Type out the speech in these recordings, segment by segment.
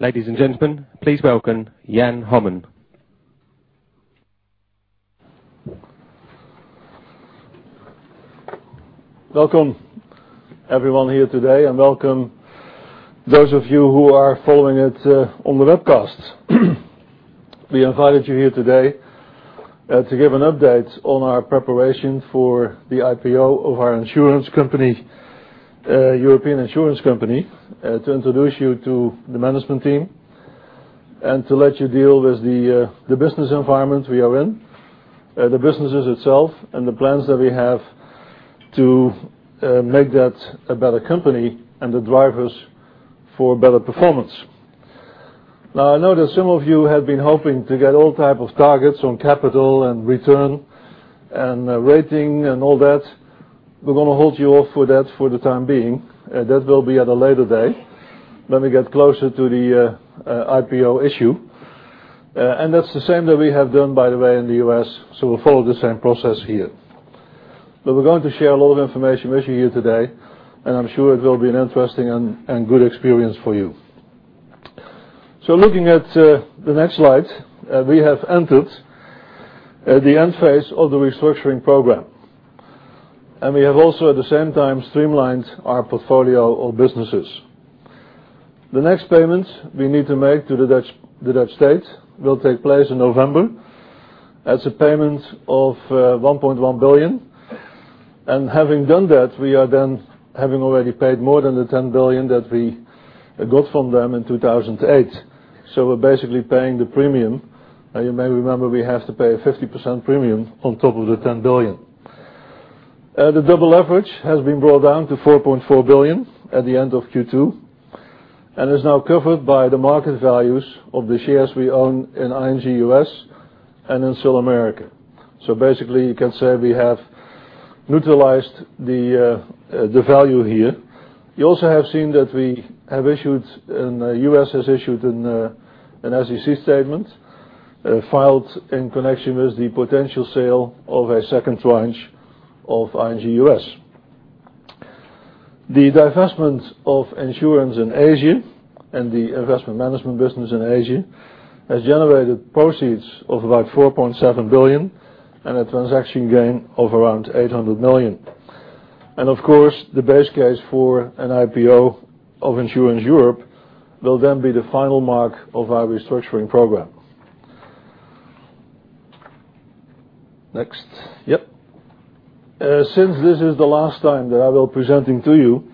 Ladies and gentlemen, please welcome Jan Hommen. Welcome everyone here today, welcome those of you who are following it on the webcast. We invited you here today to give an update on our preparation for the IPO of our European insurance company, to introduce you to the management team, to let you deal with the business environment we are in, the businesses itself, the plans that we have to make that a better company, and the drivers for better performance. I know that some of you have been hoping to get all type of targets on capital and return, rating, and all that. We're going to hold you off for that for the time being. That will be at a later date when we get closer to the IPO issue. That's the same that we have done, by the way, in the U.S., We'll follow the same process here. We're going to share a lot of information with you here today, I'm sure it will be an interesting and good experience for you. Looking at the next slide, we have entered the end phase of the restructuring program, We have also at the same time streamlined our portfolio of businesses. The next payment we need to make to the Dutch state will take place in November as a payment of 1.1 billion. Having done that, we are then having already paid more than the 10 billion that we got from them in 2008. We're basically paying the premium. You may remember we have to pay a 50% premium on top of the 10 billion. The double leverage has been brought down to 4.4 billion at the end of Q2, Is now covered by the market values of the shares we own in ING U.S. and in Sul América. Basically, you can say we have neutralized the value here. You also have seen that we have issued, U.S. has issued an SEC statement, filed in connection with the potential sale of a second tranche of ING U.S. The divestment of insurance in Asia and the investment management business in Asia has generated proceeds of about 4.7 billion and a transaction gain of around 800 million. Of course, the base case for an IPO of Insurance Europe will then be the final mark of our restructuring program. Next. Yep. Since this is the last time that I will be presenting to you,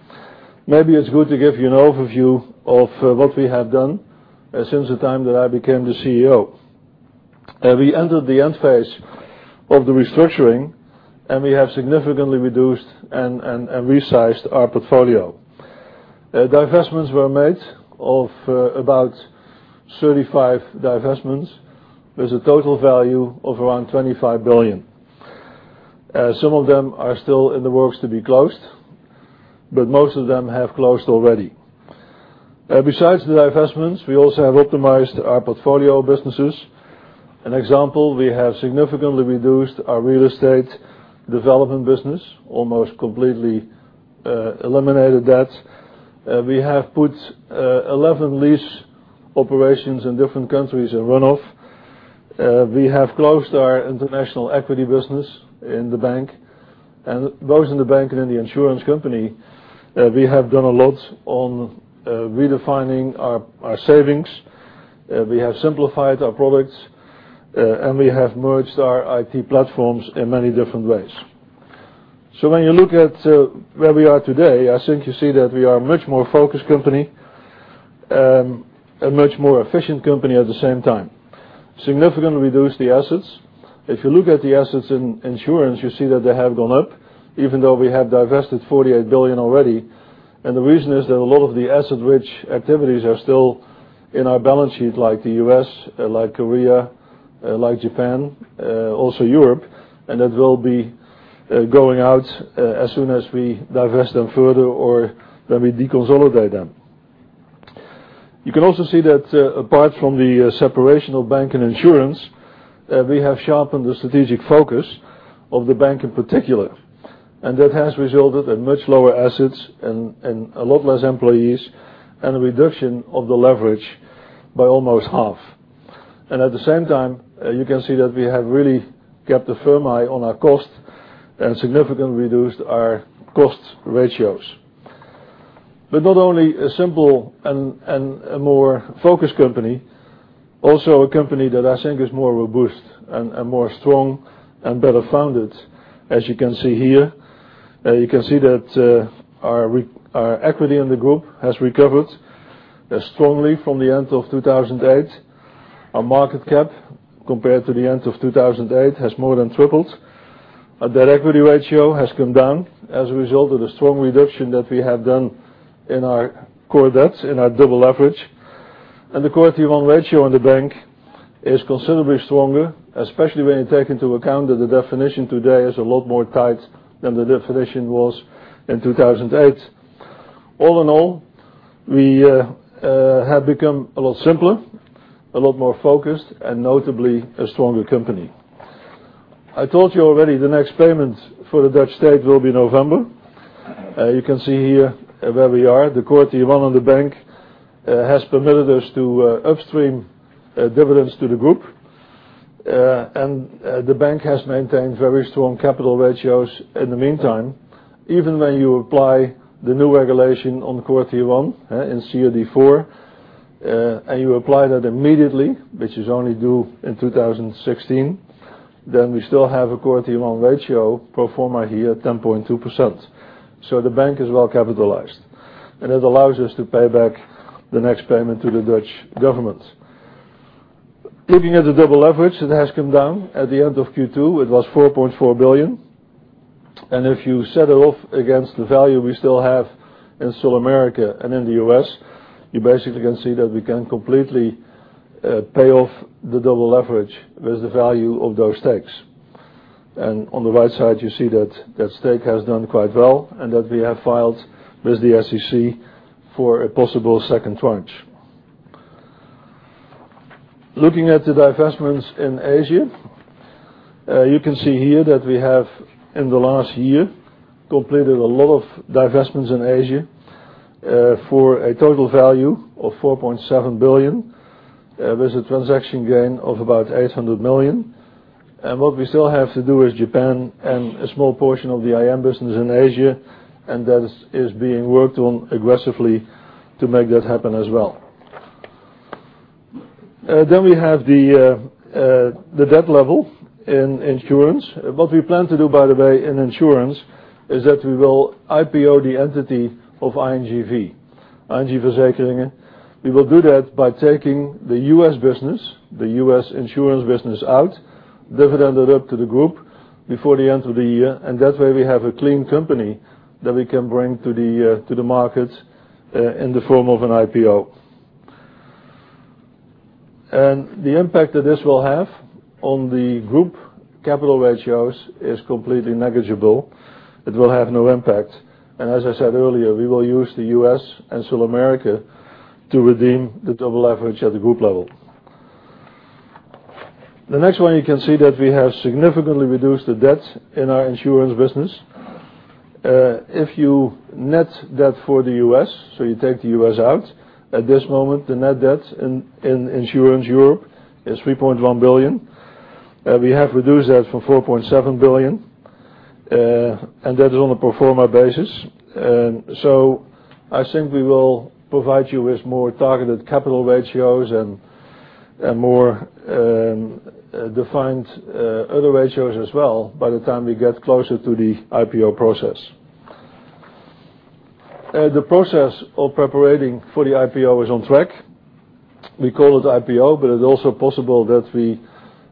maybe it is good to give you an overview of what we have done since the time that I became the CEO. We entered the end phase of the restructuring, we have significantly reduced and resized our portfolio. Divestments were made of about 35 divestments, with a total value of around 25 billion. Some of them are still in the works to be closed, but most of them have closed already. Besides the divestments, we also have optimized our portfolio businesses. An example, we have significantly reduced our real estate development business, almost completely eliminated that. We have put 11 lease operations in different countries in runoff. We have closed our international equity business in the bank. Both in the bank and in the insurance company, we have done a lot on redefining our savings. We have simplified our products, we have merged our IT platforms in many different ways. When you look at where we are today, I think you see that we are a much more focused company, a much more efficient company at the same time. Significantly reduced the assets. If you look at the assets in insurance, you see that they have gone up, even though we have divested 48 billion already, the reason is that a lot of the asset-rich activities are still in our balance sheet, like the U.S., like Korea, like Japan, also Europe, that will be going out as soon as we divest them further or when we deconsolidate them. You can also see that apart from the separation of bank and insurance, we have sharpened the strategic focus of the bank in particular, that has resulted in much lower assets a lot less employees, a reduction of the leverage by almost half. At the same time, you can see that we have really kept a firm eye on our cost and significantly reduced our cost ratios. Not only a simple and a more focused company, also a company that I think is more robust and more strong and better founded, as you can see here. You can see that our equity in the group has recovered strongly from the end of 2008. Our market cap, compared to the end of 2008, has more than tripled. Our debt equity ratio has come down as a result of the strong reduction that we have done in our core debts, in our double leverage. The Core Tier 1 ratio in the bank is considerably stronger, especially when you take into account that the definition today is a lot more tight than the definition was in 2008. All in all, we have become a lot simpler, a lot more focused, and notably a stronger company. I told you already the next payment for the Dutch state will be November. You can see here where we are. The Core Tier 1 of the bank has permitted us to upstream dividends to the group. The bank has maintained very strong capital ratios in the meantime. Even when you apply the new regulation on Core Tier 1 in CRD 4, you apply that immediately, which is only due in 2016, then we still have a Core Tier 1 ratio pro forma here at 10.2%. The bank is well capitalized. It allows us to pay back the next payment to the Dutch government. Looking at the double leverage, it has come down. At the end of Q2, it was 4.4 billion. If you set it off against the value we still have in Sul América and in the U.S., you basically can see that we can completely pay off the double leverage with the value of those stakes. On the right side, you see that that stake has done quite well and that we have filed with the SEC for a possible second tranche. Looking at the divestments in Asia. You can see here that we have, in the last year, completed a lot of divestments in Asia, for a total value of 4.7 billion, with a transaction gain of about 800 million. What we still have to do is Japan and a small portion of the IM business in Asia, and that is being worked on aggressively to make that happen as well. We have the debt level in insurance. What we plan to do, by the way, in insurance, is that we will IPO the entity of ING V, ING Verzekeringen. We will do that by taking the U.S. business, the U.S. insurance business out, dividend it up to the group before the end of the year. That way we have a clean company that we can bring to the market in the form of an IPO. The impact that this will have on the group capital ratios is completely negligible. It will have no impact. As I said earlier, we will use the U.S. and Sul América to redeem the double leverage at the group level. The next one, you can see that we have significantly reduced the debt in our insurance business. If you net that for the U.S., so you take the U.S. out, at this moment, the net debt in Insurance Europe is 3.1 billion. We have reduced that from 4.7 billion. That is on a pro forma basis. I think we will provide you with more targeted capital ratios and more defined other ratios as well by the time we get closer to the IPO process. The process of preparing for the IPO is on track. We call it IPO, but it's also possible that we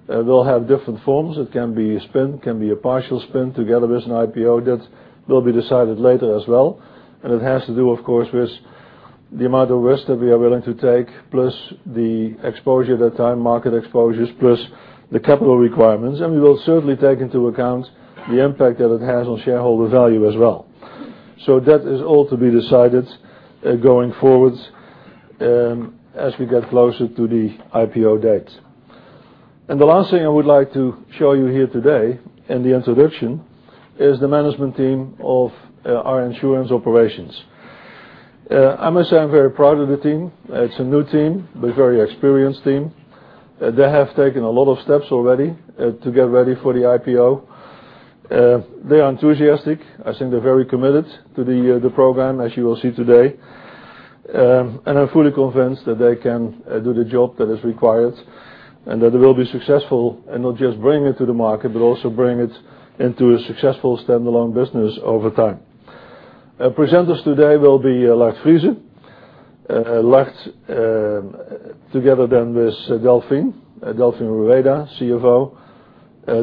will have different forms. It can be a spin, it can be a partial spin together with an IPO that will be decided later as well. It has to do, of course, with the amount of risk that we are willing to take, plus the exposure at that time, market exposures, plus the capital requirements. We will certainly take into account the impact that it has on shareholder value as well. That is all to be decided going forward as we get closer to the IPO date. The last thing I would like to show you here today in the introduction is the management team of our insurance operations. I must say I'm very proud of the team. It's a new team, but very experienced team. They have taken a lot of steps already to get ready for the IPO. They are enthusiastic. I think they're very committed to the program, as you will see today. I'm fully convinced that they can do the job that is required and that they will be successful and not just bring it to the market, but also bring it into a successful stand-alone business over time. Presenters today will be Lard Friese. Lard together then with Delfin Rueda, CFO.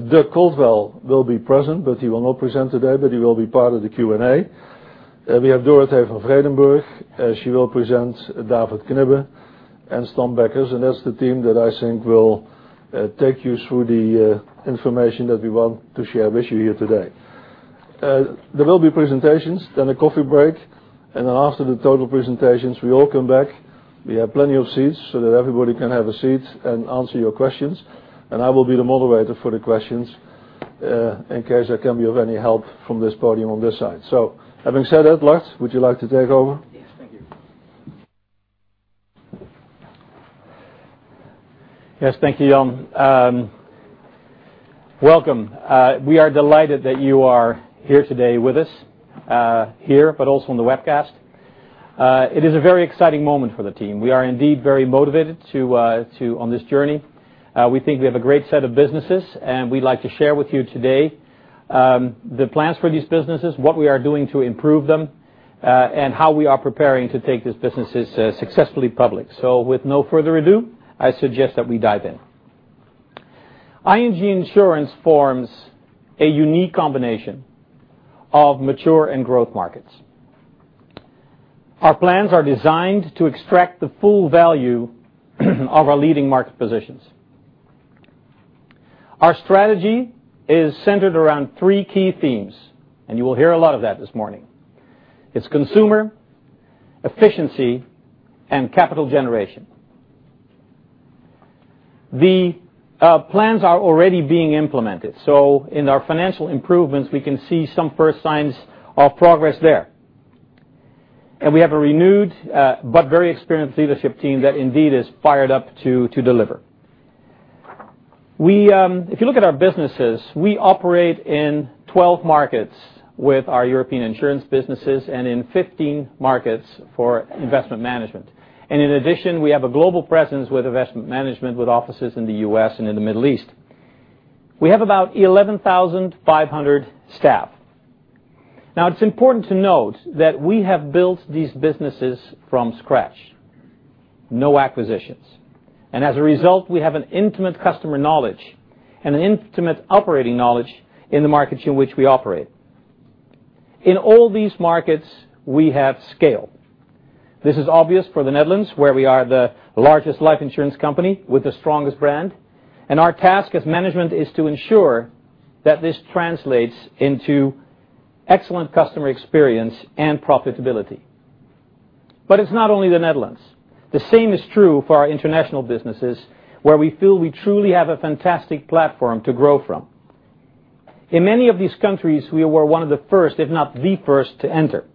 Dirk Koldewijn will be present, but he will not present today, but he will be part of the Q&A. We have Dorothee van Vredenburch. She will present David Knibbe and Stan Beckers, and that's the team that I think will take you through the information that we want to share with you here today. There will be presentations, then a coffee break, and then after the total presentations, we all come back. We have plenty of seats so that everybody can have a seat and answer your questions. I will be the moderator for the questions in case I can be of any help from this podium on this side. Having said that, Lard, would you like to take over? Yes. Thank you. Yes. Thank you, Jan. Welcome. We are delighted that you are here today with us, here, but also on the webcast. It is a very exciting moment for the team. We are indeed very motivated on this journey. We think we have a great set of businesses. We'd like to share with you today the plans for these businesses, what we are doing to improve them, and how we are preparing to take these businesses successfully public. With no further ado, I suggest that we dive in. ING Insurance forms a unique combination of mature and growth markets. Our plans are designed to extract the full value of our leading market positions. Our strategy is centered around three key themes. You will hear a lot of that this morning. It's consumer, efficiency, and capital generation. The plans are already being implemented. In our financial improvements, we can see some first signs of progress there. We have a renewed, but very experienced leadership team that indeed is fired up to deliver. If you look at our businesses, we operate in 12 markets with our European insurance businesses and in 15 markets for investment management. In addition, we have a global presence with investment management, with offices in the U.S. and in the Middle East. We have about 11,500 staff. Now, it's important to note that we have built these businesses from scratch. No acquisitions. As a result, we have an intimate customer knowledge and an intimate operating knowledge in the markets in which we operate. In all these markets, we have scale. This is obvious for the Netherlands, where we are the largest life insurance company with the strongest brand. Our task as management is to ensure that this translates into excellent customer experience and profitability. But it is not only the Netherlands. The same is true for our international businesses, where we feel we truly have a fantastic platform to grow from. In many of these countries, we were one of the first, if not the first to enter.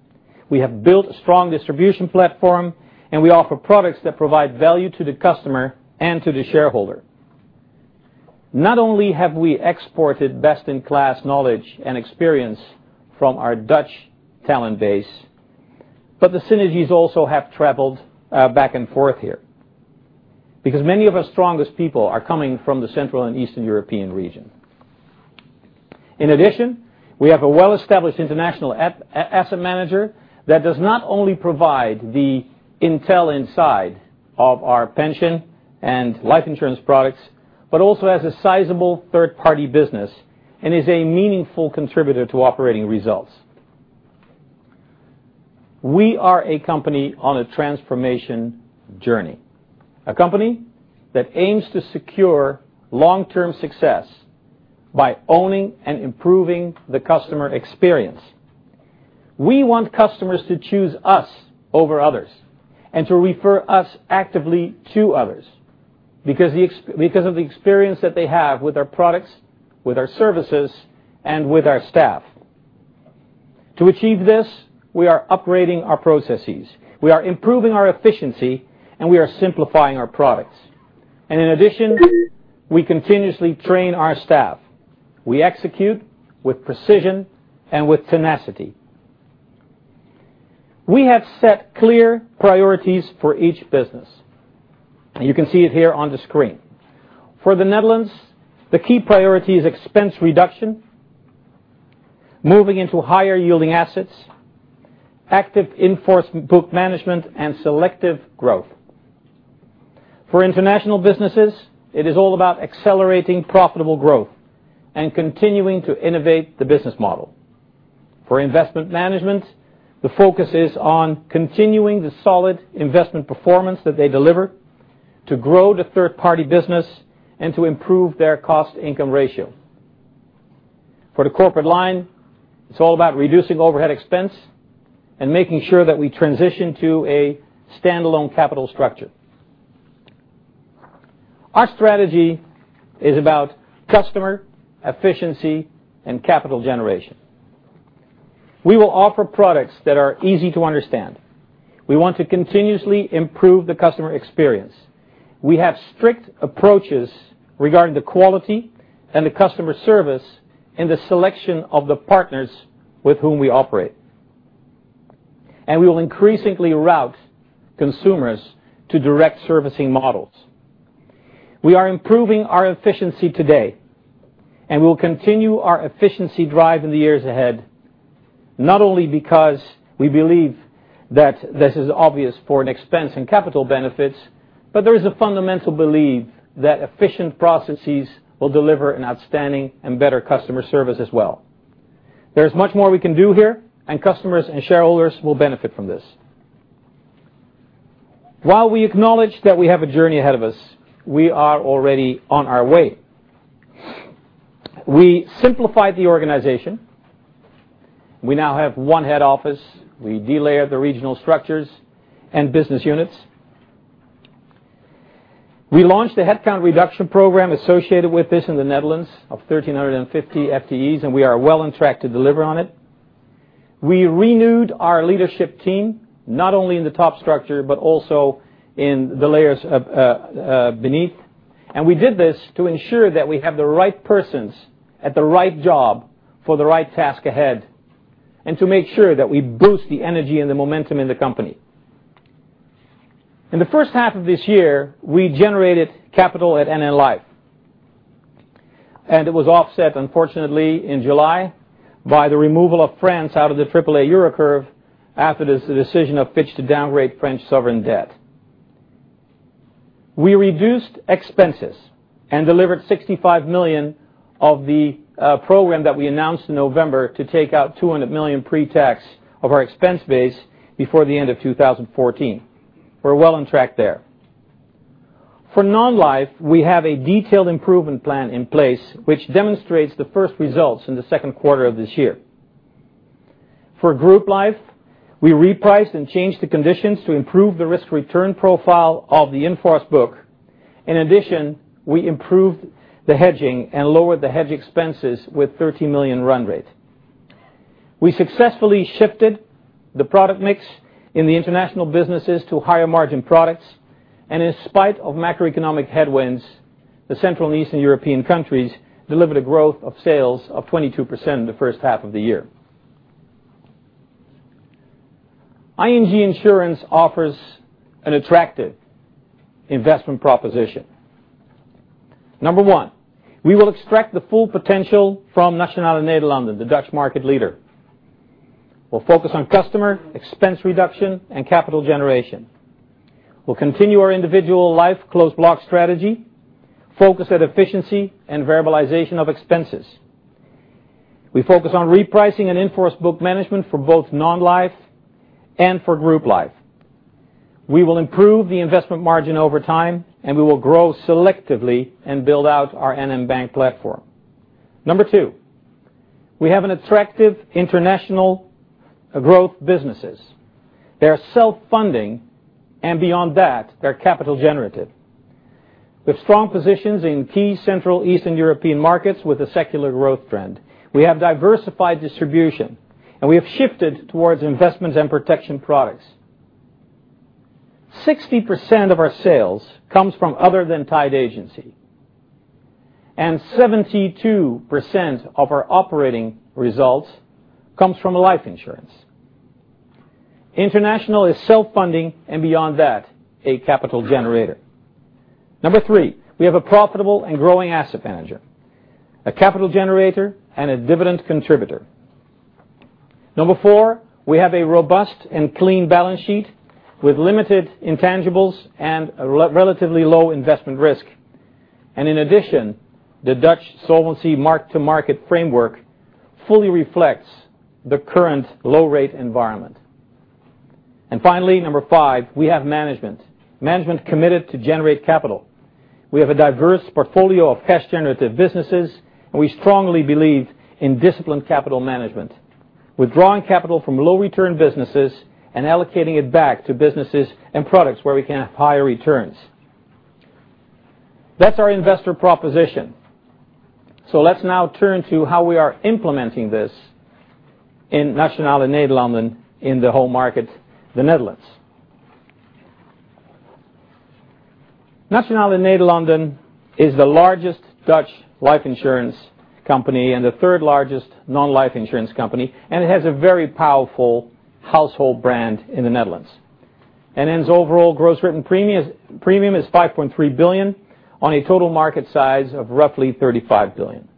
We have built a strong distribution platform, and we offer products that provide value to the customer and to the shareholder. Not only have we exported best-in-class knowledge and experience from our Dutch talent base, but the synergies also have traveled back and forth here. Because many of our strongest people are coming from the Central and Eastern European region. In addition, we have a well-established international asset manager that does not only provide the intel inside of our pension and life insurance products, but also has a sizable third-party business and is a meaningful contributor to operating results. We are a company on a transformation journey. A company that aims to secure long-term success by owning and improving the customer experience. We want customers to choose us over others and to refer us actively to others because of the experience that they have with our products, with our services, and with our staff. To achieve this, we are upgrading our processes. We are improving our efficiency, and we are simplifying our products. In addition, we continuously train our staff. We execute with precision and with tenacity. We have set clear priorities for each business. You can see it here on the screen. For the Netherlands, the key priority is expense reduction, moving into higher-yielding assets, active in-force book management, and selective growth. For international businesses, it is all about accelerating profitable growth and continuing to innovate the business model. For investment management, the focus is on continuing the solid investment performance that they deliver to grow the third-party business and to improve their cost-income ratio. For the corporate line, it is all about reducing overhead expense and making sure that we transition to a standalone capital structure. Our strategy is about customer efficiency and capital generation. We will offer products that are easy to understand. We want to continuously improve the customer experience. We have strict approaches regarding the quality and the customer service in the selection of the partners with whom we operate. We will increasingly route consumers to direct servicing models. We are improving our efficiency today, and we will continue our efficiency drive in the years ahead, not only because we believe that this is obvious for an expense and capital benefits, but there is a fundamental belief that efficient processes will deliver an outstanding and better customer service as well. There is much more we can do here, and customers and shareholders will benefit from this. While we acknowledge that we have a journey ahead of us, we are already on our way. We simplified the organization. We now have one head office. We de-layered the regional structures and business units. We launched a headcount reduction program associated with this in the Netherlands of 1,350 FTEs, and we are well on track to deliver on it. We renewed our leadership team, not only in the top structure, but also in the layers beneath. We did this to ensure that we have the right persons at the right job for the right task ahead, and to make sure that we boost the energy and the momentum in the company. In the first half of this year, we generated capital at NN Life, and it was offset, unfortunately, in July by the removal of France out of the triple A Euro curve after the decision of Fitch to downgrade French sovereign debt. We reduced expenses and delivered 65 million of the program that we announced in November to take out 200 million pre-tax of our expense base before the end of 2014. We're well on track there. For Non-life, we have a detailed improvement plan in place, which demonstrates the first results in the second quarter of this year. For Group Life, we repriced and changed the conditions to improve the risk-return profile of the in-force book. In addition, we improved the hedging and lowered the hedge expenses with 30 million run rate. We successfully shifted the product mix in the international businesses to higher margin products, and in spite of macroeconomic headwinds, the Central and Eastern European countries delivered a growth of sales of 22% in the first half of the year. ING Insurance offers an attractive investment proposition. Number one, we'll extract the full potential from Nationale-Nederlanden, the Dutch market leader. We'll focus on customer expense reduction and capital generation. We'll continue our individual life closed block strategy, focus at efficiency, and variabilization of expenses. We focus on repricing and in-force book management for both Non-life and for Group Life. We will improve the investment margin over time, we will grow selectively and build out our NN Bank platform. Number two, we have an attractive international growth businesses. They are self-funding, and beyond that, they're capital generative. With strong positions in key Central and Eastern European markets with a secular growth trend, we have diversified distribution, and we have shifted towards investment and protection products. 60% of our sales comes from other than tied agency, and 72% of our operating results comes from life insurance. International is self-funding, and beyond that, a capital generator. Number three, we have a profitable and growing asset manager, a capital generator, and a dividend contributor. Number four, we have a robust and clean balance sheet with limited intangibles and relatively low investment risk. In addition, the Dutch solvency mark-to-market framework fully reflects the current low-rate environment. Finally, Number five, we have management. Management committed to generate capital. We have a diverse portfolio of cash-generative businesses, and we strongly believe in disciplined capital management. Withdrawing capital from low-return businesses and allocating it back to businesses and products where we can have higher returns. That's our investor proposition. Let's now turn to how we are implementing this in Nationale-Nederlanden in the home market, the Netherlands. Nationale-Nederlanden is the largest Dutch life insurance company and the third-largest Non-life insurance company, and it has a very powerful household brand in the Netherlands. NN's overall gross written premium is 5.3 billion on a total market size of roughly 35 billion.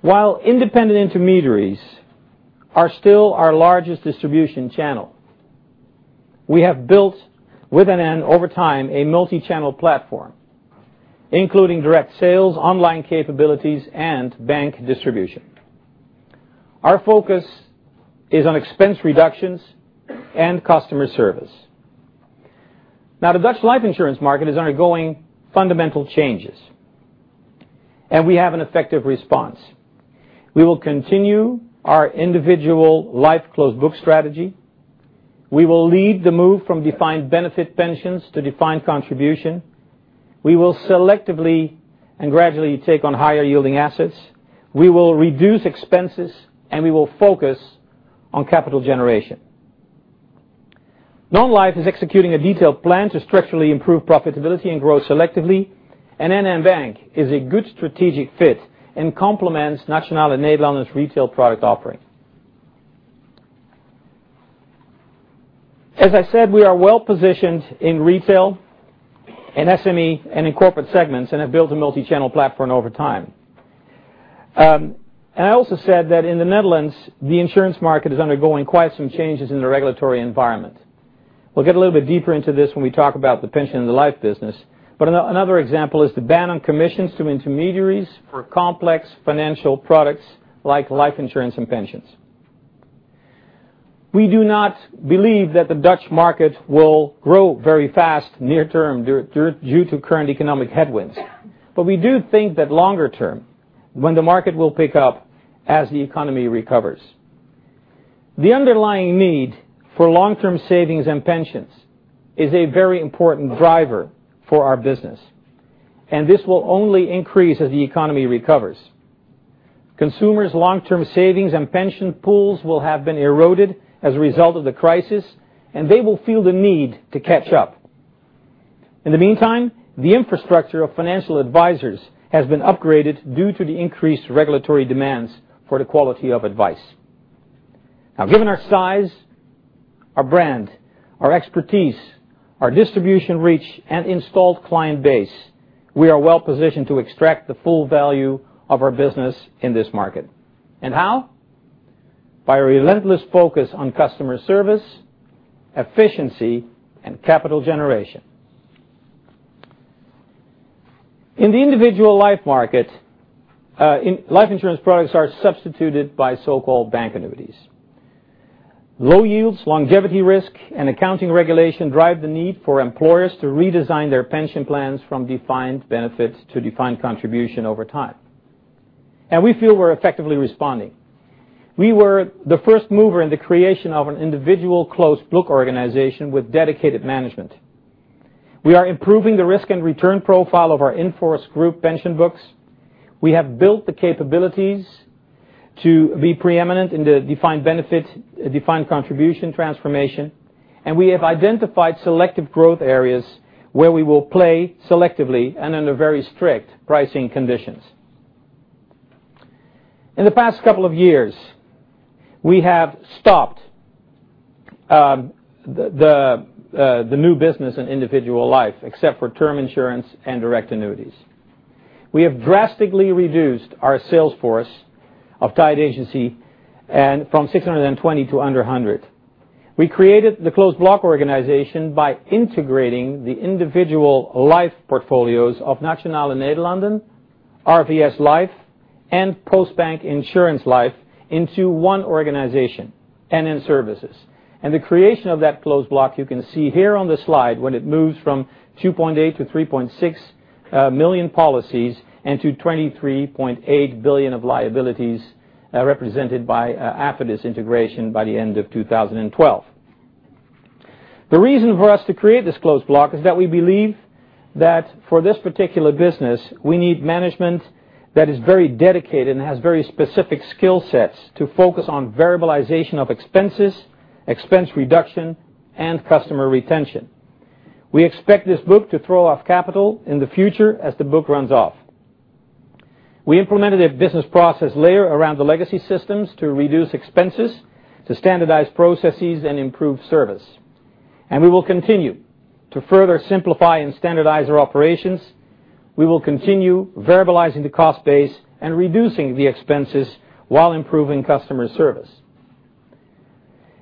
While independent intermediaries are still our largest distribution channel, we have built with NN over time, a multi-channel platform, including direct sales, online capabilities, and bank distribution. Our focus is on expense reductions and customer service. The Dutch life insurance market is undergoing fundamental changes. We have an effective response. We will continue our individual life closed book strategy. We will lead the move from defined benefit pensions to defined contribution. We will selectively and gradually take on higher yielding assets. We will reduce expenses. We will focus on capital generation. Non-life is executing a detailed plan to structurally improve profitability and grow selectively. NN Bank is a good strategic fit and complements Nationale-Nederlanden's retail product offering. As I said, we are well-positioned in retail, in SME, and in corporate segments, and have built a multi-channel platform over time. I also said that in the Netherlands, the insurance market is undergoing quite some changes in the regulatory environment. We'll get a little bit deeper into this when we talk about the pension and the life business. Another example is the ban on commissions to intermediaries for complex financial products like life insurance and pensions. We do not believe that the Dutch market will grow very fast near term due to current economic headwinds. We do think that longer term, when the market will pick up as the economy recovers, the underlying need for long-term savings and pensions is a very important driver for our business. This will only increase as the economy recovers. Consumers' long-term savings and pension pools will have been eroded as a result of the crisis. They will feel the need to catch up. In the meantime, the infrastructure of financial advisors has been upgraded due to the increased regulatory demands for the quality of advice. Given our size, our brand, our expertise, our distribution reach, and installed client base, we are well-positioned to extract the full value of our business in this market. How? By relentless focus on customer service, efficiency, and capital generation. In the individual life market, life insurance products are substituted by so-called bank annuities. Low yields, longevity risk, and accounting regulation drive the need for employers to redesign their pension plans from defined benefits to defined contribution over time. We feel we're effectively responding. We were the first mover in the creation of an individual closed block organization with dedicated management. We are improving the risk and return profile of our in-force group pension books. We have built the capabilities to be preeminent in the defined benefit, defined contribution transformation. We have identified selective growth areas where we will play selectively and under very strict pricing conditions. In the past couple of years, we have stopped the new business in individual life, except for term insurance and direct annuities. We have drastically reduced our sales force of tied agency from 620 to under 100. We created the closed block organization by integrating the individual life portfolios of Nationale-Nederlanden, RVS, and Postbank Verzekeren into one organization, NN Services. The creation of that closed block, you can see here on the slide, when it moves from 2.8 million to 3.6 million policies and to 23.8 billion of liabilities represented by [inaudible] integration by the end of 2012. The reason for us to create this closed block is that we believe that for this particular business, we need management that is very dedicated and has very specific skill sets to focus on variabilization of expenses, expense reduction, and customer retention. We expect this book to throw off capital in the future as the book runs off. We implemented a business process layer around the legacy systems to reduce expenses, to standardize processes, and improve service. We will continue to further simplify and standardize our operations. We will continue variabilizing the cost base and reducing the expenses while improving customer service.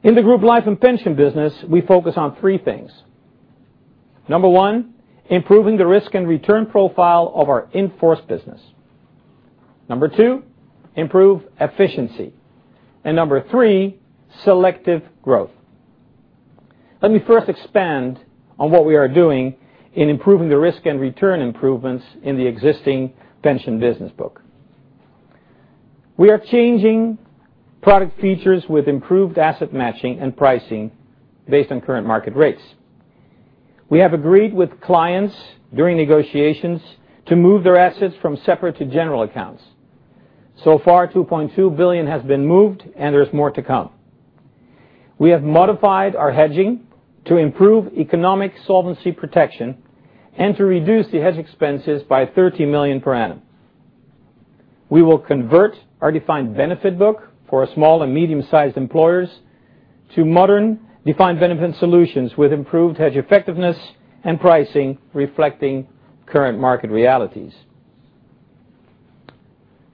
In the group life and pension business, we focus on three things. Number 1, improving the risk and return profile of our in-force business. Number 2, improve efficiency. Number 3, selective growth. Let me first expand on what we are doing in improving the risk and return improvements in the existing pension business book. We are changing product features with improved asset matching and pricing based on current market rates. We have agreed with clients during negotiations to move their assets from separate to general accounts. So far, 2.2 billion has been moved, and there's more to come. We have modified our hedging to improve economic solvency protection and to reduce the hedge expenses by 30 million per annum. We will convert our defined benefit book for small and medium-sized employers to modern defined benefit solutions with improved hedge effectiveness and pricing reflecting current market realities.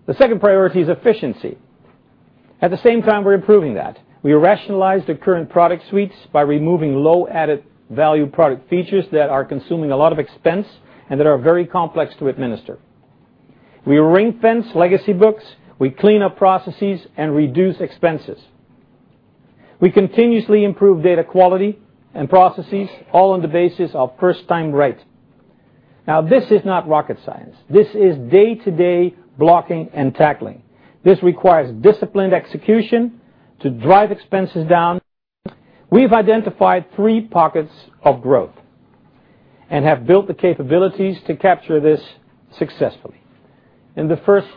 The second priority is efficiency. At the same time, we're improving that. We rationalize the current product suites by removing low added value product features that are consuming a lot of expense and that are very complex to administer. We ring-fence legacy books, we clean up processes, and reduce expenses. We continuously improve data quality and processes all on the basis of first time right. This is not rocket science. This is day-to-day blocking and tackling. This requires disciplined execution to drive expenses down. We've identified three pockets of growth and have built the capabilities to capture this successfully. In the first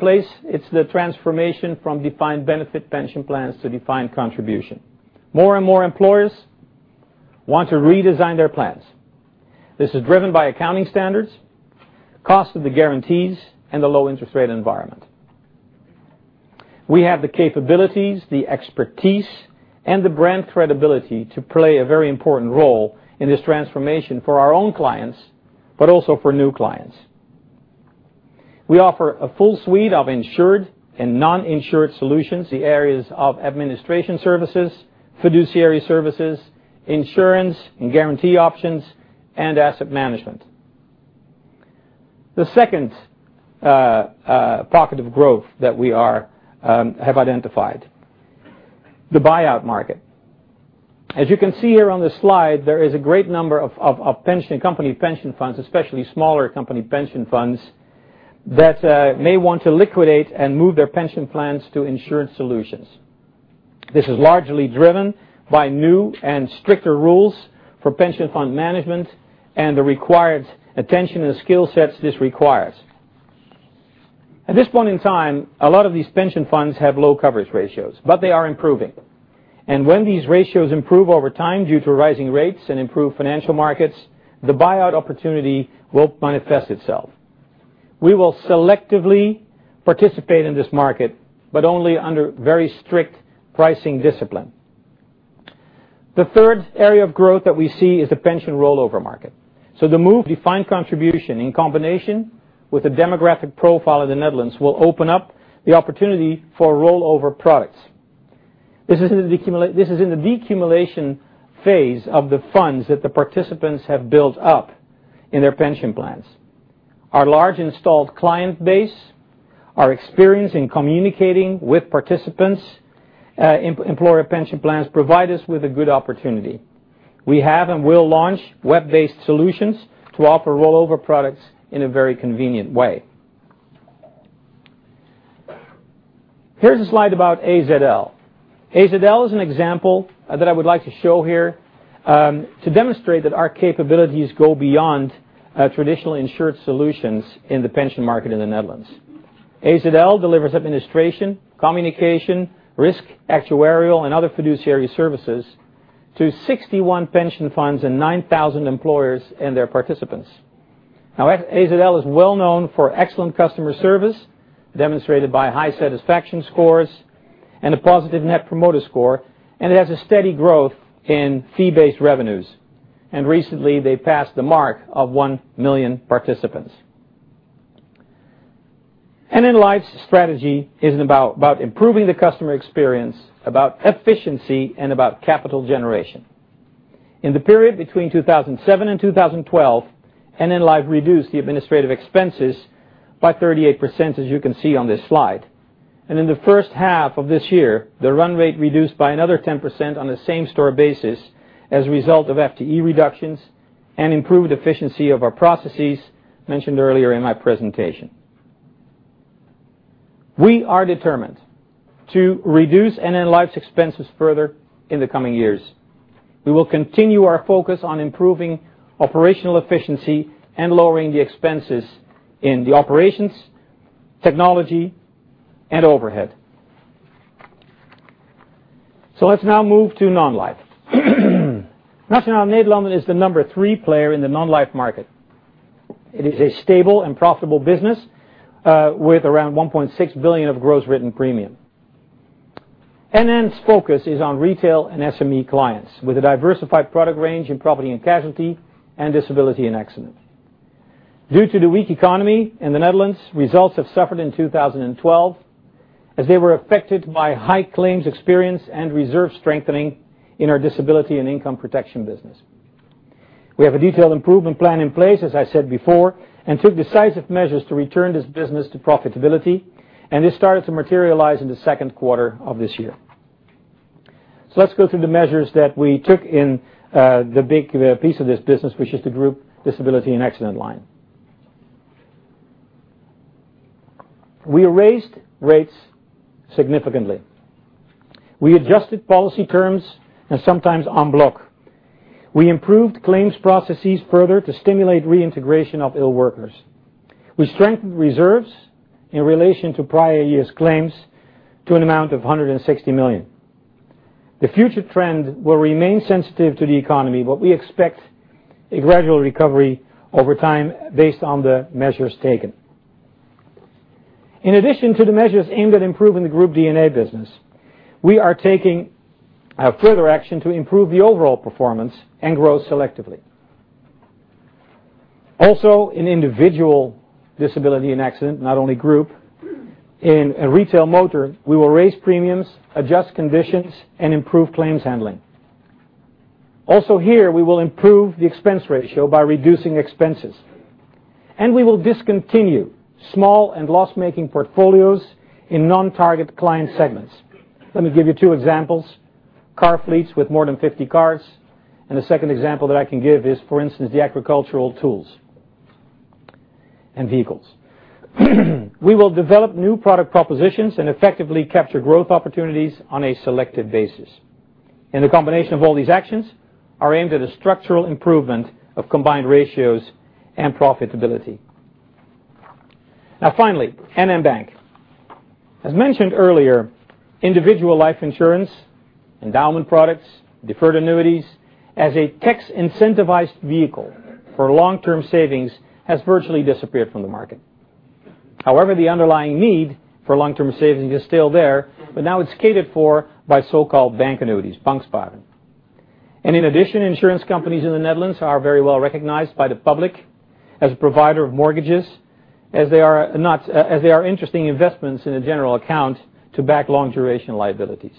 place, it's the transformation from defined benefit pension plans to defined contribution. More and more employers want to redesign their plans. This is driven by accounting standards, cost of the guarantees, and the low interest rate environment. We have the capabilities, the expertise, and the brand credibility to play a very important role in this transformation for our own clients, but also for new clients. We offer a full suite of insured and non-insured solutions, the areas of administration services, fiduciary services, insurance and guarantee options, and asset management. The second pocket of growth that we have identified, the buyout market. As you can see here on the slide, there is a great number of pension company pension funds, especially smaller company pension funds, that may want to liquidate and move their pension plans to insured solutions. This is largely driven by new and stricter rules for pension fund management and the required attention and skill sets this requires. At this point in time, a lot of these pension funds have low coverage ratios, but they are improving. When these ratios improve over time due to rising rates and improved financial markets, the buyout opportunity will manifest itself. We will selectively participate in this market, but only under very strict pricing discipline. The third area of growth that we see is the pension rollover market. The move defined contribution in combination with the demographic profile of the Netherlands will open up the opportunity for rollover products. This is in the decumulation phase of the funds that the participants have built up in their pension plans. Our large installed client base, our experience in communicating with participants, employer pension plans provide us with a good opportunity. We have and will launch web-based solutions to offer rollover products in a very convenient way. Here is a slide about AZL. AZL is an example that I would like to show here to demonstrate that our capabilities go beyond traditional insured solutions in the pension market in the Netherlands. AZL delivers administration, communication, risk, actuarial, and other fiduciary services to 61 pension funds and 9,000 employers and their participants. Now, AZL is well-known for excellent customer service, demonstrated by high satisfaction scores and a positive Net Promoter Score. Recently, they passed the mark of 1 million participants. NN Life's strategy is about improving the customer experience, about efficiency, and about capital generation. In the period between 2007 and 2012, NN Life reduced the administrative expenses by 38%, as you can see on this slide. In the first half of this year, the run rate reduced by another 10% on the same store basis as a result of FTE reductions and improved efficiency of our processes mentioned earlier in my presentation. We are determined to reduce NN Life's expenses further in the coming years. We will continue our focus on improving operational efficiency and lowering the expenses in the operations, technology, and overhead. Let's now move to non-life. Nationale-Nederlanden is the number 3 player in the non-life market. It is a stable and profitable business with around 1.6 billion of gross written premium. NN's focus is on retail and SME clients, with a diversified product range in property and casualty and disability and accident. Due to the weak economy in the Netherlands, results have suffered in 2012 as they were affected by high claims experience and reserve strengthening in our disability and income protection business. We have a detailed improvement plan in place, as I said before, and took decisive measures to return this business to profitability, and this started to materialize in the second quarter of this year. Let's go through the measures that we took in the big piece of this business, which is the group D&A line. We raised rates significantly. We adjusted policy terms and sometimes en bloc. We improved claims processes further to stimulate reintegration of ill workers. We strengthened reserves in relation to prior years' claims to an amount of 160 million. The future trend will remain sensitive to the economy, but we expect a gradual recovery over time based on the measures taken. In addition to the measures aimed at improving the group D&A business, we are taking further action to improve the overall performance and grow selectively. In individual disability and accident, not only group, in retail motor, we will raise premiums, adjust conditions, and improve claims handling. Here, we will improve the expense ratio by reducing expenses, and we will discontinue small and loss-making portfolios in non-target client segments. Let me give you two examples. Car fleets with more than 50 cars, and the second example that I can give is, for instance, the agricultural tools and vehicles. We will develop new product propositions and effectively capture growth opportunities on a selective basis. The combination of all these actions are aimed at a structural improvement of combined ratios and profitability. Now finally, NN Bank. As mentioned earlier, individual life insurance, endowment products, deferred annuities as a tax-incentivized vehicle for long-term savings has virtually disappeared from the market. However, the underlying need for long-term savings is still there, but now it's catered for by so-called bank annuities, banksparen. In addition, insurance companies in the Netherlands are very well-recognized by the public as a provider of mortgages, as they are interesting investments in a general account to back long-duration liabilities.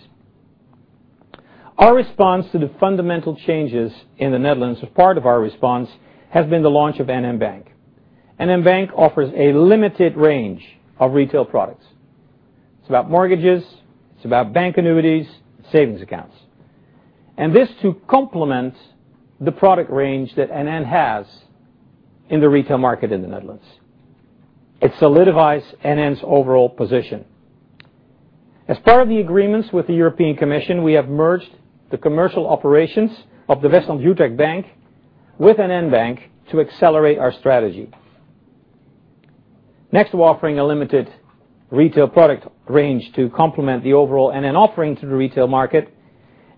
Our response to the fundamental changes in the Netherlands, as part of our response, has been the launch of NN Bank. NN Bank offers a limited range of retail products. It's about mortgages, it's about bank annuities, savings accounts. This to complement the product range that NN has in the retail market in the Netherlands. It solidifies NN's overall position. As part of the agreements with the European Commission, we have merged the commercial operations of the WestlandUtrecht Bank with NN Bank to accelerate our strategy. Next to offering a limited retail product range to complement the overall NN offering to the retail market,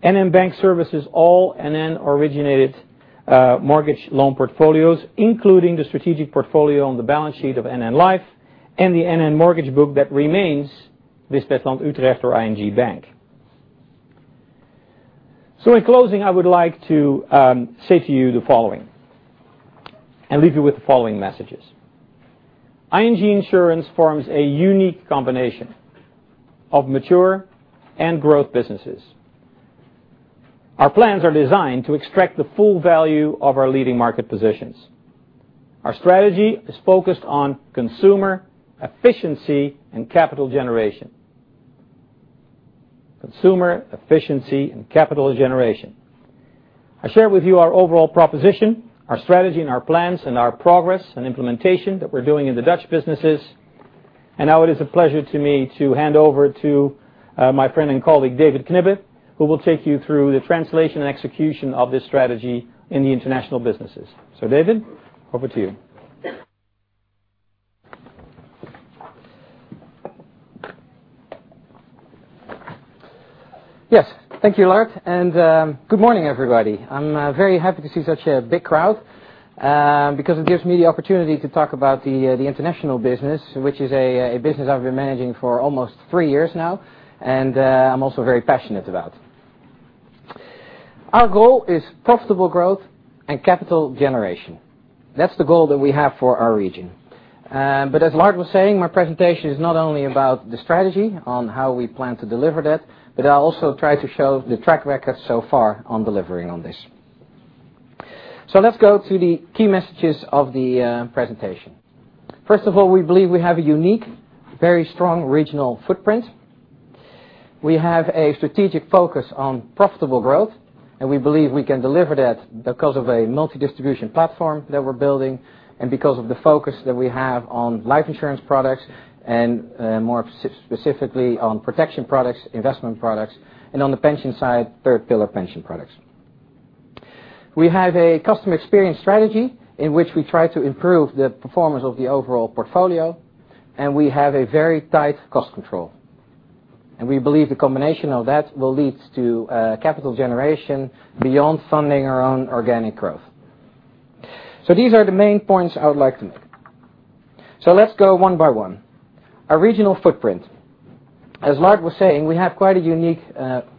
NN Bank services all NN-originated mortgage loan portfolios, including the strategic portfolio on the balance sheet of NN Life and the NN mortgage book that remains with WestlandUtrecht or ING Bank. In closing, I would like to say to you the following and leave you with the following messages. ING Insurance forms a unique combination of mature and growth businesses. Our plans are designed to extract the full value of our leading market positions. Our strategy is focused on consumer, efficiency, and capital generation. I share with you our overall proposition, our strategy and our plans, and our progress and implementation that we're doing in the Dutch businesses. Now it is a pleasure to me to hand over to my friend and colleague, David Knibbe, who will take you through the translation and execution of this strategy in the international businesses. David, over to you. Yes. Thank you, Lard, and good morning, everybody. I'm very happy to see such a big crowd, because it gives me the opportunity to talk about the international business, which is a business I've been managing for almost three years now, and I'm also very passionate about. Our goal is profitable growth and capital generation. That's the goal that we have for our region. As Lard was saying, my presentation is not only about the strategy on how we plan to deliver that, but I also try to show the track record so far on delivering on this. Let's go to the key messages of the presentation. First of all, we believe we have a unique, very strong regional footprint. We have a strategic focus on profitable growth. We believe we can deliver that because of a multi-distribution platform that we're building, because of the focus that we have on life insurance products, more specifically, on protection products, investment products, and on the pension side, third pillar pension products. We have a customer experience strategy in which we try to improve the performance of the overall portfolio. We have a very tight cost control. We believe the combination of that will lead to capital generation beyond funding our own organic growth. These are the main points I would like to make. Let's go one by one. Our regional footprint. As Lard was saying, we have quite a unique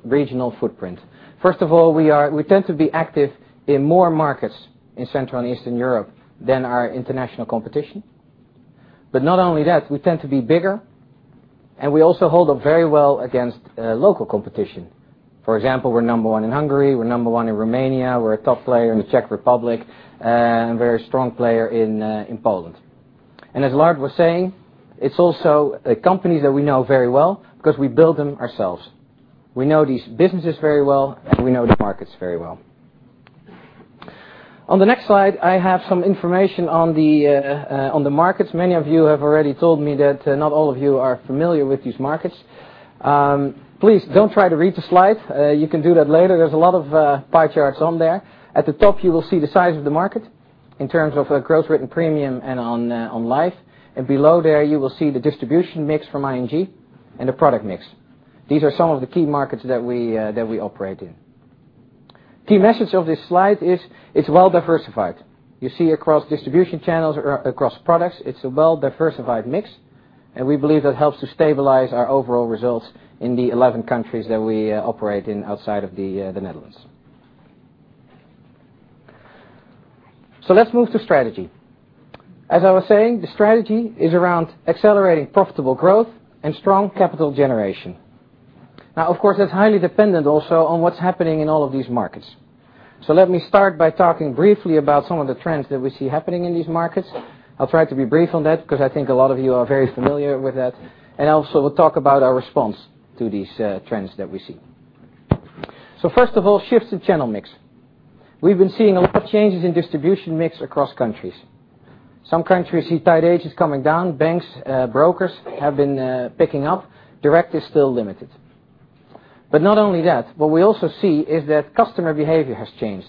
regional footprint. First of all, we tend to be active in more markets in Central and Eastern Europe than our international competition. Not only that, we tend to be bigger. We also hold up very well against local competition. For example, we're number 1 in Hungary, we're number 1 in Romania, we're a top player in the Czech Republic, very strong player in Poland. As Lard was saying, it's also companies that we know very well because we build them ourselves. We know these businesses very well. We know the markets very well. On the next slide, I have some information on the markets. Many of you have already told me that not all of you are familiar with these markets. Please don't try to read the slide. You can do that later. There's a lot of pie charts on there. At the top, you will see the size of the market in terms of growth written premium and on Life. Below there, you will see the distribution mix from ING and the product mix. These are some of the key markets that we operate in. Key message of this slide is it's well diversified. You see across distribution channels, across products, it's a well-diversified mix. We believe that helps to stabilize our overall results in the 11 countries that we operate in outside of the Netherlands. Let's move to strategy. As I was saying, the strategy is around accelerating profitable growth and strong capital generation. Of course, that's highly dependent also on what's happening in all of these markets. Let me start by talking briefly about some of the trends that we see happening in these markets. I'll try to be brief on that because I think a lot of you are very familiar with that. Also we'll talk about our response to these trends that we see. First of all, shifts in channel mix. We've been seeing a lot of changes in distribution mix across countries. Some countries see tied agents coming down. Banks, brokers have been picking up. Direct is still limited. Not only that, what we also see is that customer behavior has changed.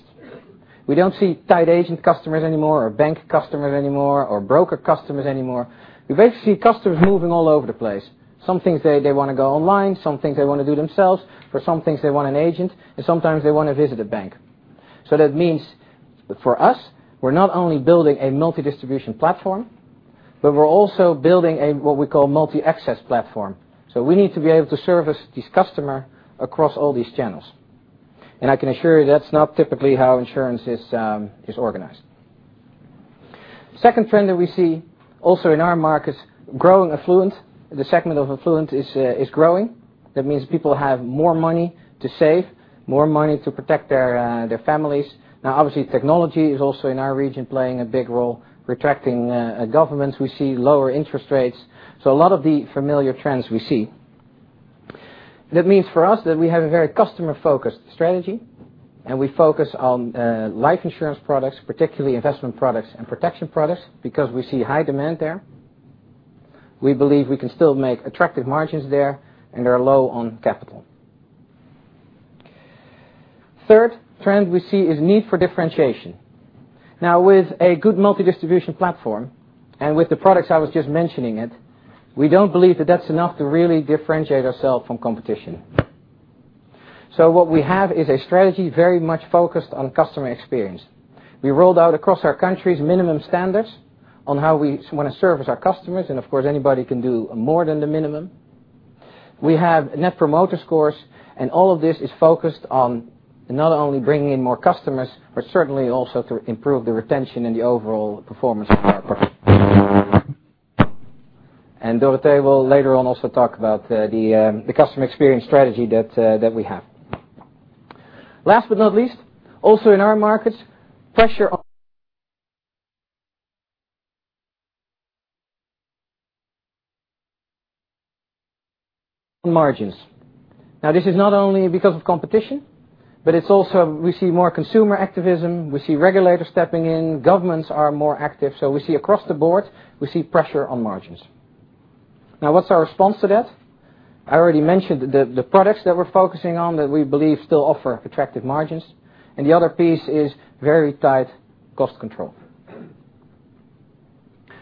We don't see tied agent customers anymore or bank customers anymore or broker customers anymore. We basically see customers moving all over the place. Some things they want to go online, some things they want to do themselves, for some things they want an agent. Sometimes they want to visit a bank. That means, for us, we're not only building a multi-distribution platform, but we're also building a what we call multi-access platform. We need to be able to service this customer across all these channels. I can assure you that's not typically how insurance is organized. Second trend that we see also in our markets, growing affluent. The segment of affluent is growing. That means people have more money to save, more money to protect their families. Obviously, technology is also in our region playing a big role, retracting governments. We see lower interest rates. A lot of the familiar trends we see. That means for us that we have a very customer-focused strategy, and we focus on life insurance products, particularly investment products and protection products, because we see high demand there. We believe we can still make attractive margins there, and they're low on capital. Third trend we see is need for differentiation. With a good multi-distribution platform and with the products I was just mentioning it, we don't believe that that's enough to really differentiate ourselves from competition. What we have is a strategy very much focused on customer experience. We rolled out across our countries minimum standards on how we want to service our customers, and of course, anybody can do more than the minimum. We have Net Promoter Scores, and all of this is focused on not only bringing in more customers, but certainly also to improve the retention and the overall performance of our products. Dorothee will later on also talk about the customer experience strategy that we have. Last but not least, also in our markets, pressure on margins. This is not only because of competition, but it's also we see more consumer activism, we see regulators stepping in. Governments are more active. We see across the board, we see pressure on margins. What's our response to that? I already mentioned the products that we're focusing on that we believe still offer attractive margins. The other piece is very tight cost control.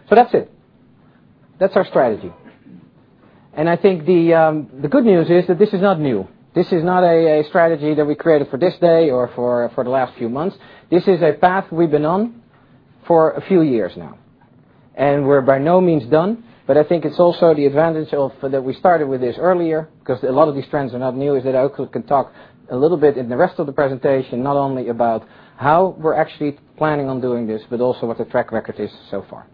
That's it. That's our strategy. I think the good news is that this is not new. This is not a strategy that we created for this day or for the last few months. This is a path we've been on for a few years now, and we're by no means done, but I think it's also the advantage of that we started with this earlier, because a lot of these trends are not new, is that I also can talk a little bit in the rest of the presentation, not only about how we're actually planning on doing this, but also what the track record is so far.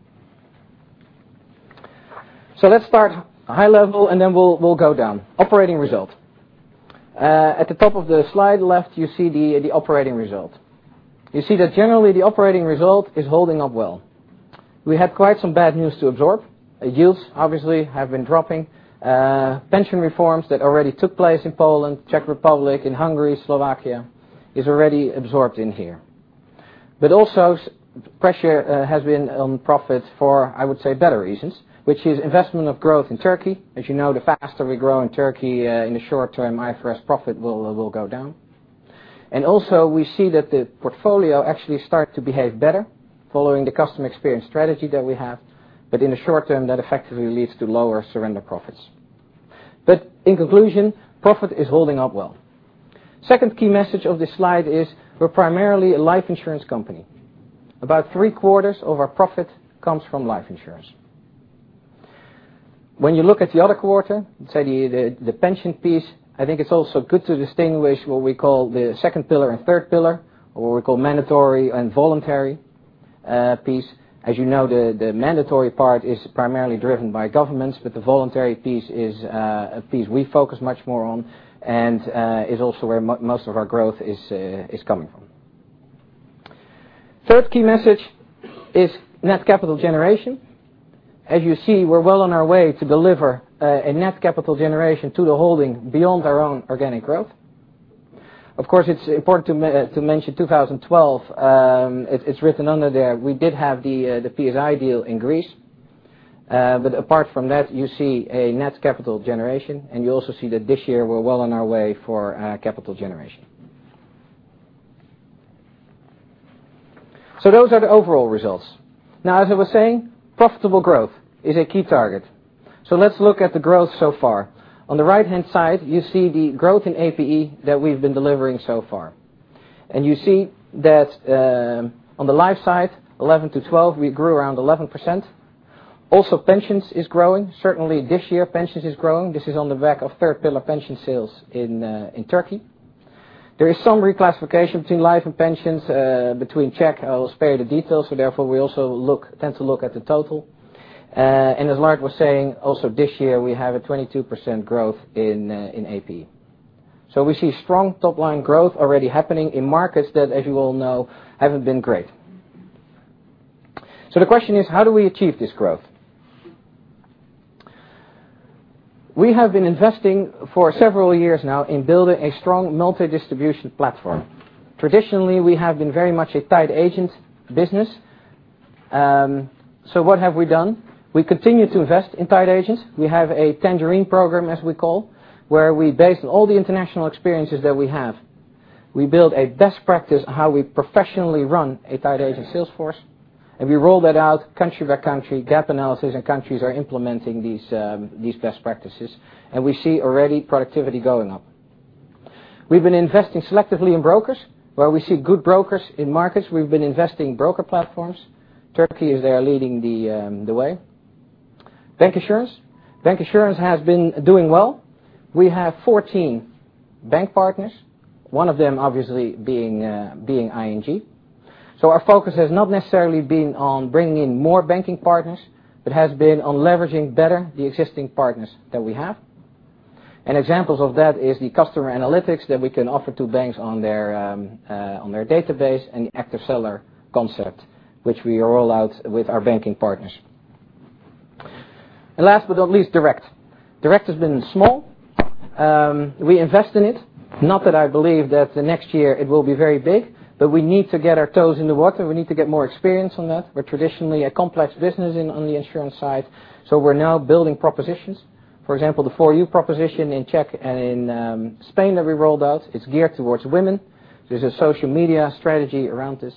Let's start high level, and then we'll go down. Operating result. At the top of the slide left, you see the operating result. You see that generally the operating result is holding up well. We had quite some bad news to absorb. Yields obviously have been dropping. Pension reforms that already took place in Poland, Czech Republic, in Hungary, Slovakia, is already absorbed in here. Pressure has been on profits for, I would say, better reasons, which is investment of growth in Turkey. As you know, the faster we grow in Turkey, in the short term, IFRS profit will go down. We see that the portfolio actually start to behave better following the customer experience strategy that we have. In the short term, that effectively leads to lower surrender profits. In conclusion, profit is holding up well. Second key message of this slide is we're primarily a life insurance company. About three-quarters of our profit comes from life insurance. When you look at the other quarter, say, the pension piece, I think it's also good to distinguish what we call the second pillar and third pillar, or what we call mandatory and voluntary piece. As you know, the mandatory part is primarily driven by governments. The voluntary piece is a piece we focus much more on and is also where most of our growth is coming from. Third key message is net capital generation. As you see, we're well on our way to deliver a net capital generation to the holding beyond our own organic growth. Of course, it's important to mention 2012, it's written under there. We did have the PSI deal in Greece. Apart from that, you see a net capital generation, and you also see that this year we're well on our way for capital generation. Those are the overall results. Now, as I was saying, profitable growth is a key target. Let's look at the growth so far. On the right-hand side, you see the growth in APE that we've been delivering so far. You see that on the life side, 2011 to 2012, we grew around 11%. Also pensions is growing. Certainly this year, pensions is growing. This is on the back of third pillar pension sales in Turkey. There is some reclassification between life and pensions between Czech. I will spare you the details. Therefore, we also tend to look at the total. As Lard was saying, also this year, we have a 22% growth in APE. We see strong top-line growth already happening in markets that, as you all know, haven't been great. The question is: how do we achieve this growth? We have been investing for several years now in building a strong multi-distribution platform. Traditionally, we have been very much a tied agent business. What have we done? We continue to invest in tied agents. We have a Tangerine program, as we call, where we base on all the international experiences that we have. We build a best practice on how we professionally run a tied agent sales force, we roll that out country by country, gap analysis, and countries are implementing these best practices. We see already productivity going up. We've been investing selectively in brokers. Where we see good brokers in markets, we've been investing broker platforms. Turkey is there leading the way. Bank insurance. Bank insurance has been doing well. We have 14 bank partners, one of them obviously being ING. Our focus has not necessarily been on bringing in more banking partners, but has been on leveraging better the existing partners that we have. An example of that is the customer analytics that we can offer to banks on their database and the active seller concept, which we roll out with our banking partners. Last but not least, direct. Direct has been small. We invest in it, not that I believe that the next year it will be very big, but we need to get our toes in the water. We need to get more experience on that. We're traditionally a complex business on the insurance side. We're now building propositions. For example, the For You proposition in Czech and in Spain that we rolled out is geared towards women. There's a social media strategy around this.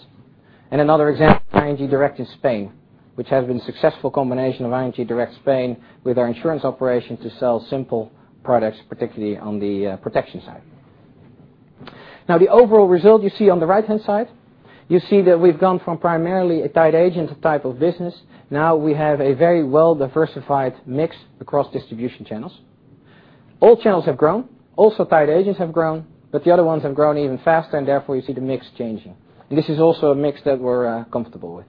Another example, ING Direct in Spain, which has been successful combination of ING Direct Spain with our insurance operation to sell simple products, particularly on the protection side. The overall result you see on the right-hand side, you see that we've gone from primarily a tied agent type of business. We have a very well-diversified mix across distribution channels. All channels have grown. Also tied agents have grown. The other ones have grown even faster. Therefore, you see the mix changing. This is also a mix that we're comfortable with.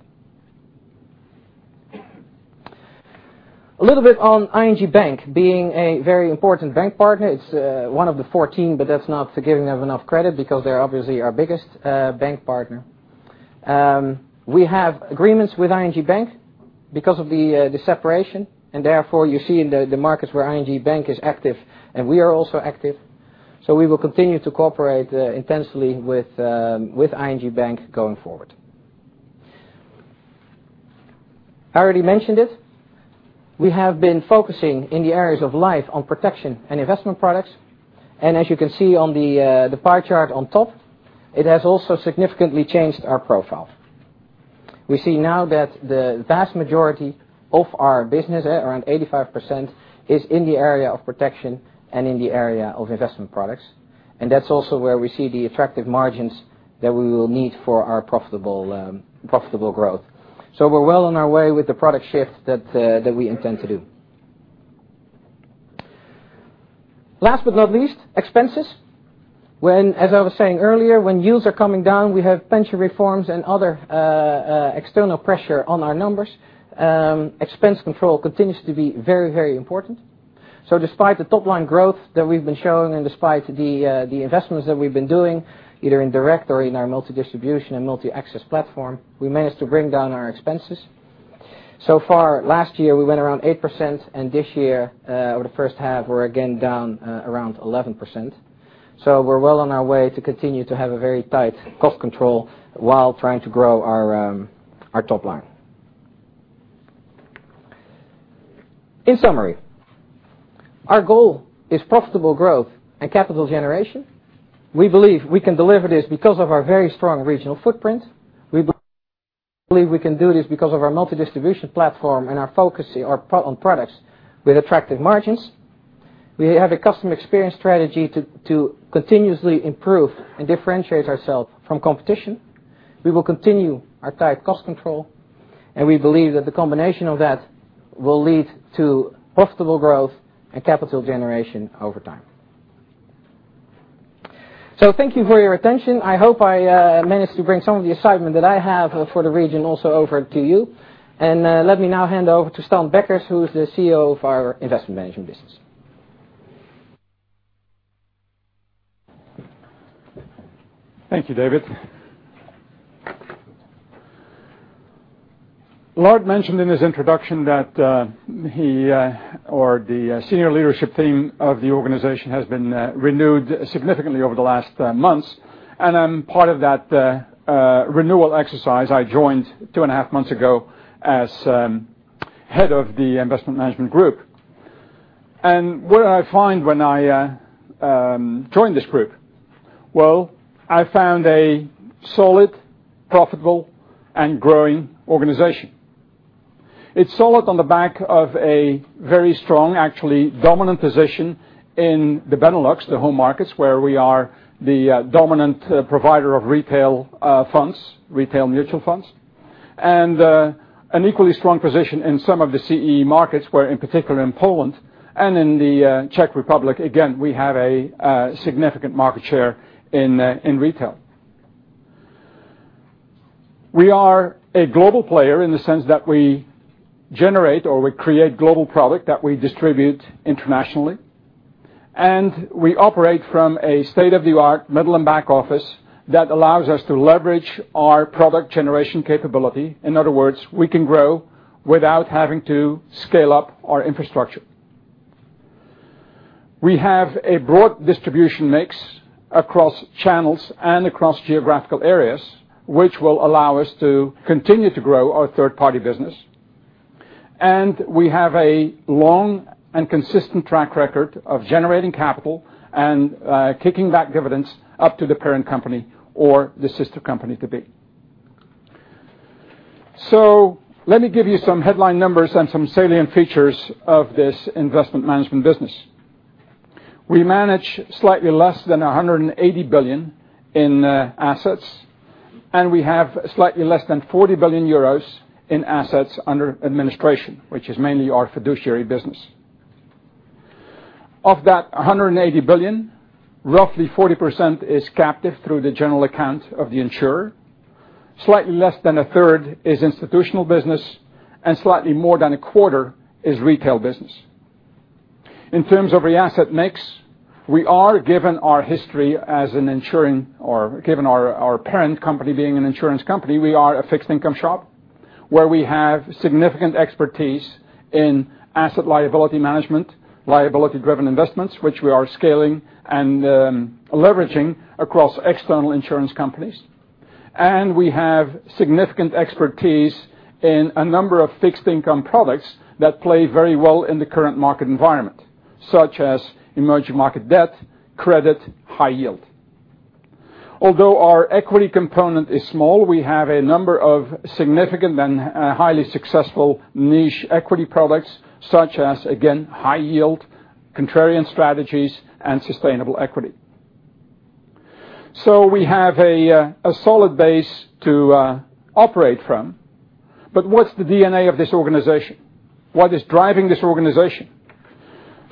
A little bit on ING Bank being a very important bank partner. It's one of the 14, but that's not giving them enough credit because they're obviously our biggest bank partner. We have agreements with ING Bank because of the separation. You see in the markets where ING Bank is active and we are also active. We will continue to cooperate intensely with ING Bank going forward. I already mentioned it. We have been focusing in the areas of life on protection and investment products. As you can see on the pie chart on top, it has also significantly changed our profile. We see now that the vast majority of our business, around 85%, is in the area of protection and in the area of investment products. That's also where we see the attractive margins that we will need for our profitable growth. We're well on our way with the product shift that we intend to do. Last but not least, expenses. As I was saying earlier, when yields are coming down, we have pension reforms and other external pressure on our numbers. Expense control continues to be very important. Despite the top-line growth that we've been showing, despite the investments that we've been doing, either in direct or in our multi-distribution and multi-access platform, we managed to bring down our expenses. Last year, we went around 8%. This year, over the first half, we're again down around 11%. We're well on our way to continue to have a very tight cost control while trying to grow our top line. In summary, our goal is profitable growth and capital generation. We believe we can deliver this because of our very strong regional footprint. We believe we can do this because of our multi-distribution platform and our focusing on products with attractive margins. We have a custom experience strategy to continuously improve and differentiate ourselves from competition. We will continue our tight cost control. We believe that the combination of that will lead to profitable growth and capital generation over time. Thank you for your attention. I hope I managed to bring some of the excitement that I have for the region also over to you. Let me now hand over to Stan Beckers, who is the CEO of our investment management business. Thank you, David. Lard mentioned in his introduction that he, or the senior leadership team of the organization has been renewed significantly over the last months, and I'm part of that renewal exercise. I joined two and a half months ago as head of the investment management group. What did I find when I joined this group? I found a solid, profitable, and growing organization. It's solid on the back of a very strong, actually dominant position in the Benelux, the home markets, where we are the dominant provider of retail mutual funds, and an equally strong position in some of the CEE markets, where, in particular in Poland and in the Czech Republic, again, we have a significant market share in retail. We are a global player in the sense that we generate or we create global product that we distribute internationally. We operate from a state-of-the-art middle and back office that allows us to leverage our product generation capability. In other words, we can grow without having to scale up our infrastructure. We have a broad distribution mix across channels and across geographical areas, which will allow us to continue to grow our third-party business. We have a long and consistent track record of generating capital and kicking back dividends up to the parent company or the sister company to be. Let me give you some headline numbers and some salient features of this investment management business. We manage slightly less than 180 billion in assets, and we have slightly less than 40 billion euros in assets under administration, which is mainly our fiduciary business. Of that 180 billion, roughly 40% is captive through the general account of the insurer. Slightly less than a third is institutional business, and slightly more than a quarter is retail business. In terms of the asset mix, given our parent company being an insurance company, we are a fixed income shop where we have significant expertise in asset liability management, liability-driven investments, which we are scaling and leveraging across external insurance companies. We have significant expertise in a number of fixed income products that play very well in the current market environment, such as emerging market debt, credit, high yield. Although our equity component is small, we have a number of significant and highly successful niche equity products such as, again, high yield, contrarian strategies, and sustainable equity. We have a solid base to operate from. What's the DNA of this organization? What is driving this organization?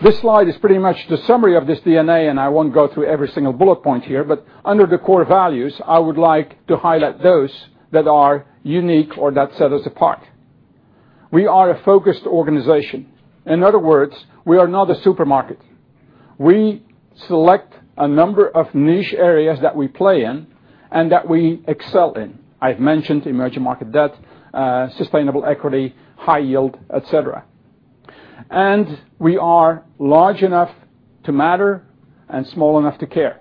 This slide is pretty much the summary of this DNA. I won't go through every single bullet point here, but under the core values, I would like to highlight those that are unique or that set us apart. We are a focused organization. In other words, we are not a supermarket. We select a number of niche areas that we play in and that we excel in. I've mentioned emerging market debt, sustainable equity, high yield, et cetera. We are large enough to matter and small enough to care.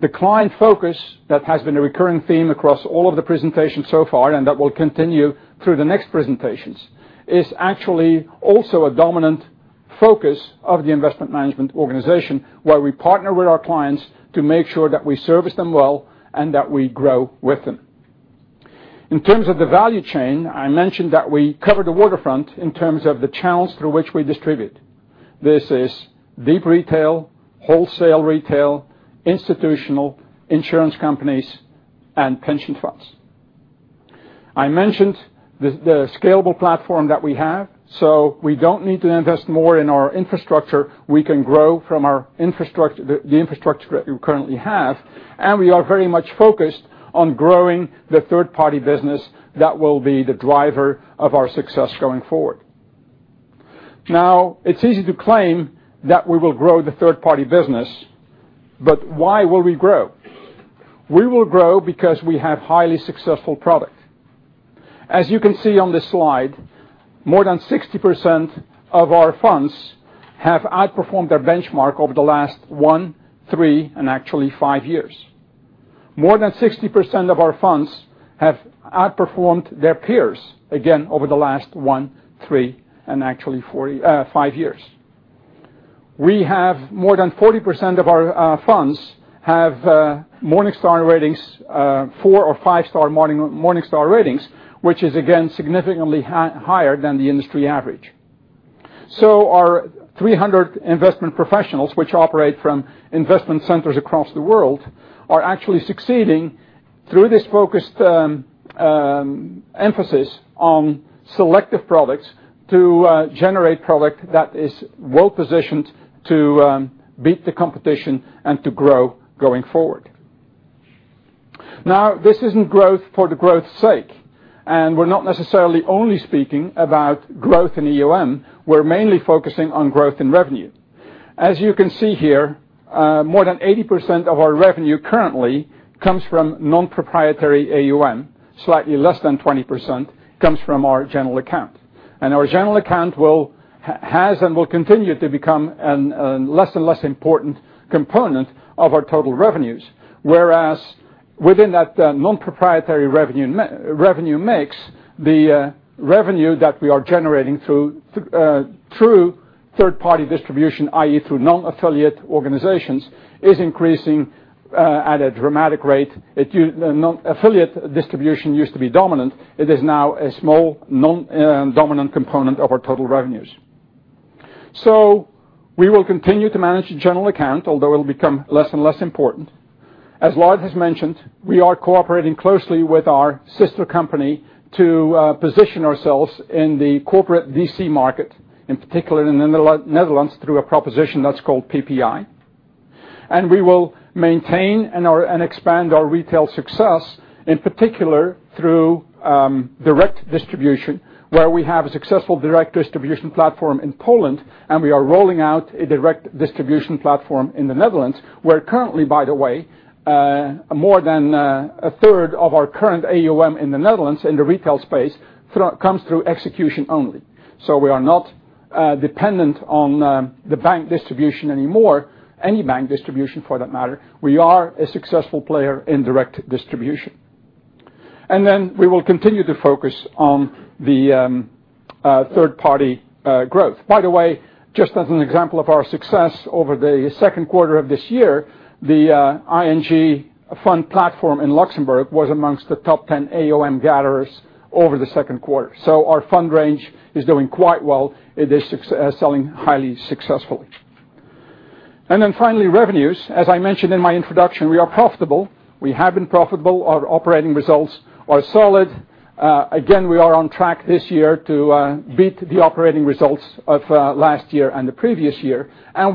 The client focus that has been a recurring theme across all of the presentations so far, that will continue through the next presentations, is actually also a dominant focus of the investment management organization, where we partner with our clients to make sure that we service them well and that we grow with them. In terms of the value chain, I mentioned that we cover the waterfront in terms of the channels through which we distribute. This is deep retail, wholesale retail, institutional, insurance companies, and pension funds. I mentioned the scalable platform that we have. We don't need to invest more in our infrastructure. We can grow from the infrastructure that we currently have, we are very much focused on growing the third-party business that will be the driver of our success going forward. It's easy to claim that we will grow the third-party business. Why will we grow? We will grow because we have highly successful product. As you can see on this slide, more than 60% of our funds have outperformed their benchmark over the last one, three, and actually five years. More than 60% of our funds have outperformed their peers, again, over the last one, three, and actually five years. More than 40% of our funds have Morningstar ratings, four or five-star Morningstar ratings, which is again, significantly higher than the industry average. Our 300 investment professionals, which operate from investment centers across the world, are actually succeeding through this focused emphasis on selective products to generate product that is well-positioned to beat the competition and to grow going forward. This isn't growth for the growth's sake, we're not necessarily only speaking about growth in AUM. We're mainly focusing on growth in revenue. As you can see here, more than 80% of our revenue currently comes from non-proprietary AUM. Slightly less than 20% comes from our general account. Our general account has and will continue to become a less and less important component of our total revenues. Whereas within that non-proprietary revenue mix, the revenue that we are generating through true third-party distribution, i.e., through non-affiliate organizations, is increasing at a dramatic rate. Affiliate distribution used to be dominant. It is now a small non-dominant component of our total revenues. We will continue to manage the general account, although it'll become less and less important. As Lard has mentioned, we are cooperating closely with our sister company to position ourselves in the corporate VC market, in particular in the Netherlands, through a proposition that's called Premiepensioeninstelling. We will maintain and expand our retail success, in particular through direct distribution, where we have a successful direct distribution platform in Poland, and we are rolling out a direct distribution platform in the Netherlands, where currently, by the way, more than a third of our current AUM in the Netherlands in the retail space comes through execution only. We are not dependent on the bank distribution anymore, any bank distribution for that matter. We are a successful player in direct distribution. We will continue to focus on the third-party growth. By the way, just as an example of our success over the second quarter of this year, the ING fund platform in Luxembourg was amongst the top 10 AUM gatherers over the second quarter. Our fund range is doing quite well. It is selling highly successfully. Finally, revenues. As I mentioned in my introduction, we are profitable. We have been profitable. Our operating results are solid. Again, we are on track this year to beat the operating results of last year and the previous year, and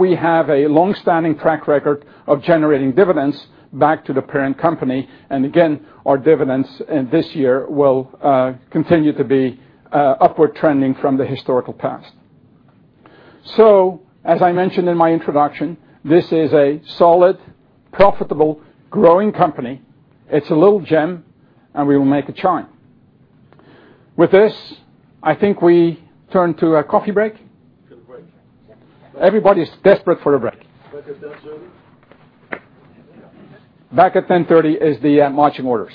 again, our dividends in this year will continue to be upward trending from the historical past. As I mentioned in my introduction, this is a solid, profitable, growing company. It's a little gem, and we will make a shine. With this, I think we turn to a coffee break. Take a break. Everybody's desperate for a break. Back at 10:30 A.M. Back at 10:30 A.M. is the marching orders.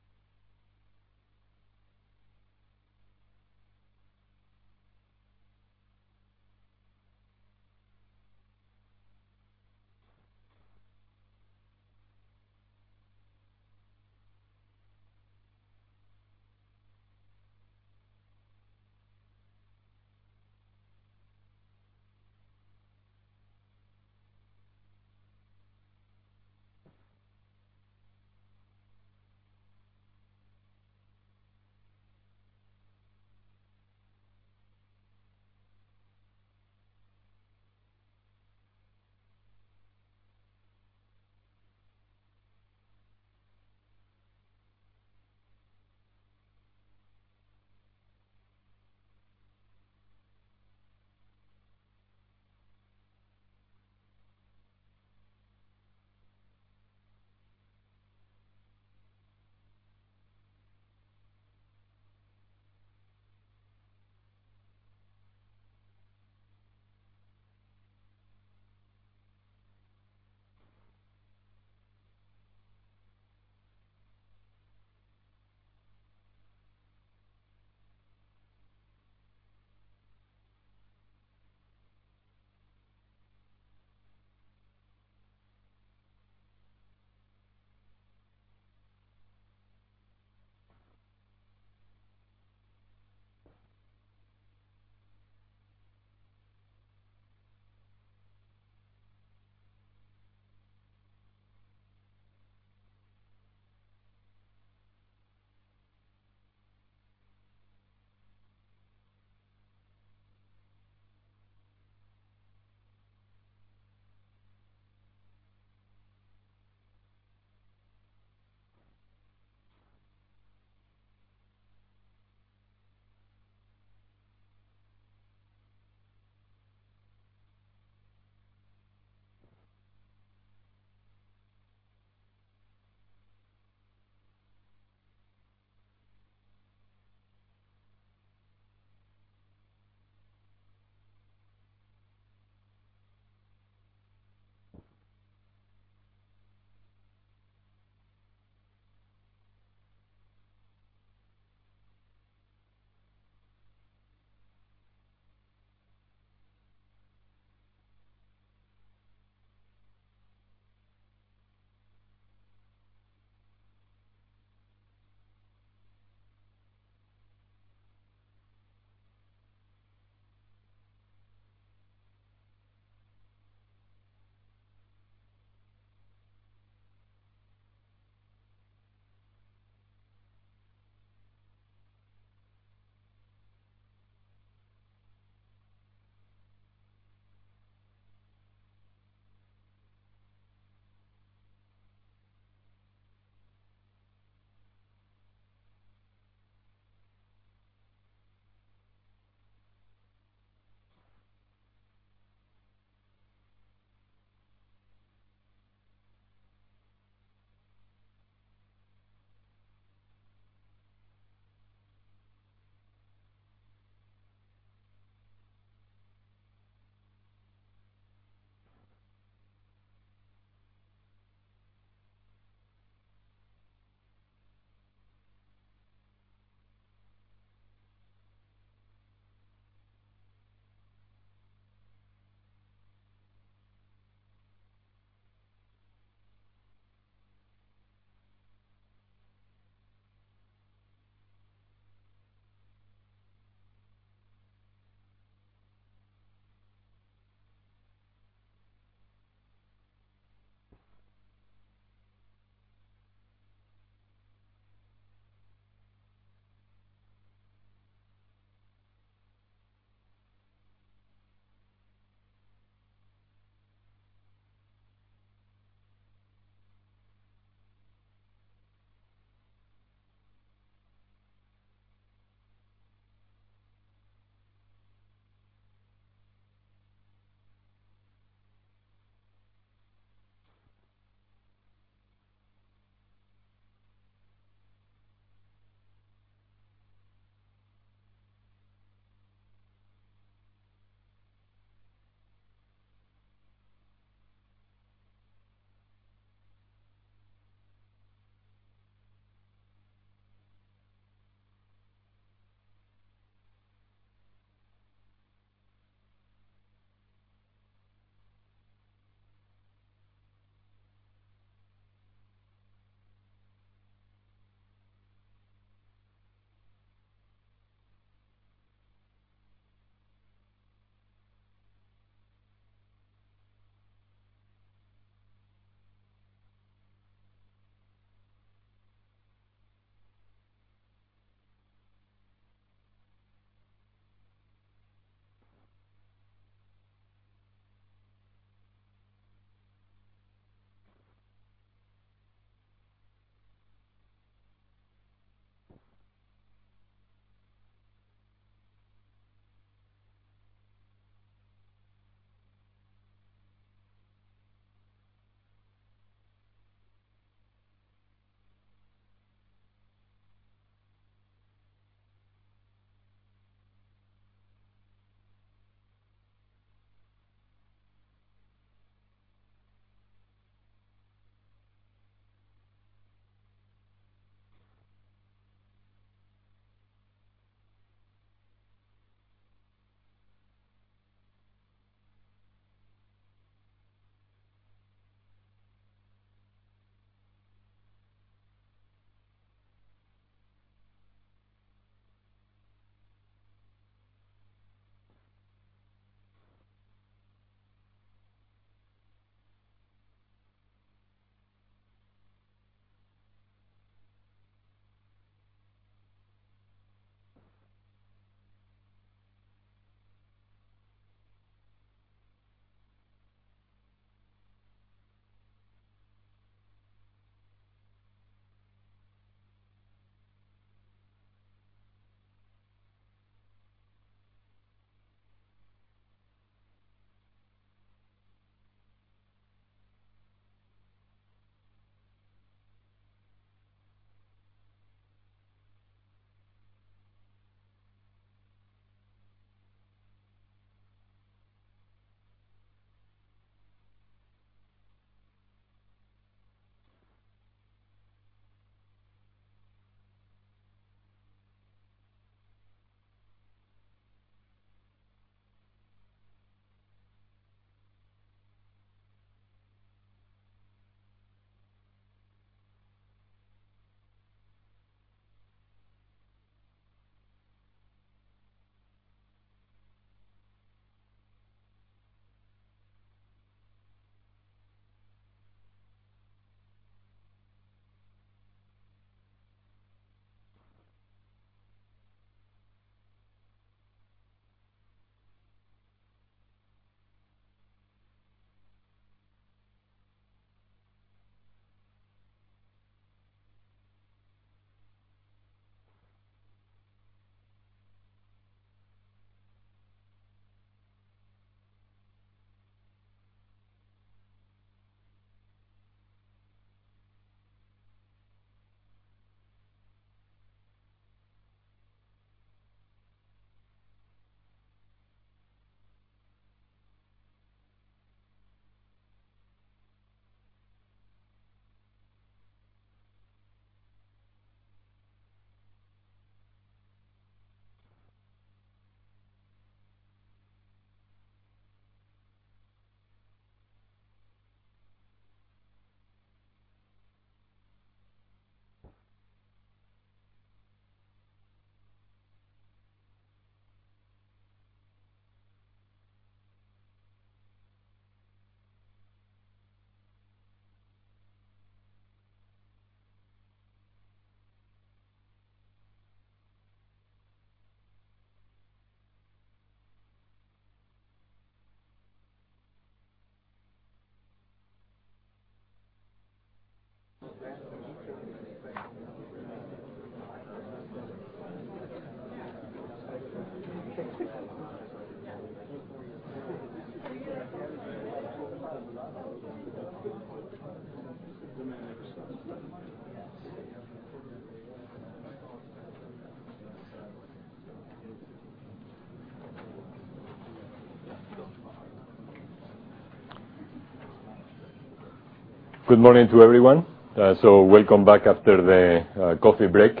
Good morning to everyone. Welcome back after the coffee break.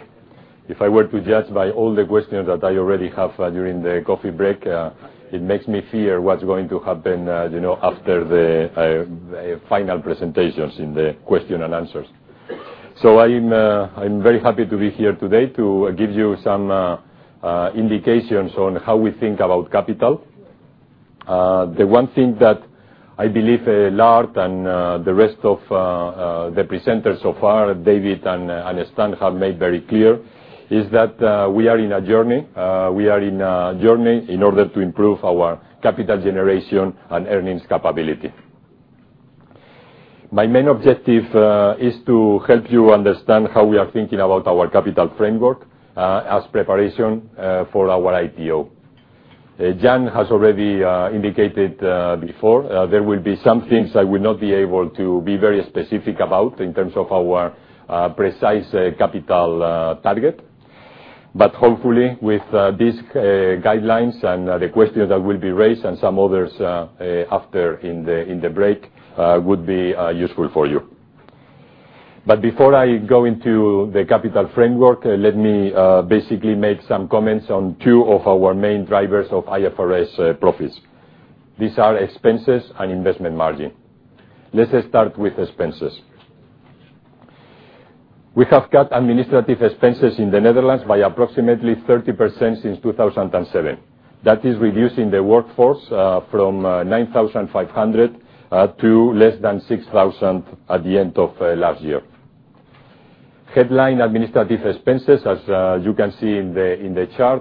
If I were to judge by all the questions that I already have during the coffee break, it makes me fear what's going to happen after the final presentations in the question and answers. I'm very happy to be here today to give you some indications on how we think about capital. The one thing that I believe, Lard and the rest of the presenters so far, David and Stan, have made very clear, is that we are in a journey. We are in a journey in order to improve our capital generation and earnings capability. My main objective is to help you understand how we are thinking about our capital framework as preparation for our IPO. Jan has already indicated before, there will be some things I will not be able to be very specific about in terms of our precise capital target. Hopefully, with these guidelines and the questions that will be raised and some others after in the break, would be useful for you. Before I go into the capital framework, let me basically make some comments on two of our main drivers of IFRS profits. These are expenses and investment margin. Let us start with expenses. We have cut administrative expenses in the Netherlands by approximately 30% since 2007. That is reducing the workforce from 9,500 to less than 6,000 at the end of last year. Headline administrative expenses, as you can see in the chart,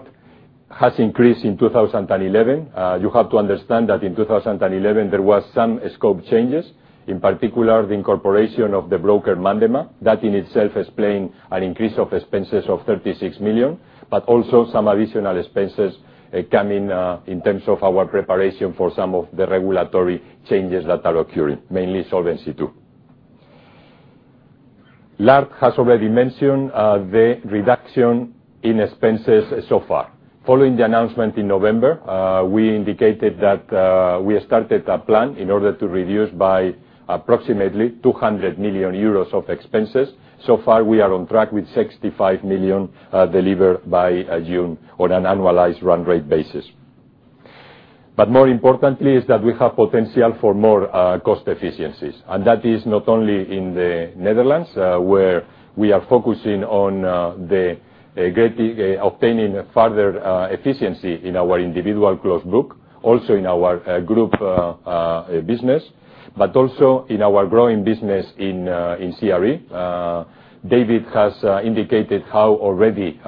has increased in 2011. You have to understand that in 2011, there was some scope changes, in particular, the incorporation of the broker Mandema. That in itself is playing an increase of expenses of 36 million, also some additional expenses come in terms of our preparation for some of the regulatory changes that are occurring, mainly Solvency II. Lard has already mentioned the reduction in expenses so far. Following the announcement in November, we indicated that we started a plan in order to reduce by approximately 200 million euros of expenses. So far, we are on track with 65 million delivered by June on an annualized run rate basis. More importantly is that we have potential for more cost efficiencies, and that is not only in the Netherlands, where we are focusing on obtaining further efficiency in our individual growth book, also in our group business, but also in our growing business in CEE. David has indicated how already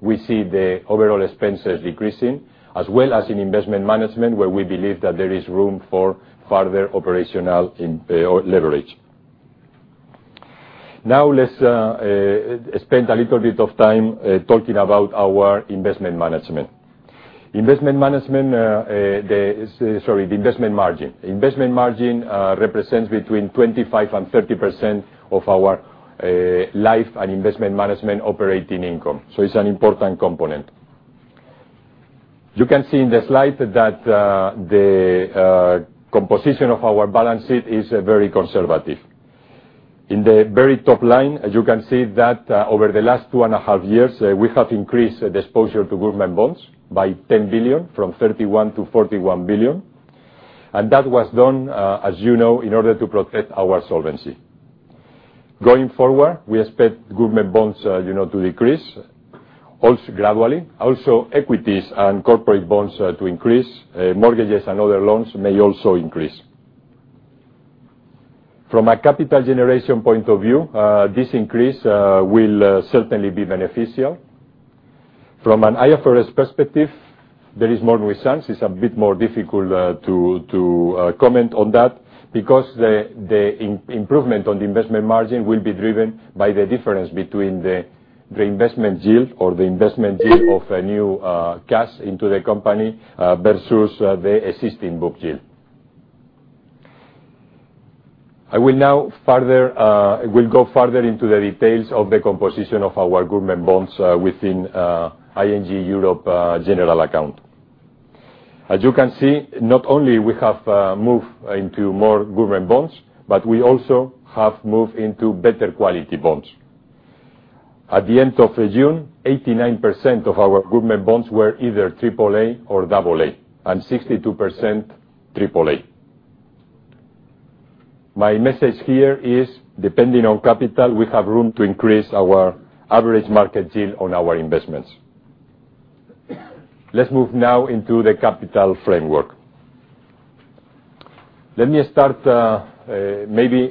we see the overall expenses decreasing, as well as in investment management, where we believe that there is room for further operational leverage. Let's spend a little bit of time talking about our investment management. Investment management Sorry, the investment margin. Investment margin represents between 25%-30% of our life and investment management operating income, it's an important component. You can see in the slide that the composition of our balance sheet is very conservative. In the very top line, as you can see that over the last two and a half years, we have increased the exposure to government bonds by 10 billion from 31 billion to 41 billion. That was done, as you know, in order to protect our solvency. Going forward, we expect government bonds to decrease gradually. Equities and corporate bonds to increase. Mortgages and other loans may also increase. From a capital generation point of view, this increase will certainly be beneficial. From an IFRS perspective, there is more nuance. It's a bit more difficult to comment on that because the improvement on the investment margin will be driven by the difference between the investment yield or the investment yield of a new cash into the company versus the existing book yield. I will now go further into the details of the composition of our government bonds within ING Insurance Europe general account. As you can see, not only we have moved into more government bonds, we also have moved into better quality bonds. At the end of June, 89% of our government bonds were either AAA or AA, and 62% AAA. My message here is, depending on capital, we have room to increase our average market yield on our investments. Let's move now into the capital framework. Let me start maybe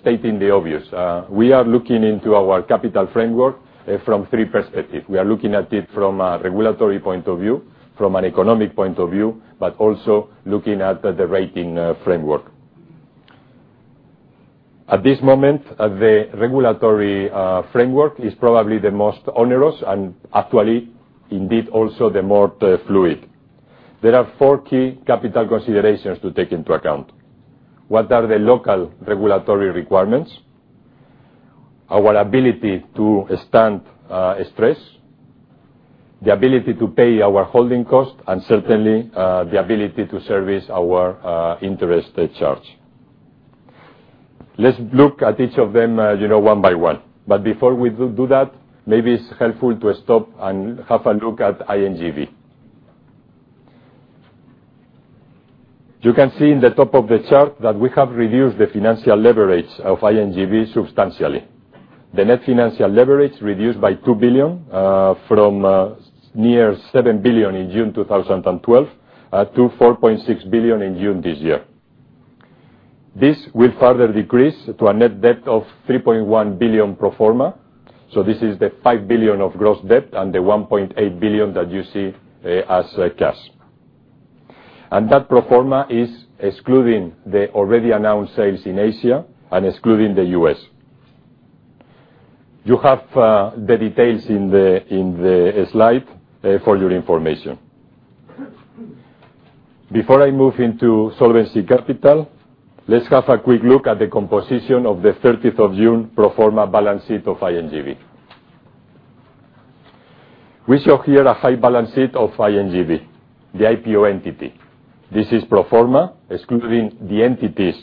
stating the obvious. We are looking into our capital framework from three perspectives. We are looking at it from a regulatory point of view, from an economic point of view, also looking at the rating framework. At this moment, the regulatory framework is probably the most onerous and actually, indeed, also the more fluid. There are four key capital considerations to take into account. What are the local regulatory requirements, our ability to stand stress, the ability to pay our holding cost, and certainly, the ability to service our interest charge. Let's look at each of them one by one. Before we do that, maybe it's helpful to stop and have a look at INGB. You can see in the top of the chart that we have reduced the financial leverage of INGB substantially. The net financial leverage reduced by 2 billion, from near 7 billion in June 2012, to 4.6 billion in June this year. This will further decrease to a net debt of 3.1 billion pro forma. This is the 5 billion of gross debt and the 1.8 billion that you see as cash. That pro forma is excluding the already announced sales in Asia and excluding the U.S. You have the details in the slide for your information. Before I move into solvency capital, let's have a quick look at the composition of the 30th of June pro forma balance sheet of INGB. We show here a high balance sheet of INGB, the IPO entity. This is pro forma, excluding the entities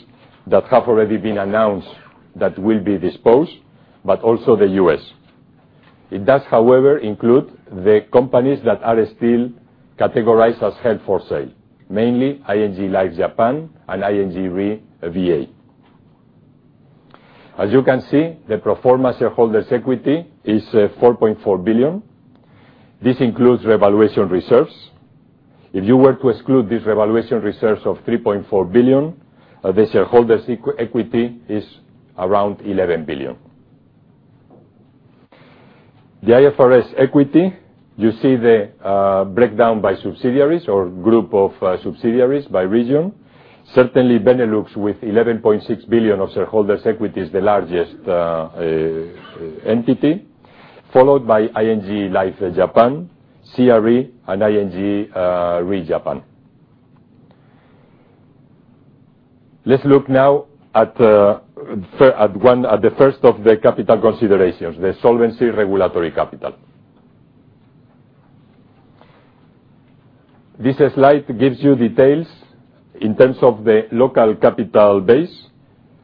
that have already been announced that will be disposed, but also the U.S. It does, however, include the companies that are still categorized as held for sale, mainly ING Life Japan and ING Re VA. As you can see, the pro forma shareholders' equity is 14.4 billion. This includes revaluation reserves. If you were to exclude this revaluation reserves of 3.4 billion, the shareholders' equity is around 11 billion. The IFRS equity, you see the breakdown by subsidiaries or group of subsidiaries by region. Certainly, Benelux with 11.6 billion of shareholders' equity is the largest entity, followed by ING Life Japan, CRE, and ING Re Japan. Let's look now at the first of the capital considerations, the solvency regulatory capital. This slide gives you details in terms of the local capital base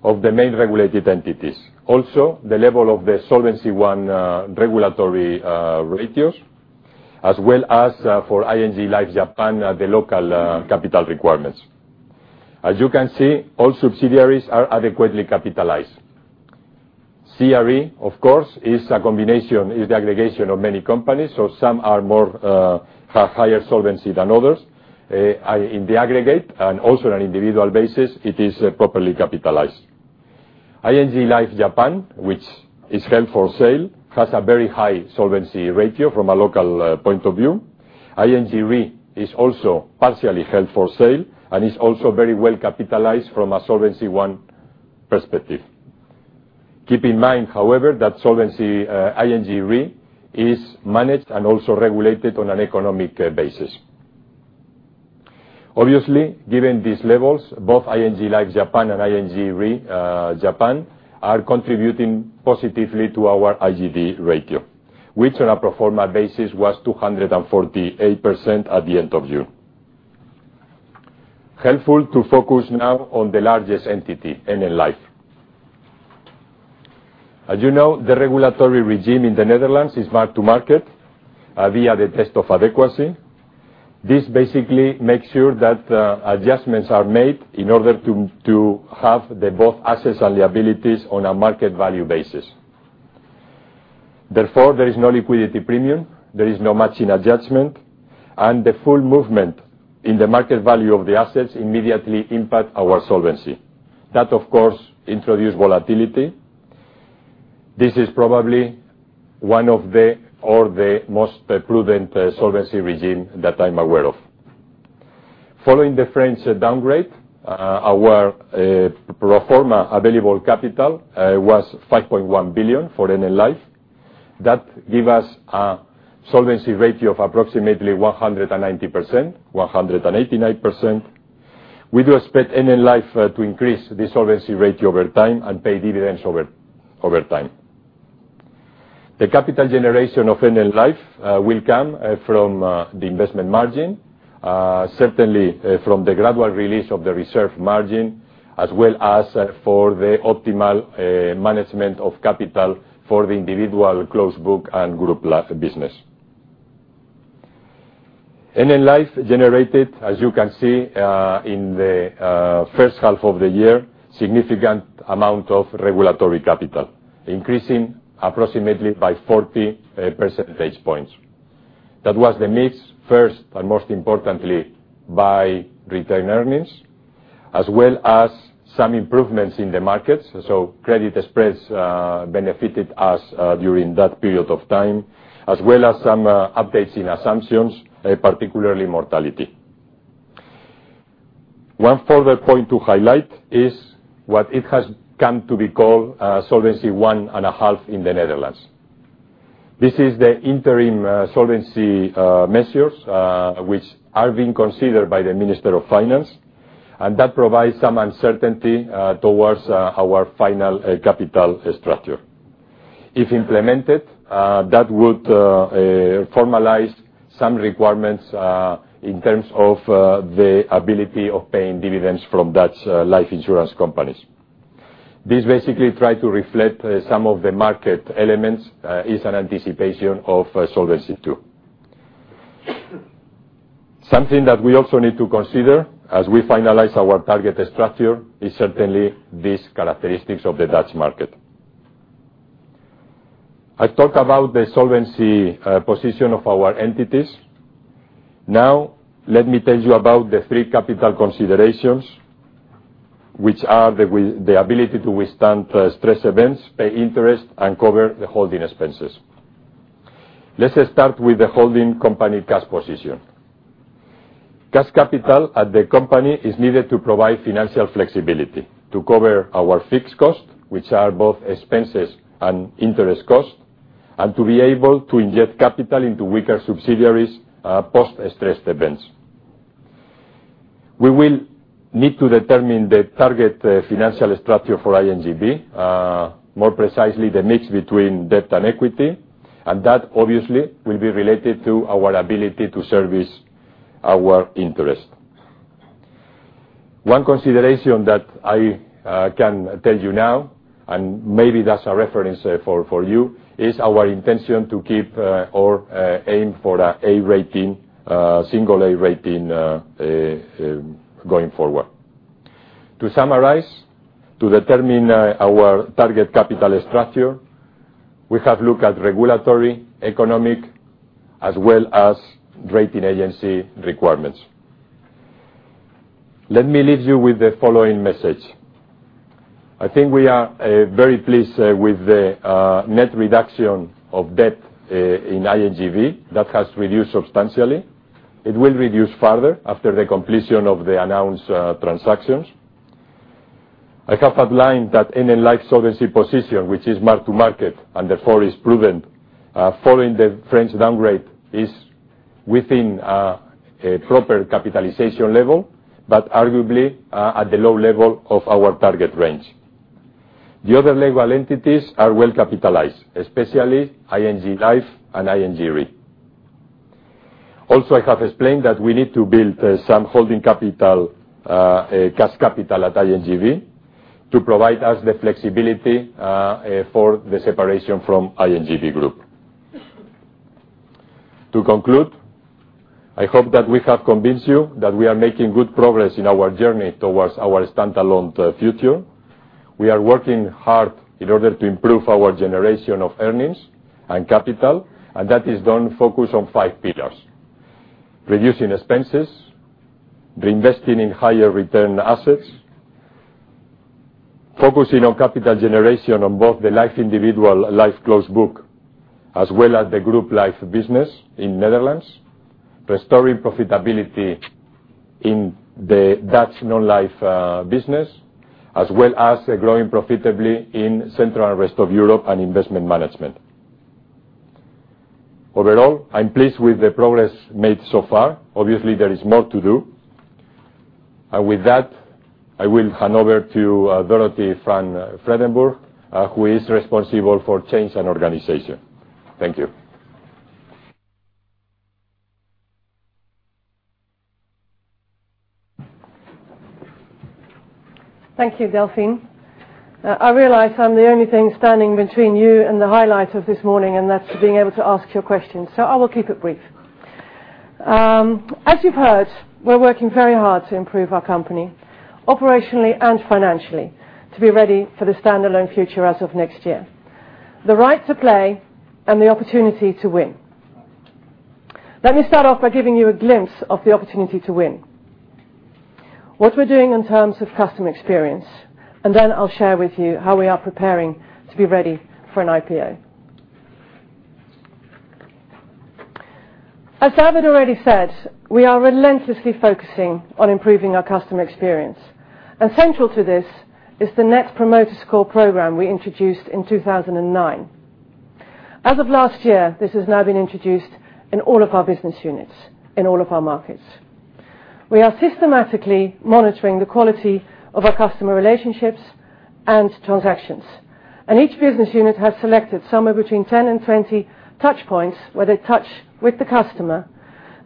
of the main regulated entities. Also, the level of the Solvency I regulatory ratios, as well as for ING Life Japan, the local capital requirements. As you can see, all subsidiaries are adequately capitalized. CRE, of course, is the aggregation of many companies, some have higher solvency than others. In the aggregate, and also on an individual basis, it is properly capitalized. ING Life Japan, which is held for sale, has a very high solvency ratio from a local point of view. ING Re is also partially held for sale and is also very well capitalized from a Solvency I perspective. Keep in mind, however, that Solvency ING Re is managed and also regulated on an economic basis. Obviously, given these levels, both ING Life Japan and ING Re Japan are contributing positively to our IGD ratio, which on a pro forma basis was 248% at the end of June. Helpful to focus now on the largest entity, NN Life. As you know, the regulatory regime in the Netherlands is mark-to-market via the test of adequacy. This basically makes sure that adjustments are made in order to have both assets and liabilities on a market value basis. Therefore, there is no liquidity premium, there is no matching adjustment, and the full movement in the market value of the assets immediately impact our solvency. That, of course, introduce volatility. This is probably one of the, or the most prudent solvency regime that I'm aware of. Following the French downgrade, our pro forma available capital was 5.1 billion for NN Life. That give us a solvency ratio of approximately 190%, 189%. We do expect NN Life to increase the solvency ratio over time and pay dividends over time. The capital generation of NN Life will come from the investment margin, certainly from the gradual release of the reserve margin, as well as for the optimal management of capital for the individual closed book and group life business. NN Life generated, as you can see, in the first half of the year, significant amount of regulatory capital, increasing approximately by 40 percentage points. That was the mix first, and most importantly, by retained earnings, as well as some improvements in the markets. Credit spreads benefited us during that period of time, as well as some updates in assumptions, particularly mortality. One further point to highlight is what it has come to be called Solvency 1.5 in the Netherlands. This is the interim solvency measures, which are being considered by the Minister of Finance, and that provides some uncertainty towards our final capital structure. If implemented, that would formalize some requirements in terms of the ability of paying dividends from Dutch life insurance companies. This basically try to reflect some of the market elements, is an anticipation of Solvency II. Something that we also need to consider as we finalize our target structure is certainly these characteristics of the Dutch market. I talk about the solvency position of our entities. Now, let me tell you about the three capital considerations, which are the ability to withstand stress events, pay interest, and cover the holding expenses. Let us start with the holding company cash position. Cash capital at the company is needed to provide financial flexibility to cover our fixed cost, which are both expenses and interest cost, and to be able to inject capital into weaker subsidiaries, post-stress events. We will need to determine the target financial structure for INGB, more precisely, the mix between debt and equity, and that obviously will be related to our ability to service our interest. One consideration that I can tell you now, and maybe that's a reference for you, is our intention to keep or aim for an A rating, single A rating, going forward. To summarize, to determine our target capital structure, we have looked at regulatory, economic, as well as rating agency requirements. Let me leave you with the following message. I think we are very pleased with the net reduction of debt in INGB. That has reduced substantially. It will reduce further after the completion of the announced transactions. I have outlined that NN Life solvency position, which is mark-to-market and therefore is proven, following the French downgrade, is within a proper capitalization level, but arguably, at the low level of our target range. The other legal entities are well-capitalized, especially ING Life and ING Re. Also, I have explained that we need to build some holding capital, cash capital at ING Life, to provide us the flexibility for the separation from ING Groep. To conclude, I hope that we have convinced you that we are making good progress in our journey towards our standalone future. We are working hard in order to improve our generation of earnings and capital. That is done focused on five pillars: reducing expenses, reinvesting in higher return assets, focusing on capital generation on both the life individual life closed book, as well as the group life business in Netherlands, restoring profitability in the Dutch non-life business, as well as growing profitably in Central and Rest of Europe and investment management. Overall, I'm pleased with the progress made so far. Obviously, there is more to do. With that, I will hand over to Dorothee van Vredenburch, who is responsible for change and organization. Thank you. Thank you, Delfin. I realize I'm the only thing standing between you and the highlight of this morning, that's being able to ask your questions, so I will keep it brief. As you've heard, we're working very hard to improve our company, operationally and financially, to be ready for the standalone future as of next year. The right to play and the opportunity to win. Let me start off by giving you a glimpse of the opportunity to win, what we're doing in terms of customer experience. Then I'll share with you how we are preparing to be ready for an IPO. As David already said, we are relentlessly focusing on improving our customer experience. Central to this is the Net Promoter Score Program we introduced in 2009. As of last year, this has now been introduced in all of our business units, in all of our markets. We are systematically monitoring the quality of our customer relationships and transactions. Each business unit has selected somewhere between 10 and 20 touch points where they touch with the customer,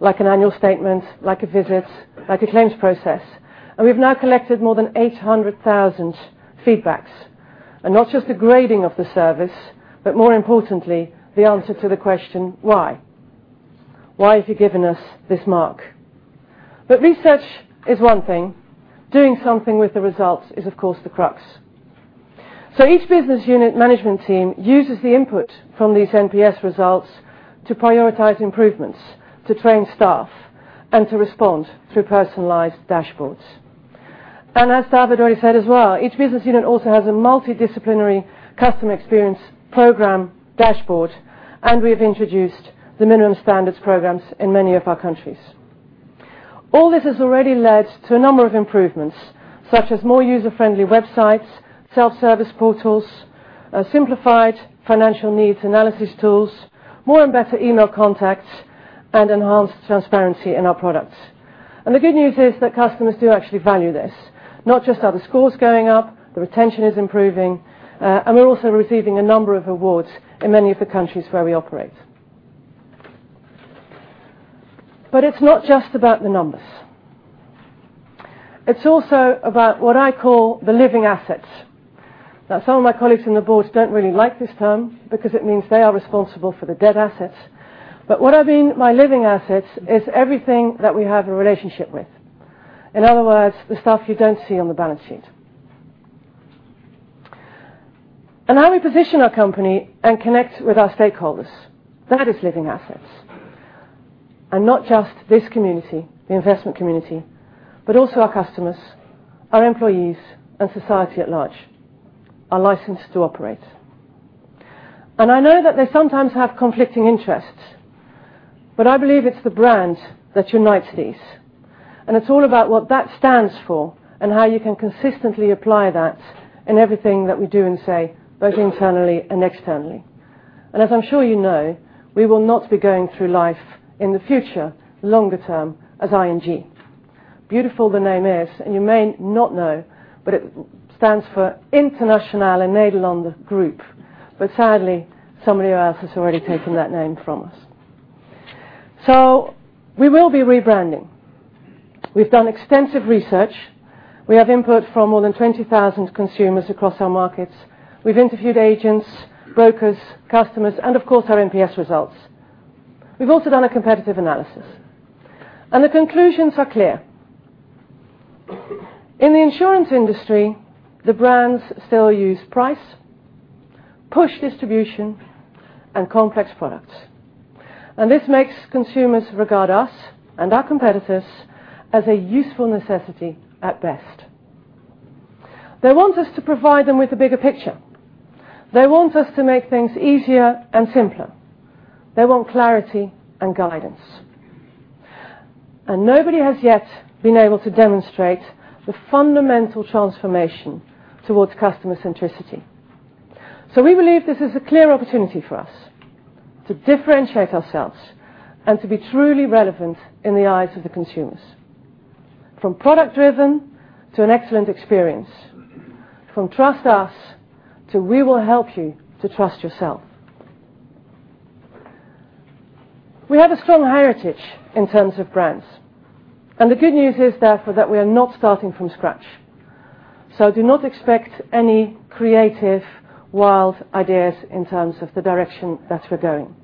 like an annual statement, like a visit, like a claims process. We've now collected more than 800,000 feedbacks. Not just the grading of the service, but more importantly, the answer to the question, why? Why have you given us this mark? Research is one thing. Doing something with the results is, of course, the crux. Each business unit management team uses the input from these NPS results to prioritize improvements, to train staff, and to respond through personalized dashboards. As David already said as well, each business unit also has a multidisciplinary customer experience program dashboard. We have introduced the minimum standards programs in many of our countries. All this has already led to a number of improvements, such as more user-friendly websites, self-service portals, simplified financial needs analysis tools, more and better email contacts, and enhanced transparency in our products. The good news is that customers do actually value this. Not just are the scores going up, the retention is improving. We're also receiving a number of awards in many of the countries where we operate. It's not just about the numbers. It's also about what I call the living assets. Now, some of my colleagues on the board don't really like this term because it means they are responsible for the dead assets. What I mean by living assets is everything that we have a relationship with. In other words, the stuff you don't see on the balance sheet. How we position our company and connect with our stakeholders, that is living assets. Not just this community, the investment community, but also our customers, our employees, and society at large, are licensed to operate. I know that they sometimes have conflicting interests, but I believe it's the brand that unites these. It's all about what that stands for and how you can consistently apply that in everything that we do and say, both internally and externally. As I'm sure you know, we will not be going through life in the future, longer term, as ING. Beautiful the name is, and you may not know, but it stands for Internationale Nederlanden Groep. Sadly, somebody else has already taken that name from us. We will be rebranding. We've done extensive research. We have input from more than 20,000 consumers across our markets. We've interviewed agents, brokers, customers, and of course, our NPS results. We've also done a competitive analysis, and the conclusions are clear. In the insurance industry, the brands still use price, push distribution, and complex products. This makes consumers regard us and our competitors as a useful necessity at best. They want us to provide them with a bigger picture. They want us to make things easier and simpler. They want clarity and guidance. Nobody has yet been able to demonstrate the fundamental transformation towards customer centricity. We believe this is a clear opportunity for us to differentiate ourselves and to be truly relevant in the eyes of the consumers. From product driven to an excellent experience, from trust us to we will help you to trust yourself. We have a strong heritage in terms of brands, and the good news is, therefore, that we are not starting from scratch. Do not expect any creative, wild ideas in terms of the direction that we're going.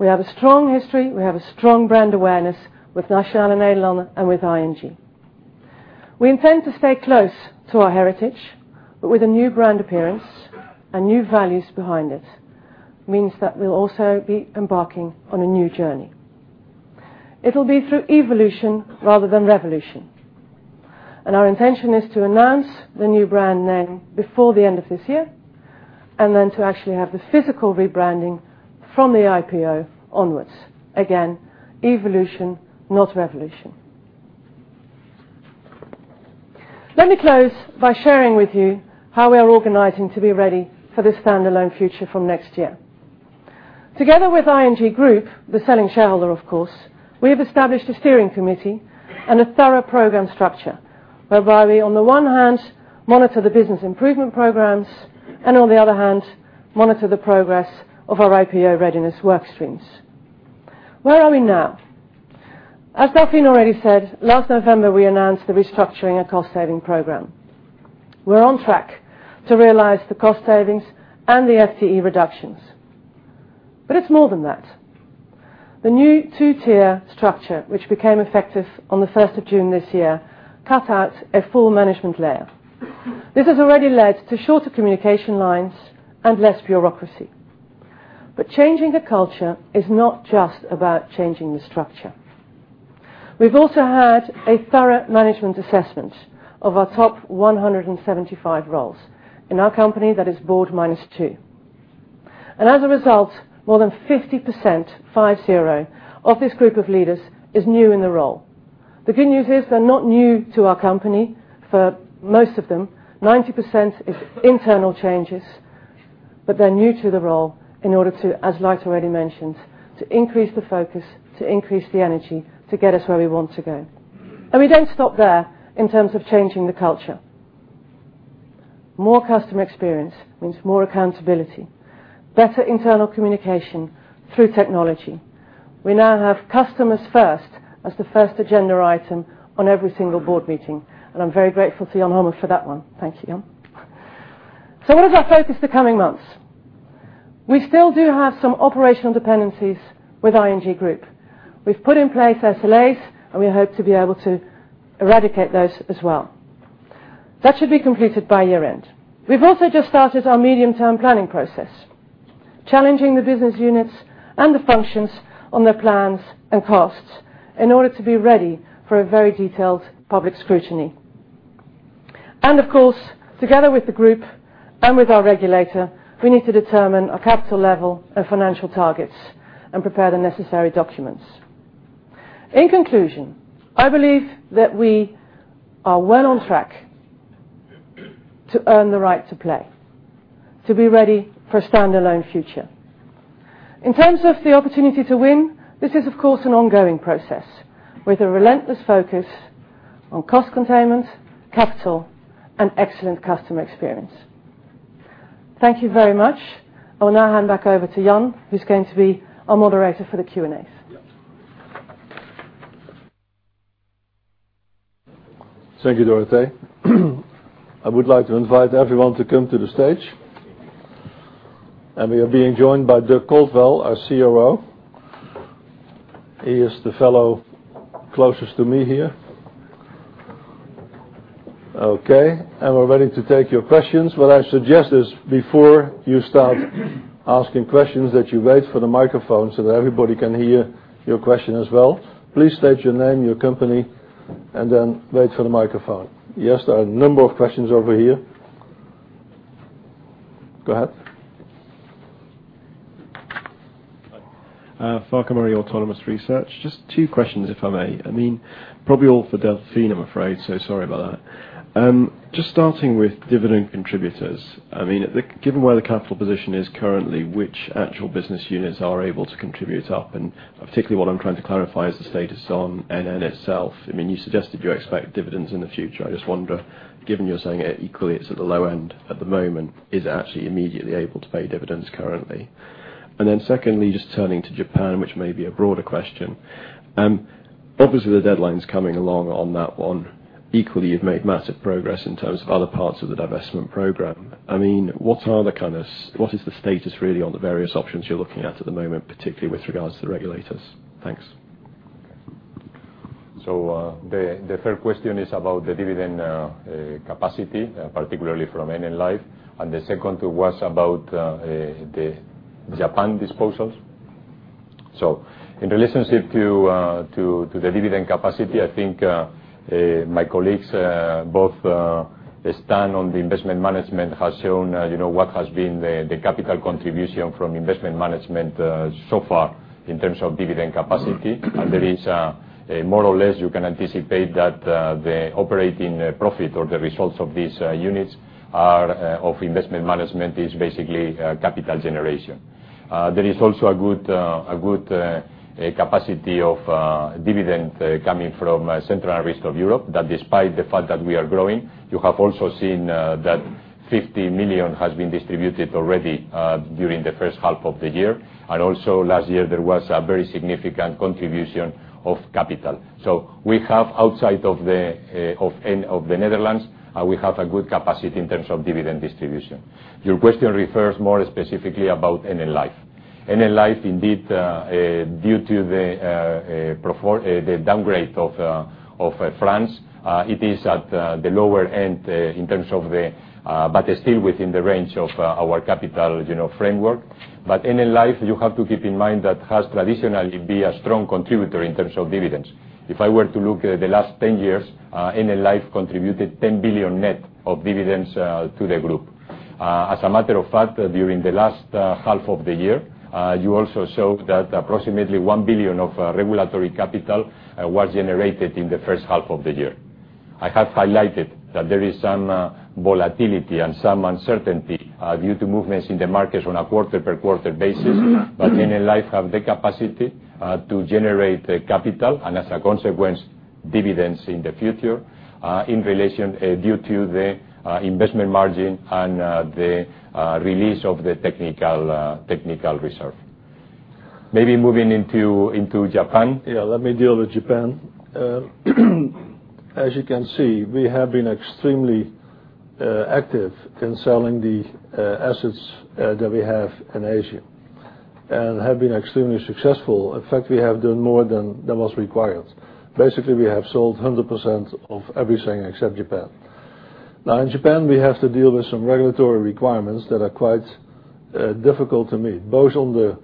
We have a strong history. We have a strong brand awareness with Nationale-Nederlanden and with ING. We intend to stay close to our heritage, but with a new brand appearance and new values behind it. Means that we'll also be embarking on a new journey. It'll be through evolution rather than revolution. Our intention is to announce the new brand name before the end of this year, and then to actually have the physical rebranding from the IPO onwards. Again, evolution, not revolution. Let me close by sharing with you how we are organizing to be ready for this standalone future from next year. Together with ING Group, the selling shareholder, of course, we have established a steering committee and a thorough program structure, whereby we, on the one hand, monitor the business improvement programs, and on the other hand, monitor the progress of our IPO readiness work streams. Where are we now? As Delfin already said, last November, we announced the restructuring and cost-saving program. We're on track to realize the cost savings and the FTE reductions. It's more than that. The new two-tier structure, which became effective on the 1st of June this year, cut out a full management layer. This has already led to shorter communication lines and less bureaucracy. Changing the culture is not just about changing the structure. We've also had a thorough management assessment of our top 175 roles. In our company, that is board minus 2. As a result, more than 50%, five zero, of this group of leaders is new in the role. The good news is they're not new to our company, for most of them, 90% is internal changes, but they're new to the role in order to, as Lard already mentioned, to increase the focus, to increase the energy, to get us where we want to go. We don't stop there in terms of changing the culture. More customer experience means more accountability, better internal communication through technology. We now have customers first as the first agenda item on every single board meeting, and I'm very grateful to Jan Hommen for that one. Thank you, Jan. What is our focus the coming months? We still do have some operational dependencies with ING Groep. We've put in place SLAs, and we hope to be able to eradicate those as well. That should be completed by year-end. We've also just started our medium-term planning process, challenging the business units and the functions on their plans and costs in order to be ready for a very detailed public scrutiny. Of course, together with the Group and with our regulator, we need to determine our capital level and financial targets and prepare the necessary documents. In conclusion, I believe that we are well on track to earn the right to play, to be ready for a standalone future. In terms of the opportunity to win, this is of course, an ongoing process with a relentless focus on cost containment, capital, and excellent customer experience. Thank you very much. I will now hand back over to Jan, who's going to be our moderator for the Q&As. Yes. Thank you, Dorothee. I would like to invite everyone to come to the stage, and we are being joined by Dirk Koldewijn, our CRO. He is the fellow closest to me here. Okay. We're ready to take your questions. What I suggest is, before you start asking questions, that you wait for the microphone so that everybody can hear your question as well. Please state your name, your company, and then wait for the microphone. Yes, there are a number of questions over here. Go ahead. Hi. Farquhar Murray, Autonomous Research. Two questions, if I may. Probably all for Delfin, I'm afraid, sorry about that. Starting with dividend contributors. Given where the capital position is currently, which actual business units are able to contribute up? Particularly what I'm trying to clarify is the status on NN itself. You suggested you expect dividends in the future. I wonder, given you're saying equally it's at the low end at the moment, is it actually immediately able to pay dividends currently? Secondly, turning to Japan, which may be a broader question. Obviously, the deadline's coming along on that one. Equally, you've made massive progress in terms of other parts of the divestment program. What is the status really on the various options you're looking at at the moment, particularly with regards to the regulators? Thanks. The third question is about the dividend capacity, particularly from NN Life, and the second was about the Japan disposals. In relationship to the dividend capacity, I think my colleagues both Stan on the Investment Management has shown what has been the capital contribution from Investment Management so far in terms of dividend capacity. There is, more or less, you can anticipate that the operating profit or the results of these units are of Investment Management is basically capital generation. There is also a good capacity of dividend coming from Central and Rest of Europe that despite the fact that we are growing, you have also seen that 50 million has been distributed already during the first half of the year. Last year, there was a very significant contribution of capital. We have outside of the Netherlands, we have a good capacity in terms of dividend distribution. Your question refers more specifically about NN Life. NN Life, indeed, due to the downgrade of France, it is at the lower end. It's still within the range of our capital framework. NN Life, you have to keep in mind that has traditionally been a strong contributor in terms of dividends. If I were to look at the last 10 years, NN Life contributed 10 billion net of dividends to the group. As a matter of fact, during the last half of the year, you also saw that approximately 1 billion of regulatory capital was generated in the first half of the year. I have highlighted that there is some volatility and some uncertainty due to movements in the market on a quarter-per-quarter basis, NN Life have the capacity to generate capital, and as a consequence, dividends in the future, in relation due to the investment margin and the release of the technical reserve. Maybe moving into Japan. Let me deal with Japan. As you can see, we have been extremely active in selling the assets that we have in Asia and have been extremely successful. In fact, we have done more than was required. Basically, we have sold 100% of everything except Japan. In Japan, we have to deal with some regulatory requirements that are quite difficult to meet, both on the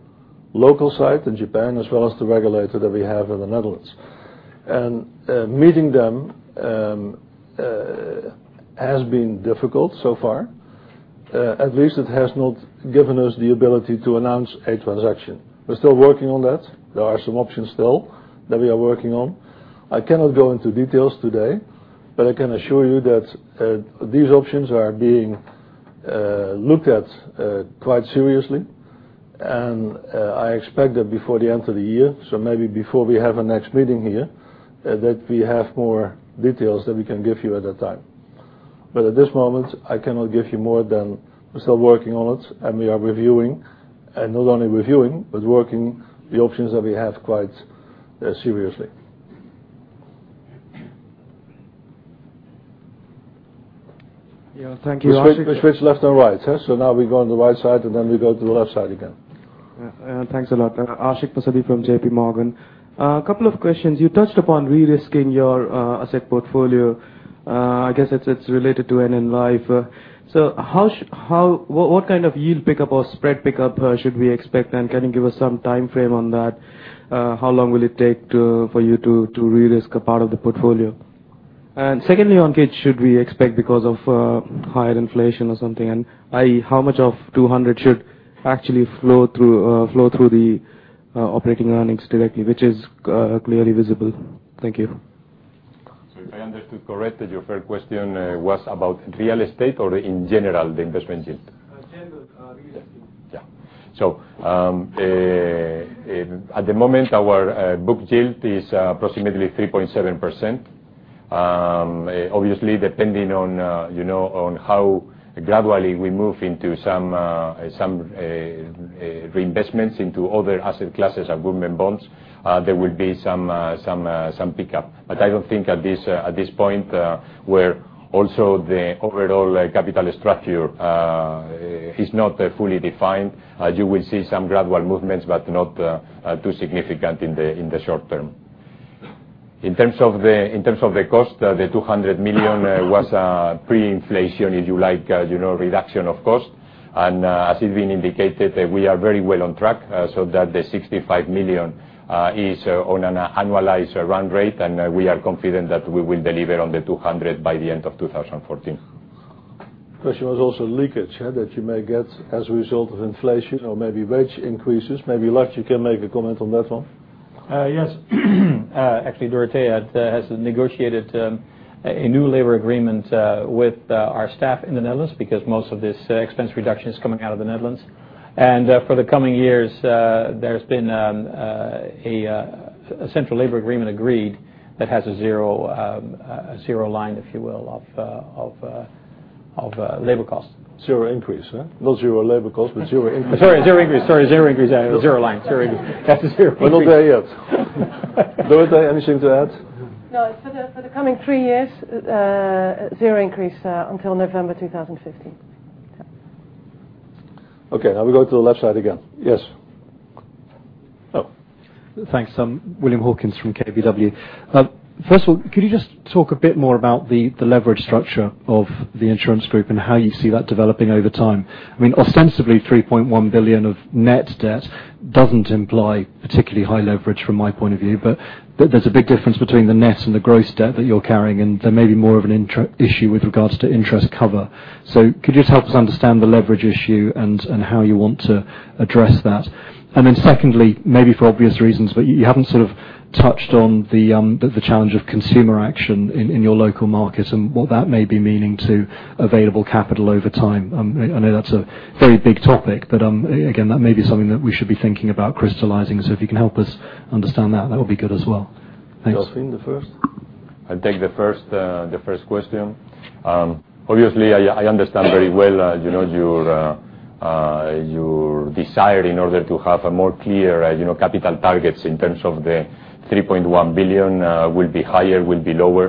local side in Japan as well as the regulator that we have in the Netherlands. Meeting them has been difficult so far. At least it has not given us the ability to announce a transaction. We are still working on that. There are some options still that we are working on. I cannot go into details today, I can assure you that these options are being looked at quite seriously, I expect that before the end of the year, maybe before we have our next meeting here, that we have more details that we can give you at that time. At this moment, I cannot give you more than we are still working on it, we are reviewing, not only reviewing, but working the options that we have quite seriously. Thank you. We switch left and right. Now we go on the right side, then we go to the left side again. Yeah. Thanks a lot. Ashik Musaddi from JP Morgan. A couple of questions. You touched upon de-risking your asset portfolio. I guess it's related to NN Life. What kind of yield pickup or spread pickup should we expect, and can you give us some timeframe on that? How long will it take for you to de-risk a part of the portfolio? Secondly, on leakage, should we expect because of higher inflation or something, and i.e., how much of 200 million should actually flow through the operating earnings directly, which is clearly visible? Thank you. If I understood correctly, your first question was about real estate or in general, the investment yield? In general, de-risking. Yeah. At the moment, our book yield is approximately 3.7%. Obviously, depending on how gradually we move into some reinvestments into other asset classes or government bonds, there will be some pickup. I don't think at this point where also the overall capital structure is not fully defined. You will see some gradual movements, but not too significant in the short term. In terms of the cost, the 200 million was pre-inflation, if you like, reduction of cost. As has been indicated, we are very well on track, so that the 65 million is on an annualized run rate. We are confident that we will deliver on the 200 million by the end of 2014. Question was also leakage, that you may get as a result of inflation or maybe wage increases. Maybe Lard, you can make a comment on that one. Yes. Actually, Dorothee has negotiated a new labor agreement with our staff in the Netherlands because most of this expense reduction is coming out of the Netherlands. For the coming years, there's been a central labor agreement agreed that has a zero line, if you will, of labor cost. Zero increase, huh? Not zero labor cost, but zero increase. Sorry, zero increase. Zero line. Zero increase. That's a zero increase. We're not there yet. Dorothee, anything to add? No. For the coming three years, zero increase until November 2015. Yeah. Okay, now we go to the left side again. Yes. Oh. Thanks. William Hawkins from KBW. First of all, could you just talk a bit more about the leverage structure of the insurance group and how you see that developing over time? I mean, ostensibly 3.1 billion of net debt doesn't imply particularly high leverage from my point of view. There's a big difference between the net and the gross debt that you're carrying, and there may be more of an issue with regards to interest cover. Could you just help us understand the leverage issue and how you want to address that? Secondly, maybe for obvious reasons, but you haven't sort of touched on the challenge of consumer action in your local market and what that may be meaning to available capital over time. I know that's a very big topic, but again, that may be something that we should be thinking about crystallizing. If you can help us understand that would be good as well. Thanks. Delfin, the first? I'll take the first question. Obviously, I understand very well your desire in order to have a more clear capital targets in terms of the 3.1 billion will be higher, will be lower.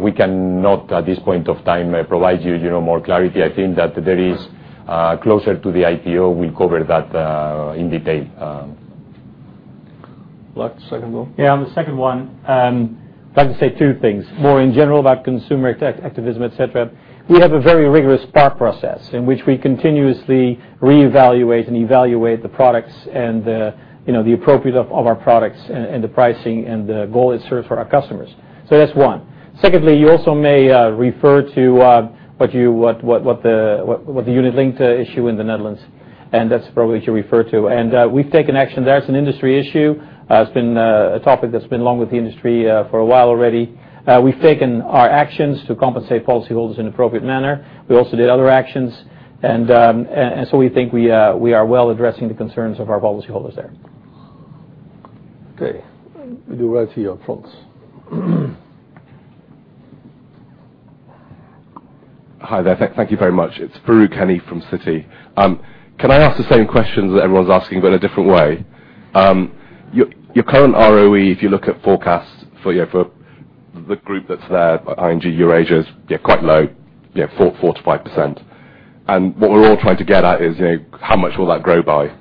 We cannot, at this point of time, provide you more clarity. I think that there is, closer to the IPO, we'll cover that in detail. Lard, second one? Yeah, on the second one, if I can say two things. More in general about consumer activism, et cetera, we have a very rigorous par process in which we continuously reevaluate and evaluate the products and the appropriate of our products and the pricing and the goal it serves for our customers. That's one. Secondly, you also may refer to what the unit link issue in the Netherlands, that's probably what you refer to. We've taken action there. It's an industry issue. It's been a topic that's been along with the industry for a while already. We've taken our actions to compensate policyholders in an appropriate manner. We also did other actions. We think we are well addressing the concerns of our policyholders there. Okay. We do right here at front. Hi there. Thank you very much. It's Farooq Hanif from Citi. Can I ask the same questions that everyone's asking, in a different way? Your current ROE, if you look at forecasts for the group that's there, ING, Eurasia, is quite low, 4% to 5%. What we're all trying to get at is how much will that grow by?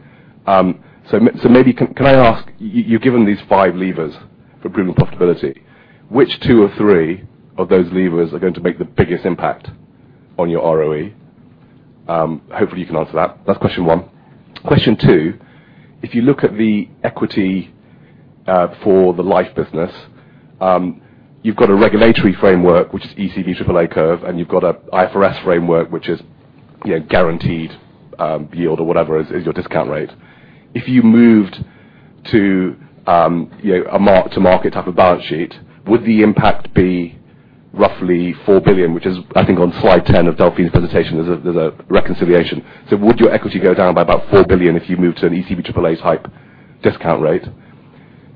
Maybe can I ask, you've given these five levers for proven profitability, which two or three of those levers are going to make the biggest impact on your ROE? Hopefully, you can answer that. That's question one. Question two, if you look at the equity for the life business, you've got a regulatory framework, which is ECB AAA curve, you've got a IFRS framework, which is guaranteed yield or whatever is your discount rate. If you moved to a mark-to-market type of balance sheet, would the impact be roughly four billion, which is, I think on slide 10 of Delfin's presentation, there's a reconciliation. Would your equity go down by about four billion if you moved to an ECB AAA type discount rate?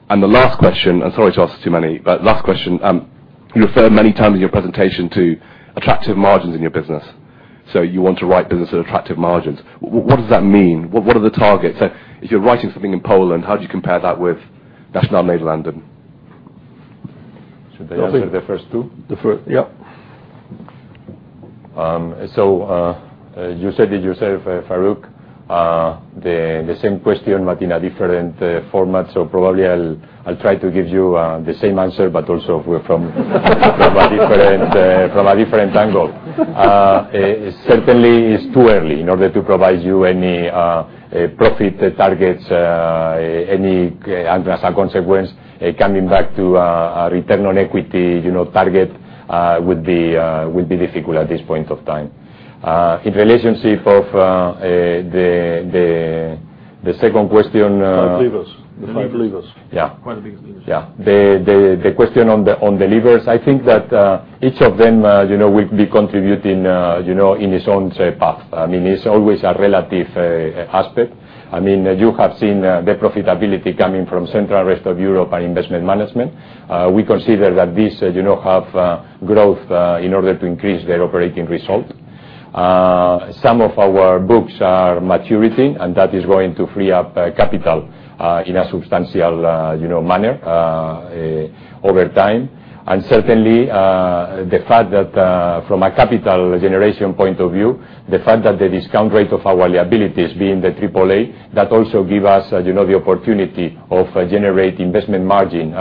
The last question, sorry to ask too many, last question. You refer many times in your presentation to attractive margins in your business. You want to write business at attractive margins. What does that mean? What are the targets? If you're writing something in Poland, how do you compare that with Nationale-Nederlanden? Should I answer the first two? The first. Yeah. You said it yourself, Farooq. The same question, but in a different format. Probably I'll try to give you the same answer, but also from a different angle. Certainly, it's too early in order to provide you any profit targets, any as a consequence, coming back to return on equity target would be difficult at this point of time. In relationship of the second question- Five levers. The five levers. Yeah. Quite a big levers. Yeah. The question on the levers. I think that each of them will be contributing in its own path. It's always a relative aspect. You have seen the profitability coming from Central and Rest of Europe and Investment Management. We consider that these have growth in order to increase their operating result. Some of our books are maturing, and that is going to free up capital in a substantial manner over time. Certainly, from a capital generation point of view, the fact that the discount rate of our liabilities being the AAA, that also give us the opportunity of generating investment margin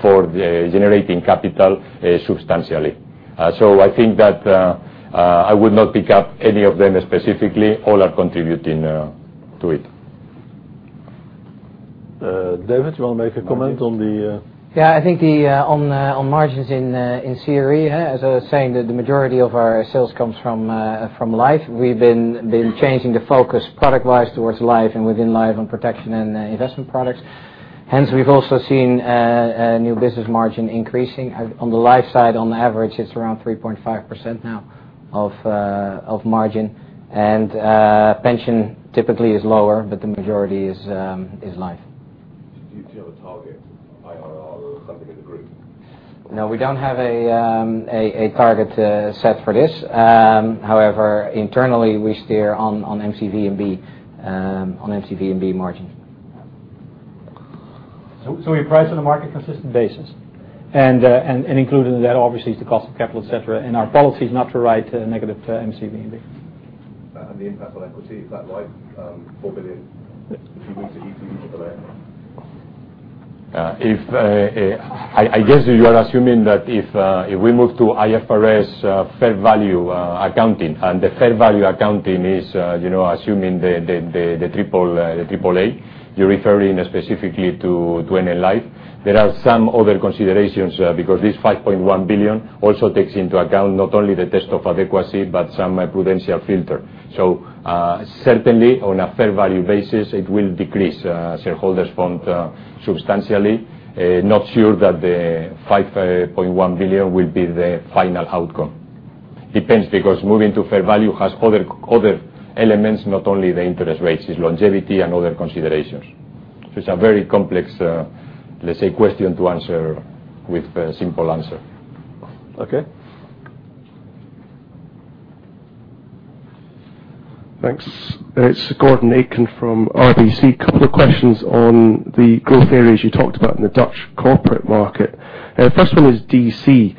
for generating capital substantially. I think that I would not pick up any of them specifically. All are contributing to it. David, you want to make a comment. Yeah. I think on [margins in series], as I was saying, the majority of our sales comes from life. We've been changing the focus product-wise towards life and within life on protection and investment products. Hence, we've also seen new business margin increasing. On the life side, on average, it's around 3.5% now of margin. Pension typically is lower, but the majority is life. Do you have a target IRR or something in the group? No, we don't have a target set for this. However, internally, we steer on MCVNB margin. We price on a market-consistent basis. Included in that, obviously, is the cost of capital, et cetera, and our policy is not to write negative MCVNB. The impact on equity of that life, 4 billion, if you move to ECB, triple A. I guess you are assuming that if we move to IFRS fair value accounting, and the fair value accounting is assuming the AAA, you're referring specifically to NN Life. There are some other considerations because this 5.1 billion also takes into account not only the test of adequacy but some prudential filter. Certainly, on a fair value basis, it will decrease shareholders' fund substantially. Not sure that the 5.1 billion will be the final outcome. Depends because moving to fair value has other elements, not only the interest rates. It's longevity and other considerations. It's a very complex question to answer with a simple answer. Okay. Thanks. It's Gordon Aitken from RBC. Couple of questions on the growth areas you talked about in the Dutch corporate market. First one is DC.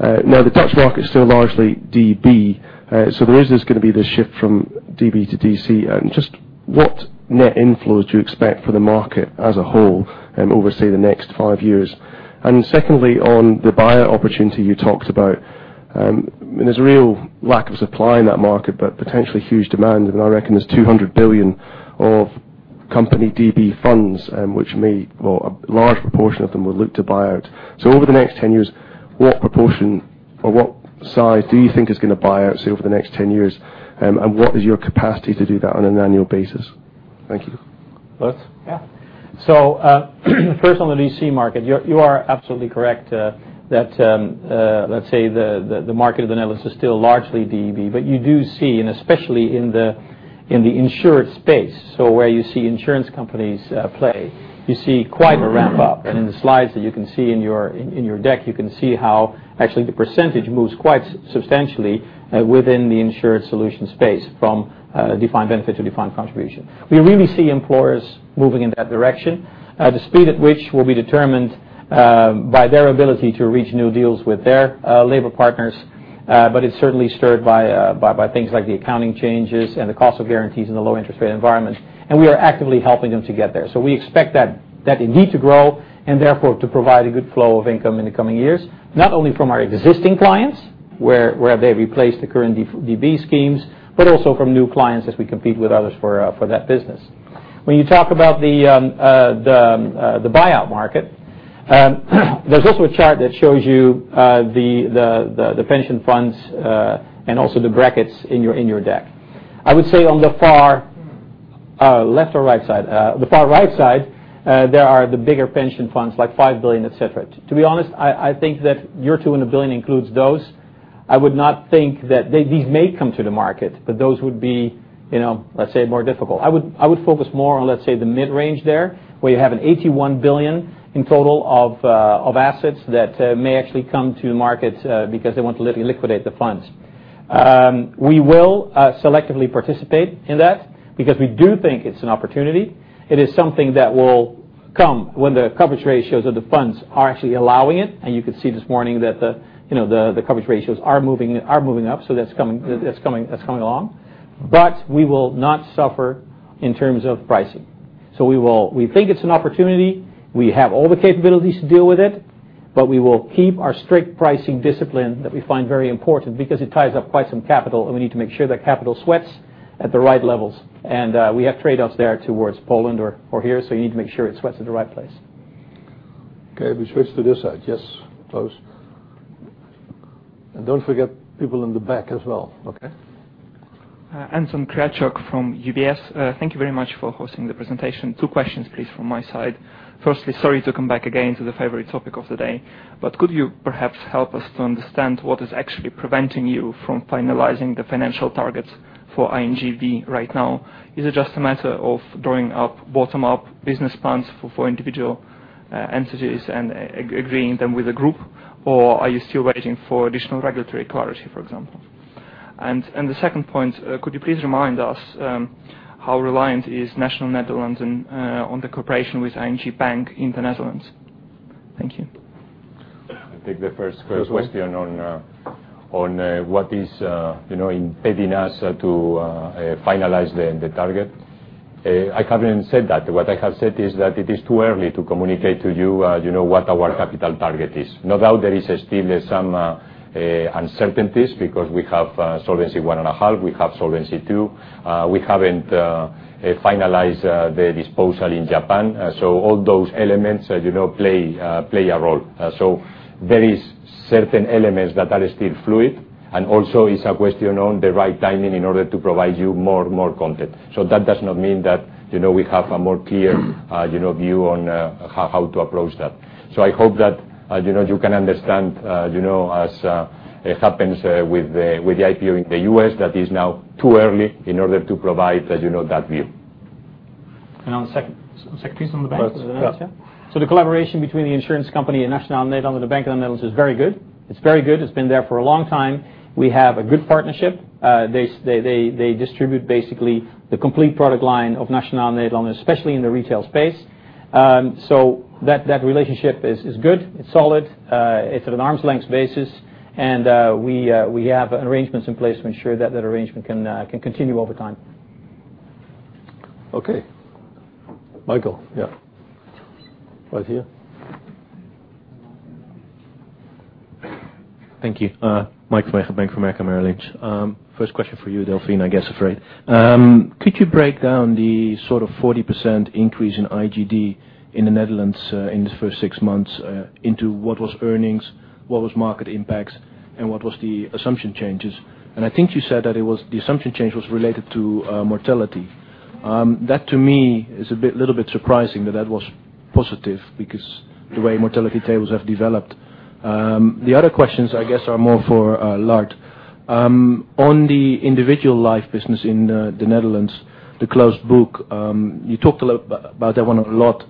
The Dutch market's still largely DB, there is this going to be this shift from DB to DC, and just what net inflows do you expect for the market as a whole over, say, the next 5 years? Secondly, on the buyout opportunity you talked about, there's a real lack of supply in that market but potentially huge demand. I reckon there's 200 billion of company DB funds, which may, well, a large proportion of them will look to buy out. Over the next 10 years, what proportion or what size do you think is going to buy out, say, over the next 10 years? And what is your capacity to do that on an annual basis? Thank you. Lard? Yeah. First on the DC market, you are absolutely correct that, let's say the market of the Netherlands is still largely DB. You do see, and especially in the insured space, where you see insurance companies play, you see quite a ramp up. In the slides that you can see in your deck, you can see how actually the percentage moves quite substantially within the insured solution space from defined benefit to defined contribution. We really see employers moving in that direction. The speed at which will be determined by their ability to reach new deals with their labor partners, but it's certainly stirred by things like the accounting changes and the cost of guarantees in the low interest rate environment. We are actively helping them to get there. We expect that indeed to grow and therefore to provide a good flow of income in the coming years. Not only from our existing clients, where they replace the current DB schemes, but also from new clients as we compete with others for that business. When you talk about the buyout market, there's also a chart that shows you the pension funds and also the brackets in your deck. I would say on the far left or right side? The far right side, there are the bigger pension funds, like 5 billion, et cetera. To be honest, I think that your 200 billion includes those. I would not think that these may come to the market, but those would be, let's say, more difficult. I would focus more on, let's say, the mid-range there, where you have an 81 billion in total of assets that may actually come to market because they want to liquidate the funds. We will selectively participate in that because we do think it's an opportunity. It is something that will come when the coverage ratios of the funds are actually allowing it, and you could see this morning that the coverage ratios are moving up. That's coming along. We will not suffer in terms of pricing. We think it's an opportunity. We have all the capabilities to deal with it, but we will keep our strict pricing discipline that we find very important because it ties up quite some capital, and we need to make sure that capital sweats at the right levels. We have trade-offs there towards Poland or here, you need to make sure it sweats at the right place. Okay, we switch to this side. Yes, close. Don't forget people in the back as well. Okay. Anton Kryachok from UBS. Thank you very much for hosting the presentation. Two questions, please, from my side. Firstly, sorry to come back again to the favorite topic of the day, but could you perhaps help us to understand what is actually preventing you from finalizing the financial targets for ING right now? Is it just a matter of drawing up bottom-up business plans for individual entities and agreeing them with the group, or are you still waiting for additional regulatory clarity, for example? The second point, could you please remind us how reliant is Nationale-Nederlanden on the cooperation with ING Bank in the Netherlands? Thank you. I'll take the first question on what is impeding us to finalize the target. I haven't said that. What I have said is that it is too early to communicate to you what our capital target is. No doubt there is still some uncertainties because we have Solvency 1.5, we have Solvency II. We haven't finalized the disposal in Japan. All those elements play a role. There is certain elements that are still fluid, and also it's a question on the right timing in order to provide you more content. That does not mean that we have a more clear view on how to approach that. I hope that you can understand as it happens with the IPO in the U.S., that is now too early in order to provide that view. On the second piece on the bank. The collaboration between the insurance company and Nationale-Nederlanden, the Bank of the Netherlands is very good. It's very good. It's been there for a long time. We have a good partnership. They distribute basically the complete product line of Nationale-Nederlanden, especially in the retail space. That relationship is good, it's solid. It's at an arm's length basis, and we have arrangements in place to ensure that that arrangement can continue over time. Okay. Michael, yeah. Right here. Thank you. Mike from Bank of America Merrill Lynch. First question for you, Delfin, I guess, afraid. Could you break down the sort of 40% increase in IGD in the Netherlands in the first 6 months into what was earnings, what was market impacts, and what was the assumption changes? I think you said that the assumption change was related to mortality. That to me is a little bit surprising that that was positive because the way mortality tables have developed. The other questions, I guess, are more for Lard. On the individual life business in the Netherlands, the closed book, you talked about that one a lot.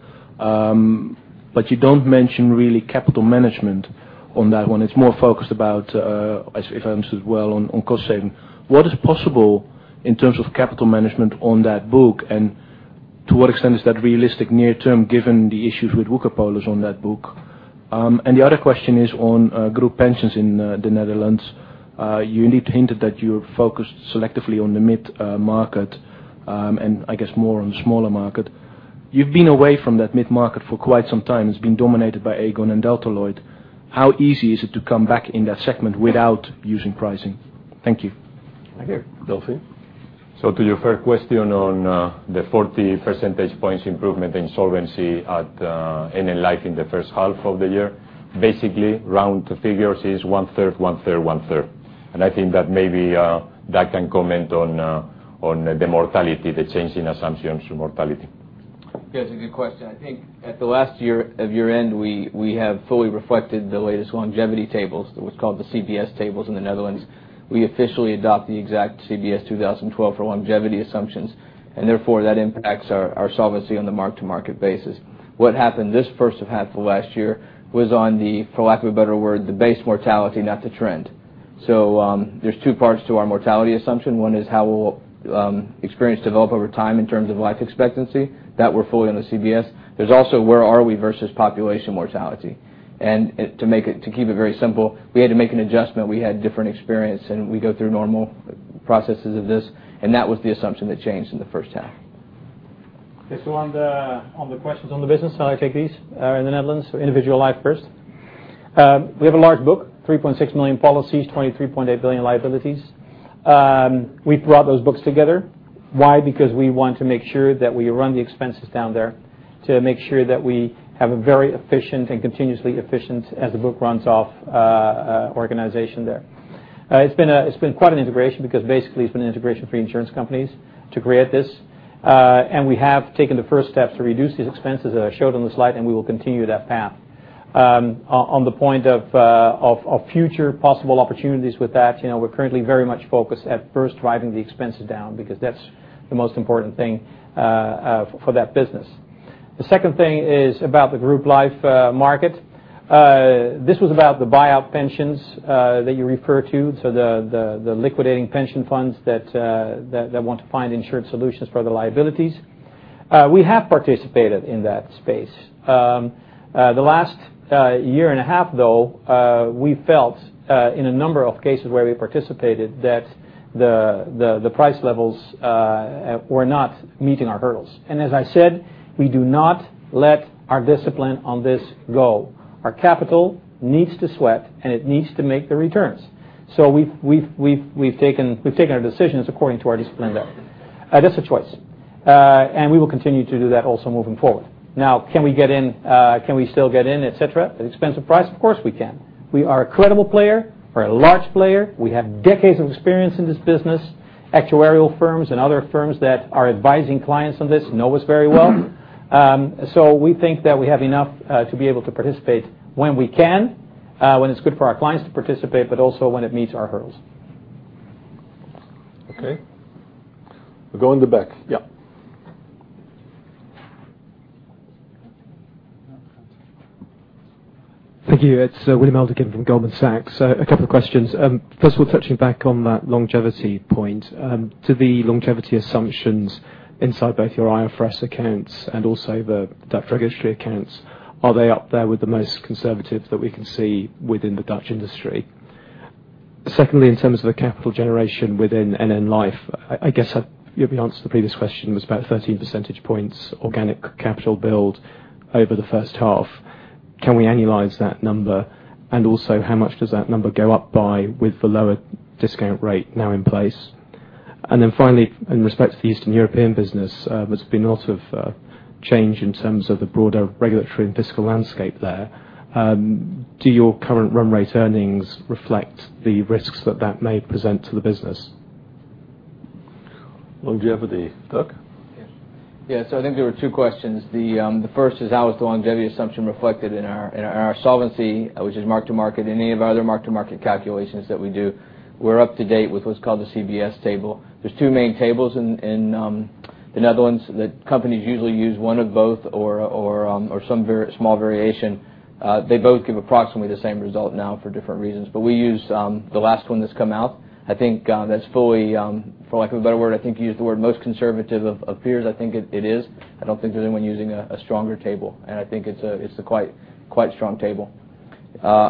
You don't mention really capital management on that one. It's more focused about, if I understood well, on cost saving. What is possible in terms of capital management on that book, and to what extent is that realistic near term, given the issues with Woekerpolis on that book? The other question is on group pensions in the Netherlands. You need to hint that you're focused selectively on the mid-market, and I guess more on the smaller market. You've been away from that mid-market for quite some time. It's been dominated by Aegon and Delta Lloyd. How easy is it to come back in that segment without using pricing? Thank you. Right here, Delfin. To your first question on the 40 percentage points improvement in solvency at NN Life in the first half of the year, basically round figures is one third, one third, one third. And I think that maybe Dak can comment on the mortality, the change in assumptions to mortality. It's a good question. I think at the last year of year-end, we have fully reflected the latest longevity tables, what's called the CBS tables in the Netherlands. We officially adopt the exact CBS 2012 for longevity assumptions, and therefore that impacts our solvency on the mark-to-market basis. What happened this first half of last year was on the, for lack of a better word, the base mortality, not the trend. There's two parts to our mortality assumption. One is how will experience develop over time in terms of life expectancy, that we're fully on the CBS. There's also where are we versus population mortality. And to keep it very simple, we had to make an adjustment. We had different experience, and we go through normal processes of this, and that was the assumption that changed in the first half. Okay, on the questions on the business side, I take these in the Netherlands for individual life first. We have a large book, 3.6 million policies, 23.8 billion liabilities. We brought those books together. Why? We want to make sure that we run the expenses down there to make sure that we have a very efficient and continuously efficient as the book runs off organization there. It's been quite an integration because basically it's been an integration for insurance companies to create this. We have taken the first steps to reduce these expenses that I showed on the slide, and we will continue that path. On the point of future possible opportunities with that, we're currently very much focused at first driving the expenses down because that's the most important thing for that business. The second thing is about the group life market. This was about the buyout pensions that you refer to. The liquidating pension funds that want to find insured solutions for the liabilities. We have participated in that space. The last year and a half though, we felt in a number of cases where we participated, that the price levels were not meeting our hurdles. As I said, we do not let our discipline on this go. Our capital needs to sweat, and it needs to make the returns. We've taken our decisions according to our discipline there. That's a choice. We will continue to do that also moving forward. Can we still get in, et cetera, at expensive price? Of course, we can. We are a credible player. We're a large player. We have decades of experience in this business. Actuarial firms and other firms that are advising clients on this know us very well. We think that we have enough to be able to participate when we can, when it's good for our clients to participate, but also when it meets our hurdles. Okay. We'll go in the back. Thank you. It's [William Alderton] from Goldman Sachs. A couple of questions. First of all, touching back on that longevity point, to the longevity assumptions inside both your IFRS accounts and also the Dutch regulatory accounts, are they up there with the most conservative that we can see within the Dutch industry? Secondly, in terms of the capital generation within NN Life, I guess your answer to the previous question was about 13 percentage points organic capital build over the first half. Can we annualize that number? How much does that number go up by with the lower discount rate now in place? In respect to the Eastern European business, there's been a lot of change in terms of the broader regulatory and fiscal landscape there. Do your current run rate earnings reflect the risks that that may present to the business? Longevity. Dak? Yes. I think there were two questions. The first is how is the longevity assumption reflected in our solvency, which is mark-to-market, in any of our other mark-to-market calculations that we do. We're up to date with what's called the CBS table. There's two main tables in the Netherlands that companies usually use one of both or some small variation. They both give approximately the same result now for different reasons. We use the last one that's come out. I think that's fully, for lack of a better word, I think you used the word most conservative of peers. I think it is. I don't think there's anyone using a stronger table. I think it's a quite strong table.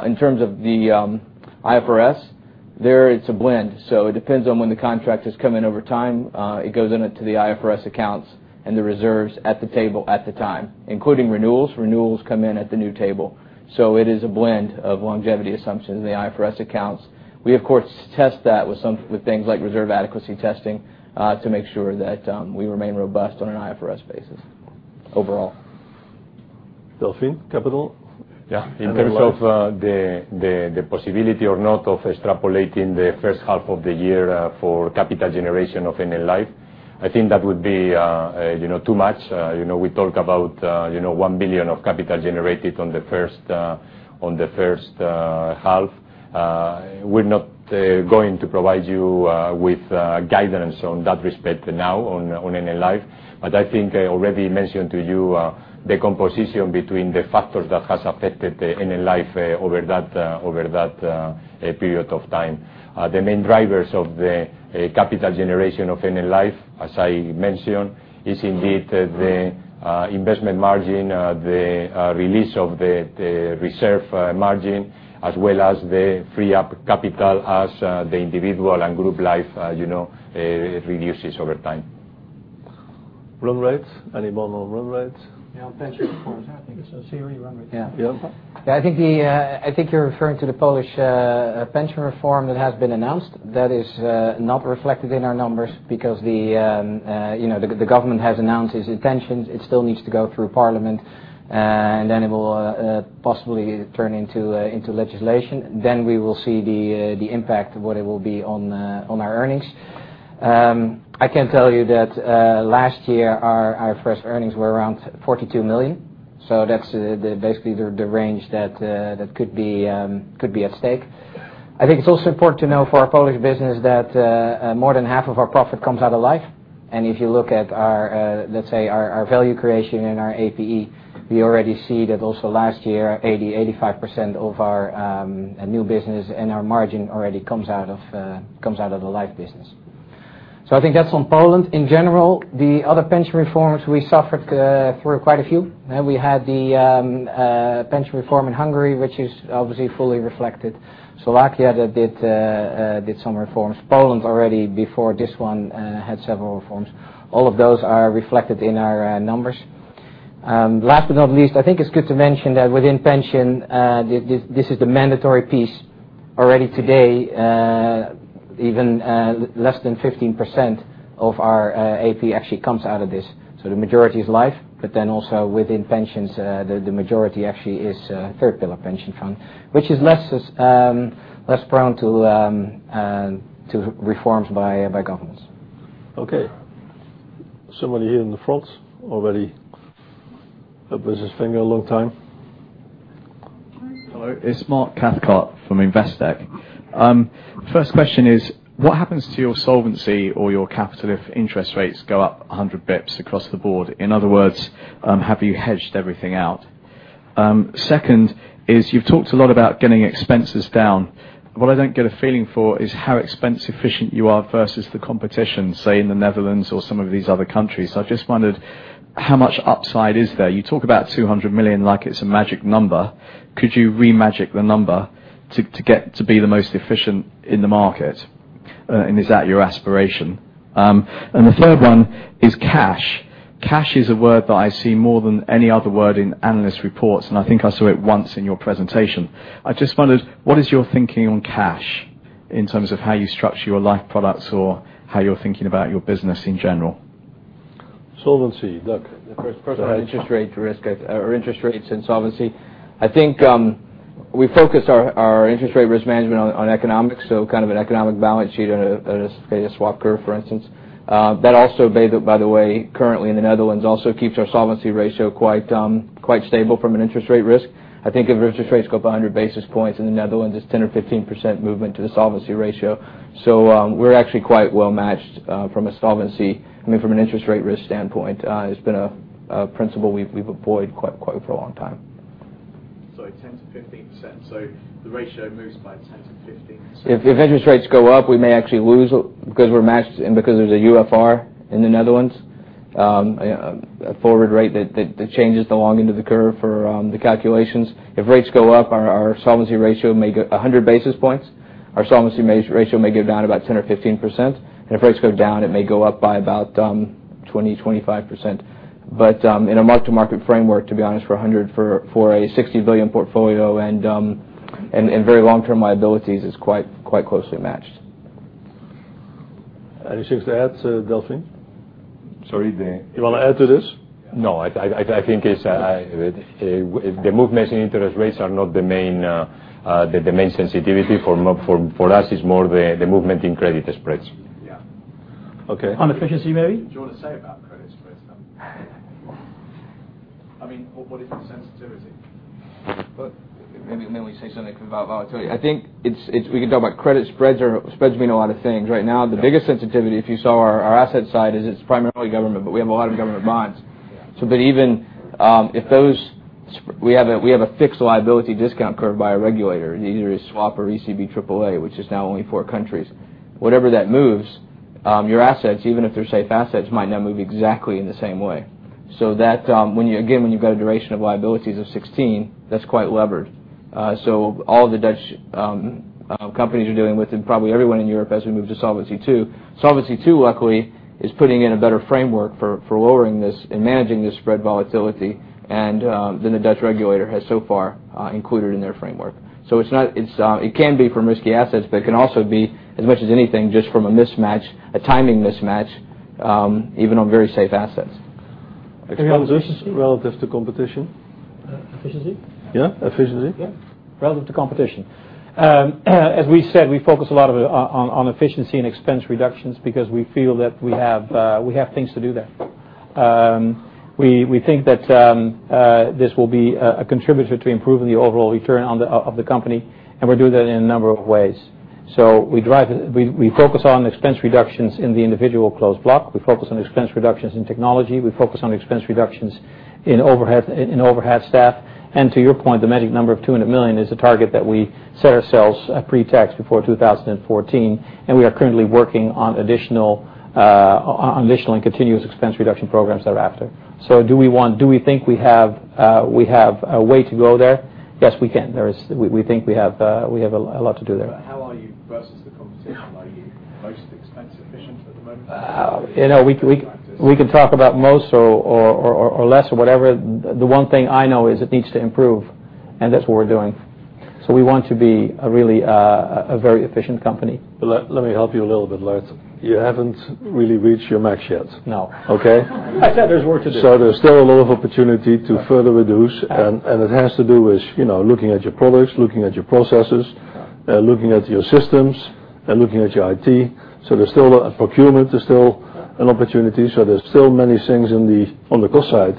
In terms of the IFRS, there it's a blend. It depends on when the contract has come in over time. It goes into the IFRS accounts and the reserves at the table at the time, including renewals. Renewals come in at the new table. It is a blend of longevity assumptions in the IFRS accounts. We of course test that with things like reserve adequacy testing to make sure that we remain robust on an IFRS basis overall. Delfin, capital? Yeah. In terms of the possibility or not of extrapolating the first half of the year for capital generation of NN Life, I think that would be too much. We talk about 1 billion of capital generated on the first half. We are not going to provide you with guidance on that respect now on NN Life. I think I already mentioned to you the composition between the factors that has affected NN Life over that period of time. The main drivers of the capital generation of NN Life, as I mentioned, is indeed the investment margin, the release of the reserve margin as well as the free up capital as the individual and group life reduces over time. Run rates? Any more on run rates? Yeah, on pension reform. I think it is a series of run rates. Yeah. Yeah. I think you're referring to the Polish pension reform that has been announced. That is not reflected in our numbers because the government has announced its intentions. It still needs to go through Parliament, and then it will possibly turn into legislation. We will see the impact of what it will be on our earnings. I can tell you that last year our IFRS earnings were around 42 million. That's basically the range that could be at stake. I think it's also important to know for our Polish business that more than half of our profit comes out of life. If you look at our, let's say, our value creation in our APE, we already see that also last year, 80%-85% of our new business and our margin already comes out of the life business. I think that's on Poland. In general, the other pension reforms, we suffered through quite a few. We had the pension reform in Hungary, which is obviously fully reflected. Slovakia that did some reforms. Poland already before this one had several reforms. All of those are reflected in our numbers. Last but not least, I think it's good to mention that within pension, this is the mandatory piece. Already today, even less than 15% of our AP actually comes out of this. The majority is life, but also within pensions, the majority actually is third pillar pension fund, which is less prone to reforms by governments. Okay. Somebody here in the front already up with his finger a long time. Hello, it's Mark Cathcart from Investec. First question is, what happens to your solvency or your capital if interest rates go up 100 basis points across the board? In other words, have you hedged everything out? Second is, you've talked a lot about getting expenses down. What I don't get a feeling for is how expense efficient you are versus the competition, say in the Netherlands or some of these other countries. I just wondered how much upside is there. You talk about 200 million like it's a magic number. Could you re-magic the number to get to be the most efficient in the market? Is that your aspiration? The third one is cash. Cash is a word that I see more than any other word in analyst reports, and I think I saw it once in your presentation. I just wondered, what is your thinking on cash in terms of how you structure your life products or how you're thinking about your business in general? Solvency. Doug. The first part, interest rate risk or interest rates and solvency. I think we focus our interest rate risk management on economics, so kind of an economic balance sheet and a swap curve, for instance. That also, by the way, currently in the Netherlands, also keeps our solvency ratio quite stable from an interest rate risk. I think if interest rates go up 100 basis points in the Netherlands, it's 10 or 15% movement to the solvency ratio. We're actually quite well-matched from a solvency, I mean, from an interest rate risk standpoint. It's been a principle we've employed quite for a long time. Sorry, 10%-15%. The ratio moves by 10%-15%. If interest rates go up, we may actually lose because we're matched and because there's a UFR in the Netherlands, a forward rate that changes the long into the curve for the calculations. If rates go up, our solvency ratio may go 100 basis points. Our solvency ratio may go down about 10% or 15%, and if rates go down, it may go up by about 20%, 25%. In a mark-to-market framework, to be honest, for a 60 billion portfolio and very long-term liabilities, it's quite closely matched. Anything to add, Delfin? Sorry. You want to add to this? No. I think the movements in interest rates are not the main sensitivity for us. It's more the movement in credit spreads. Yeah. Okay. On efficiency, maybe? Do you want to say about credit spreads then? What is your sensitivity? Maybe let me say something about. Well, I tell you, I think we can talk about credit spreads. Spreads mean a lot of things. Right now, the biggest sensitivity, if you saw our asset side, is it's primarily government, but we have a lot of government bonds. Yeah. Even if those We have a fixed liability discount curve by our regulator, either a swap or ECB triple A, which is now only four countries. Whatever that moves, your assets, even if they're safe assets, might not move exactly in the same way. That, again, when you've got a duration of liabilities of 16, that's quite levered. All the Dutch companies are doing with, and probably everyone in Europe as we move to Solvency II. Solvency II, luckily, is putting in a better framework for lowering this and managing this spread volatility than the Dutch regulator has so far included in their framework. It can be from risky assets, but it can also be as much as anything, just from a timing mismatch, even on very safe assets. Expenses relative to competition. Efficiency? Yeah, efficiency. Yeah. Relative to competition. As we said, we focus a lot on efficiency and expense reductions because we feel that we have things to do there. We think that this will be a contributor to improving the overall return of the company, and we'll do that in a number of ways. We focus on expense reductions in the individual closed block. We focus on expense reductions in technology. We focus on expense reductions in overhead staff. To your point, the magic number of 200 million is a target that we set ourselves pre-tax by the end of 2014. We are currently working on additional and continuous expense reduction programs thereafter. Do we think we have a way to go there? Yes, we can. We think we have a lot to do there. How are you versus the competition? Are you most expense efficient at the moment? We can talk about most or less or whatever. The one thing I know is it needs to improve, and that's what we're doing. We want to be a very efficient company. Let me help you a little bit, Lard. You haven't really reached your max yet. No. Okay? I said there's work to do. There's still a lot of opportunity to further reduce. It has to do with looking at your products, looking at your processes. Yeah looking at your systems, and looking at your IT. There's still a procurement, there's still an opportunity. There's still many things on the cost side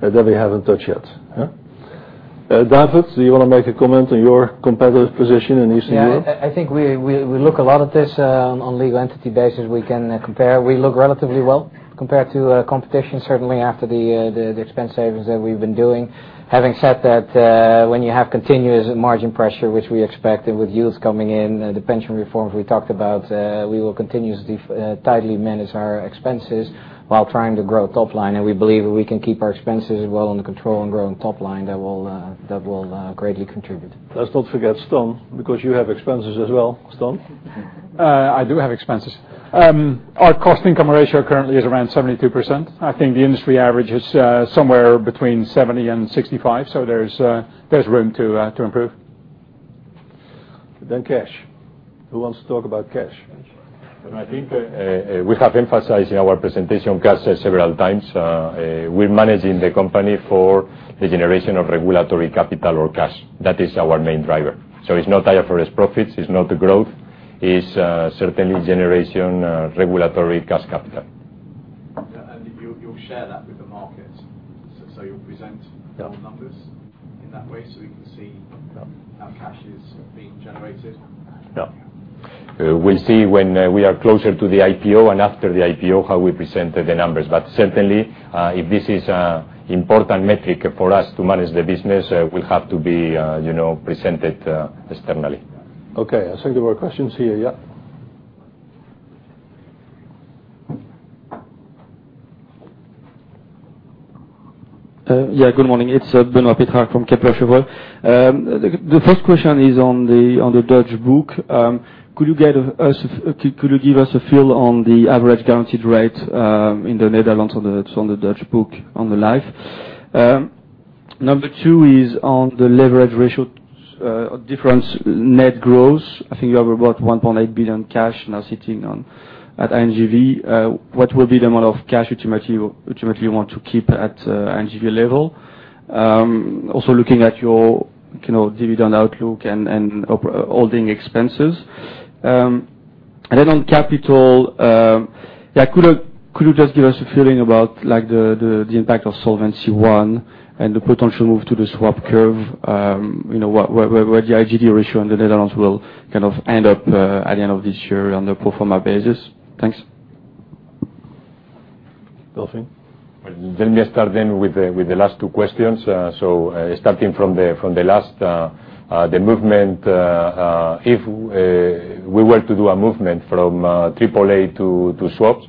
that we haven't touched yet. Yeah. David, do you want to make a comment on your competitive position in Eastern Europe? Yeah. I think we look a lot at this on legal entity basis. We can compare. We look relatively well compared to competition, certainly after the expense savings that we've been doing. Having said that, when you have continuous margin pressure, which we expect, and with yields coming in, the pension reforms we talked about, we will continuously tightly manage our expenses while trying to grow top line. We believe if we can keep our expenses well under control and grow on top line, that will greatly contribute. Let's not forget Stan, because you have expenses as well, Stan. I do have expenses. Our cost income ratio currently is around 72%. I think the industry average is somewhere between 70% and 65%. There's room to improve. Cash. Who wants to talk about cash? I think we have emphasized in our presentation cash several times. We're managing the company for the generation of regulatory capital or cash. That is our main driver. it's not IFRS profits, it's not the growth. It's certainly generation regulatory cash capital. You'll share that with the market? you'll present- Yeah the numbers in that way so we can see- Yeah how cash is being generated? Yeah. We'll see when we are closer to the IPO and after the IPO how we present the numbers. Certainly, if this is an important metric for us to manage the business, will have to be presented externally. Okay, I think there were questions here. Yeah. Yeah, good morning. It's Benoît Pétrarque from Kepler Cheuvreux. The first question is on the Dutch book. Could you give us a feel on the average guaranteed rate, in the Netherlands on the Dutch book on the life? Number 2 is on the leverage ratio difference net gross. I think you have about 1.8 billion cash now sitting at VOYA. What will be the amount of cash ultimately you want to keep at VOYA level? Also looking at your dividend outlook and holding expenses. Then on capital, could you just give us a feeling about the impact of Solvency I and the potential move to the swap curve? Where the IGD ratio in the Netherlands will end up at the end of this year on the pro forma basis? Thanks. Delfin? Let me start with the last two questions. Starting from the last, the movement, if we were to do a movement from AAA to swaps,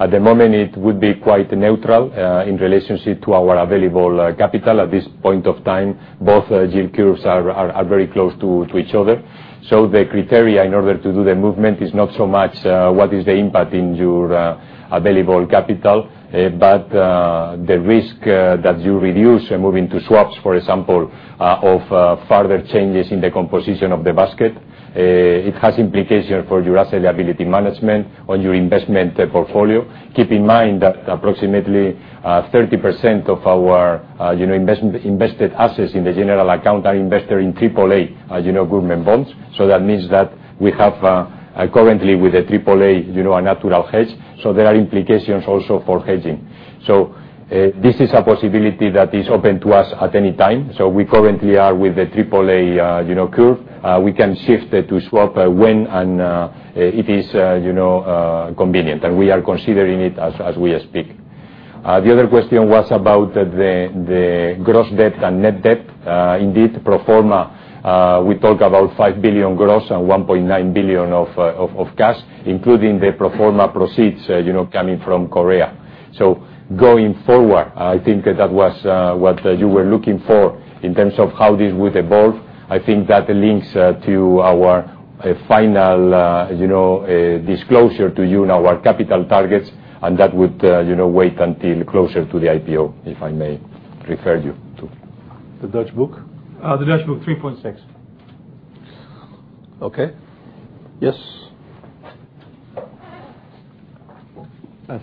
at the moment, it would be quite neutral, in relationship to our available capital. At this point of time, both yield curves are very close to each other. The criteria in order to do the movement is not so much what is the impact in your available capital, but the risk that you reduce moving to swaps, for example, of further changes in the composition of the basket. It has implications for your asset liability management on your investment portfolio. Keep in mind that approximately 30% of our invested assets in the general account are invested in AAA government bonds. That means that we have, currently with the AAA, a natural hedge. There are implications also for hedging. This is a possibility that is open to us at any time. We currently are with the AAA curve. We can shift it to swap when and it is convenient, and we are considering it as we speak. The other question was about the gross debt and net debt. Indeed, pro forma, we talk about 5 billion gross and 1.9 billion of cash, including the pro forma proceeds coming from Korea. Going forward, I think that was what you were looking for in terms of how this would evolve. I think that links to our final disclosure to you on our capital targets, and that would wait until closer to the IPO, if I may refer you to. The Dutch book? The Dutch book, 3.6. Okay. Yes.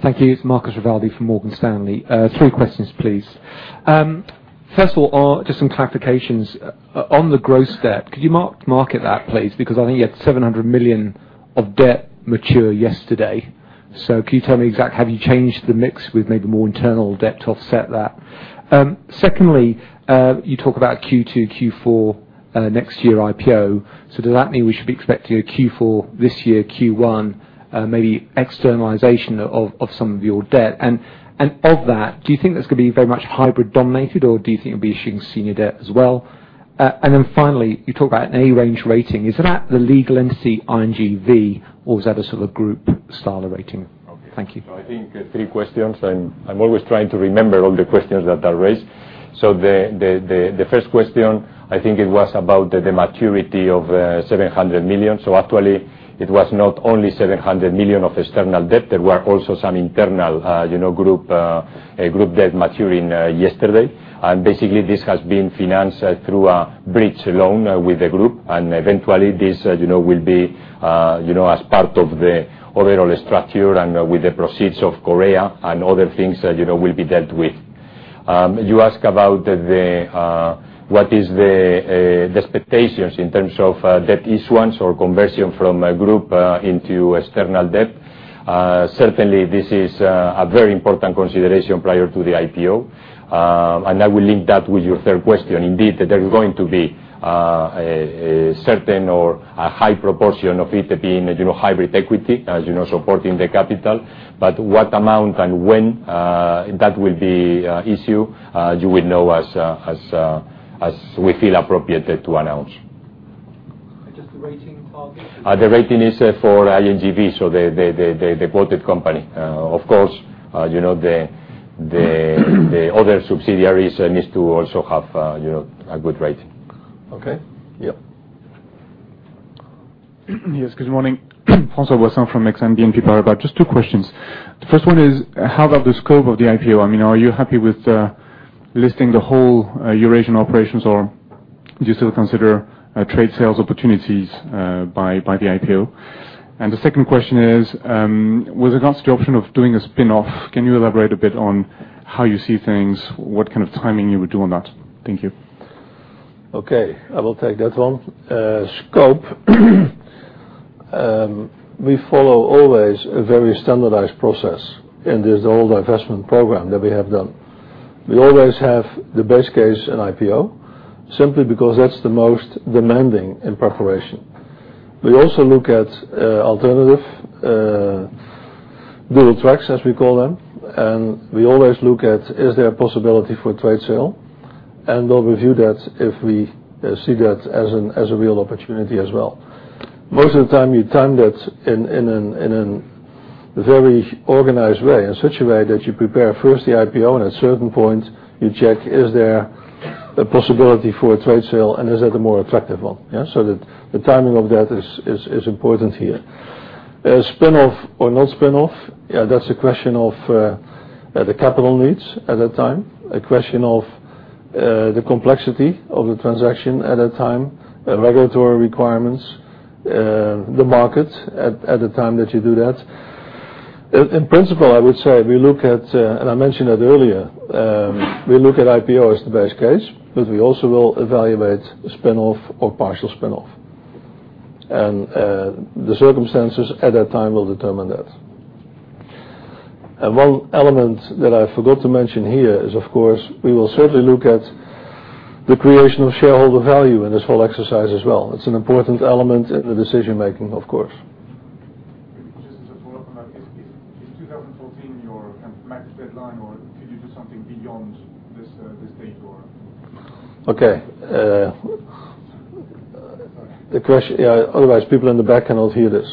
Thank you. It's Marcus Rivaldi from Morgan Stanley. Three questions, please. First of all, just some clarifications. On the gross debt, could you market that, please? Because I think you had 700 million of debt mature yesterday. Can you tell me exact, have you changed the mix with maybe more internal debt to offset that? Secondly, you talk about Q2, Q4 next year IPO. Does that mean we should be expecting a Q4 this year, Q1 maybe externalization of some of your debt? Of that, do you think that's going to be very much hybrid dominated, or do you think you'll be issuing senior debt as well? Then finally, you talk about an A range rating. Is that the legal entity VOYA, or is that a sort of group style rating? Thank you. Okay. I think three questions, I'm always trying to remember all the questions that are raised. The first question, I think it was about the maturity of 700 million. Actually, it was not only 700 million of external debt. There were also some internal group debt maturing yesterday. Basically, this has been financed through a bridge loan with the group, and eventually, this will be as part of the overall structure and with the proceeds of Korea and other things that will be dealt with. You ask about what is the expectations in terms of debt issuance or conversion from group into external debt. Certainly, this is a very important consideration prior to the IPO. I will link that with your third question. Indeed, there is going to be a certain or a high proportion of it being hybrid equity as supporting the capital. What amount and when, that will be issue, you will know as we feel appropriate to announce. Just the rating part of it. The rating is for VOYA, so the quoted company. Of course, the other subsidiaries need to also have a good rating. Okay. Yeah. Yes. Good morning. Francois Boissin from Exane BNP Paribas. Just two questions. The first one is, how about the scope of the IPO? Are you happy with listing the whole Eurasian operations, or do you still consider trade sales opportunities by the IPO? The second question is, with regards to the option of doing a spinoff, can you elaborate a bit on how you see things? What kind of timing you would do on that? Thank you. Okay, I will take that one. Scope. We follow always a very standardized process in this whole investment program that we have done. We always have the base case in IPO, simply because that's the most demanding in preparation. We also look at alternative dual tracks, as we call them, and we always look at, is there a possibility for a trade sale? We'll review that if we see that as a real opportunity as well. Most of the time, you time that in a very organized way. In such a way that you prepare first the IPO, and at a certain point you check is there a possibility for a trade sale, and is that a more attractive one? Yeah. The timing of that is important here. Spin off or not spin off, that's a question of the capital needs at that time, a question of the complexity of the transaction at that time, the regulatory requirements, the market at the time that you do that. In principle, I would say we look at, and I mentioned that earlier, we look at IPO as the base case, but we also will evaluate spin off or partial spin off. The circumstances at that time will determine that. One element that I forgot to mention here is, of course, we will certainly look at the creation of shareholder value in this whole exercise as well. It's an important element in the decision making, of course. Just as a follow-up on that. Is 2014 your kind of maximum deadline, or could you do something beyond this date, or? Okay. Otherwise, people in the back cannot hear this.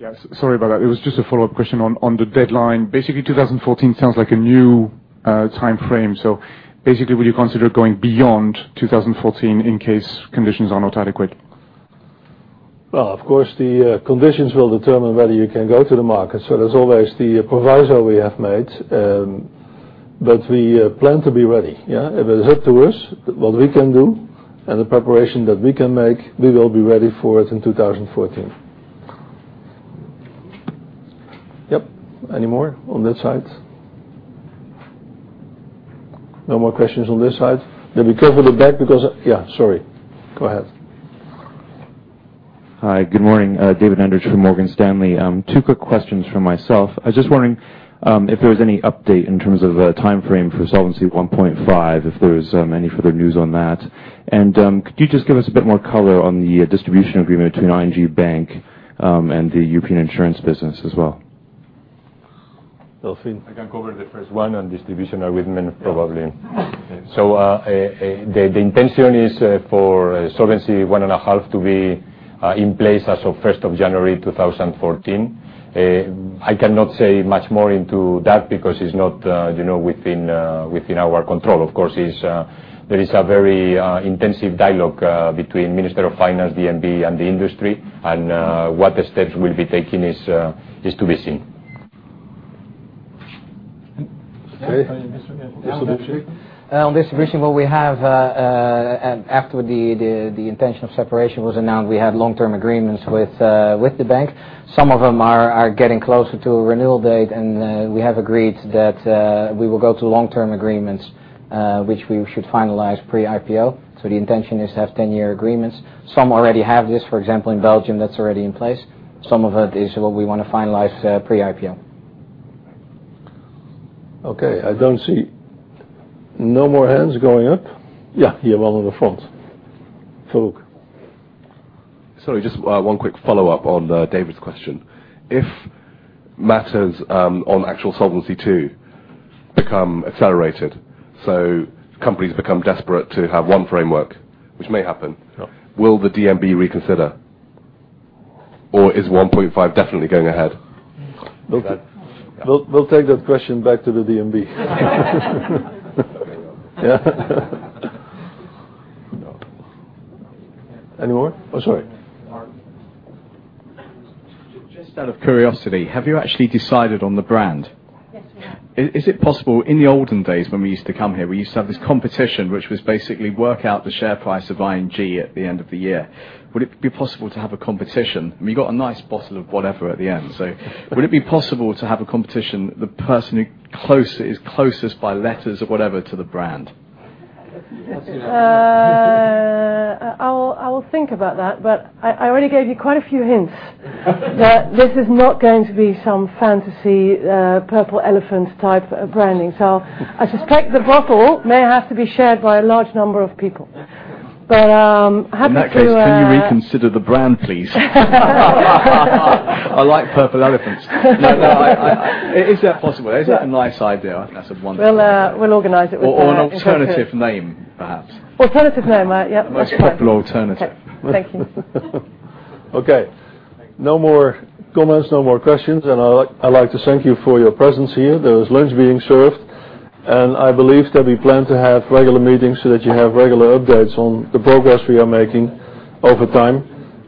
Yes, sorry about that. It was just a follow-up question on the deadline. Basically, 2014 sounds like a new timeframe. Basically, will you consider going beyond 2014 in case conditions are not adequate? Of course, the conditions will determine whether you can go to the market. There's always the proviso we have made, but we plan to be ready. Yeah. If it is up to us, what we can do, and the preparation that we can make, we will be ready for it in 2014. Yep. Any more on this side? No more questions on this side? Let me go to the back because. Yeah, sorry. Go ahead. Hi. Good morning. David Andrich from Morgan Stanley. Two quick questions from myself. I was just wondering if there was any update in terms of a timeframe for Solvency 1.5, if there's any further news on that. Could you just give us a bit more color on the distribution agreement between ING Bank and the European insurance business as well? Delfin. I can cover the first one on distribution agreement, probably. The intention is for Solvency 1.5 to be in place as of 1st of January 2014. I cannot say much more into that because it's not within our control. Of course, there is a very intensive dialogue between the Minister of Finance, DNB, and the industry. What steps will be taken is to be seen. Okay. Jeroen? On distribution, after the intention of separation was announced, we had long-term agreements with the bank. Some of them are getting closer to a renewal date, and we have agreed that we will go to long-term agreements, which we should finalize pre-IPO. The intention is to have 10-year agreements. Some already have this. For example, in Belgium, that's already in place. Some of it is what we want to finalize pre-IPO. Okay. I don't see no more hands going up. Yeah. You, all the way in the front. Farooq. Sorry, just one quick follow-up on David's question. If matters on actual Solvency II become accelerated, so companies become desperate to have one framework, which may happen. Sure Will the DNB reconsider, or is 1.5 definitely going ahead? We'll take that question back to the DNB. Yeah. Any more? Oh, sorry. Just out of curiosity, have you actually decided on the brand? Yes, we have. Is it possible, in the olden days when we used to come here, we used to have this competition, which was basically work out the share price of ING at the end of the year. Would it be possible to have a competition? We got a nice bottle of whatever at the end. Would it be possible to have a competition, the person who is closest by letters of whatever to the brand? I'll think about that. I already gave you quite a few hints that this is not going to be some fantasy purple elephant type of branding. I suspect the bottle may have to be shared by a large number of people. I'm happy to- In that case, can you reconsider the brand, please? I like purple elephants. Is that possible? Is that a nice idea? That's a wonderful idea. We'll organize it with- An alternative name, perhaps. Alternative name. Yep. Let's try. A much purple alternative. Okay. Thank you. Okay. No more comments, no more questions. I'd like to thank you for your presence here. There is lunch being served, and I believe that we plan to have regular meetings so that you have regular updates on the progress we are making over time.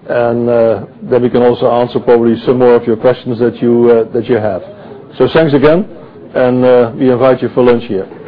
Then we can also answer probably some more of your questions that you have. Thanks again, and we invite you for lunch here.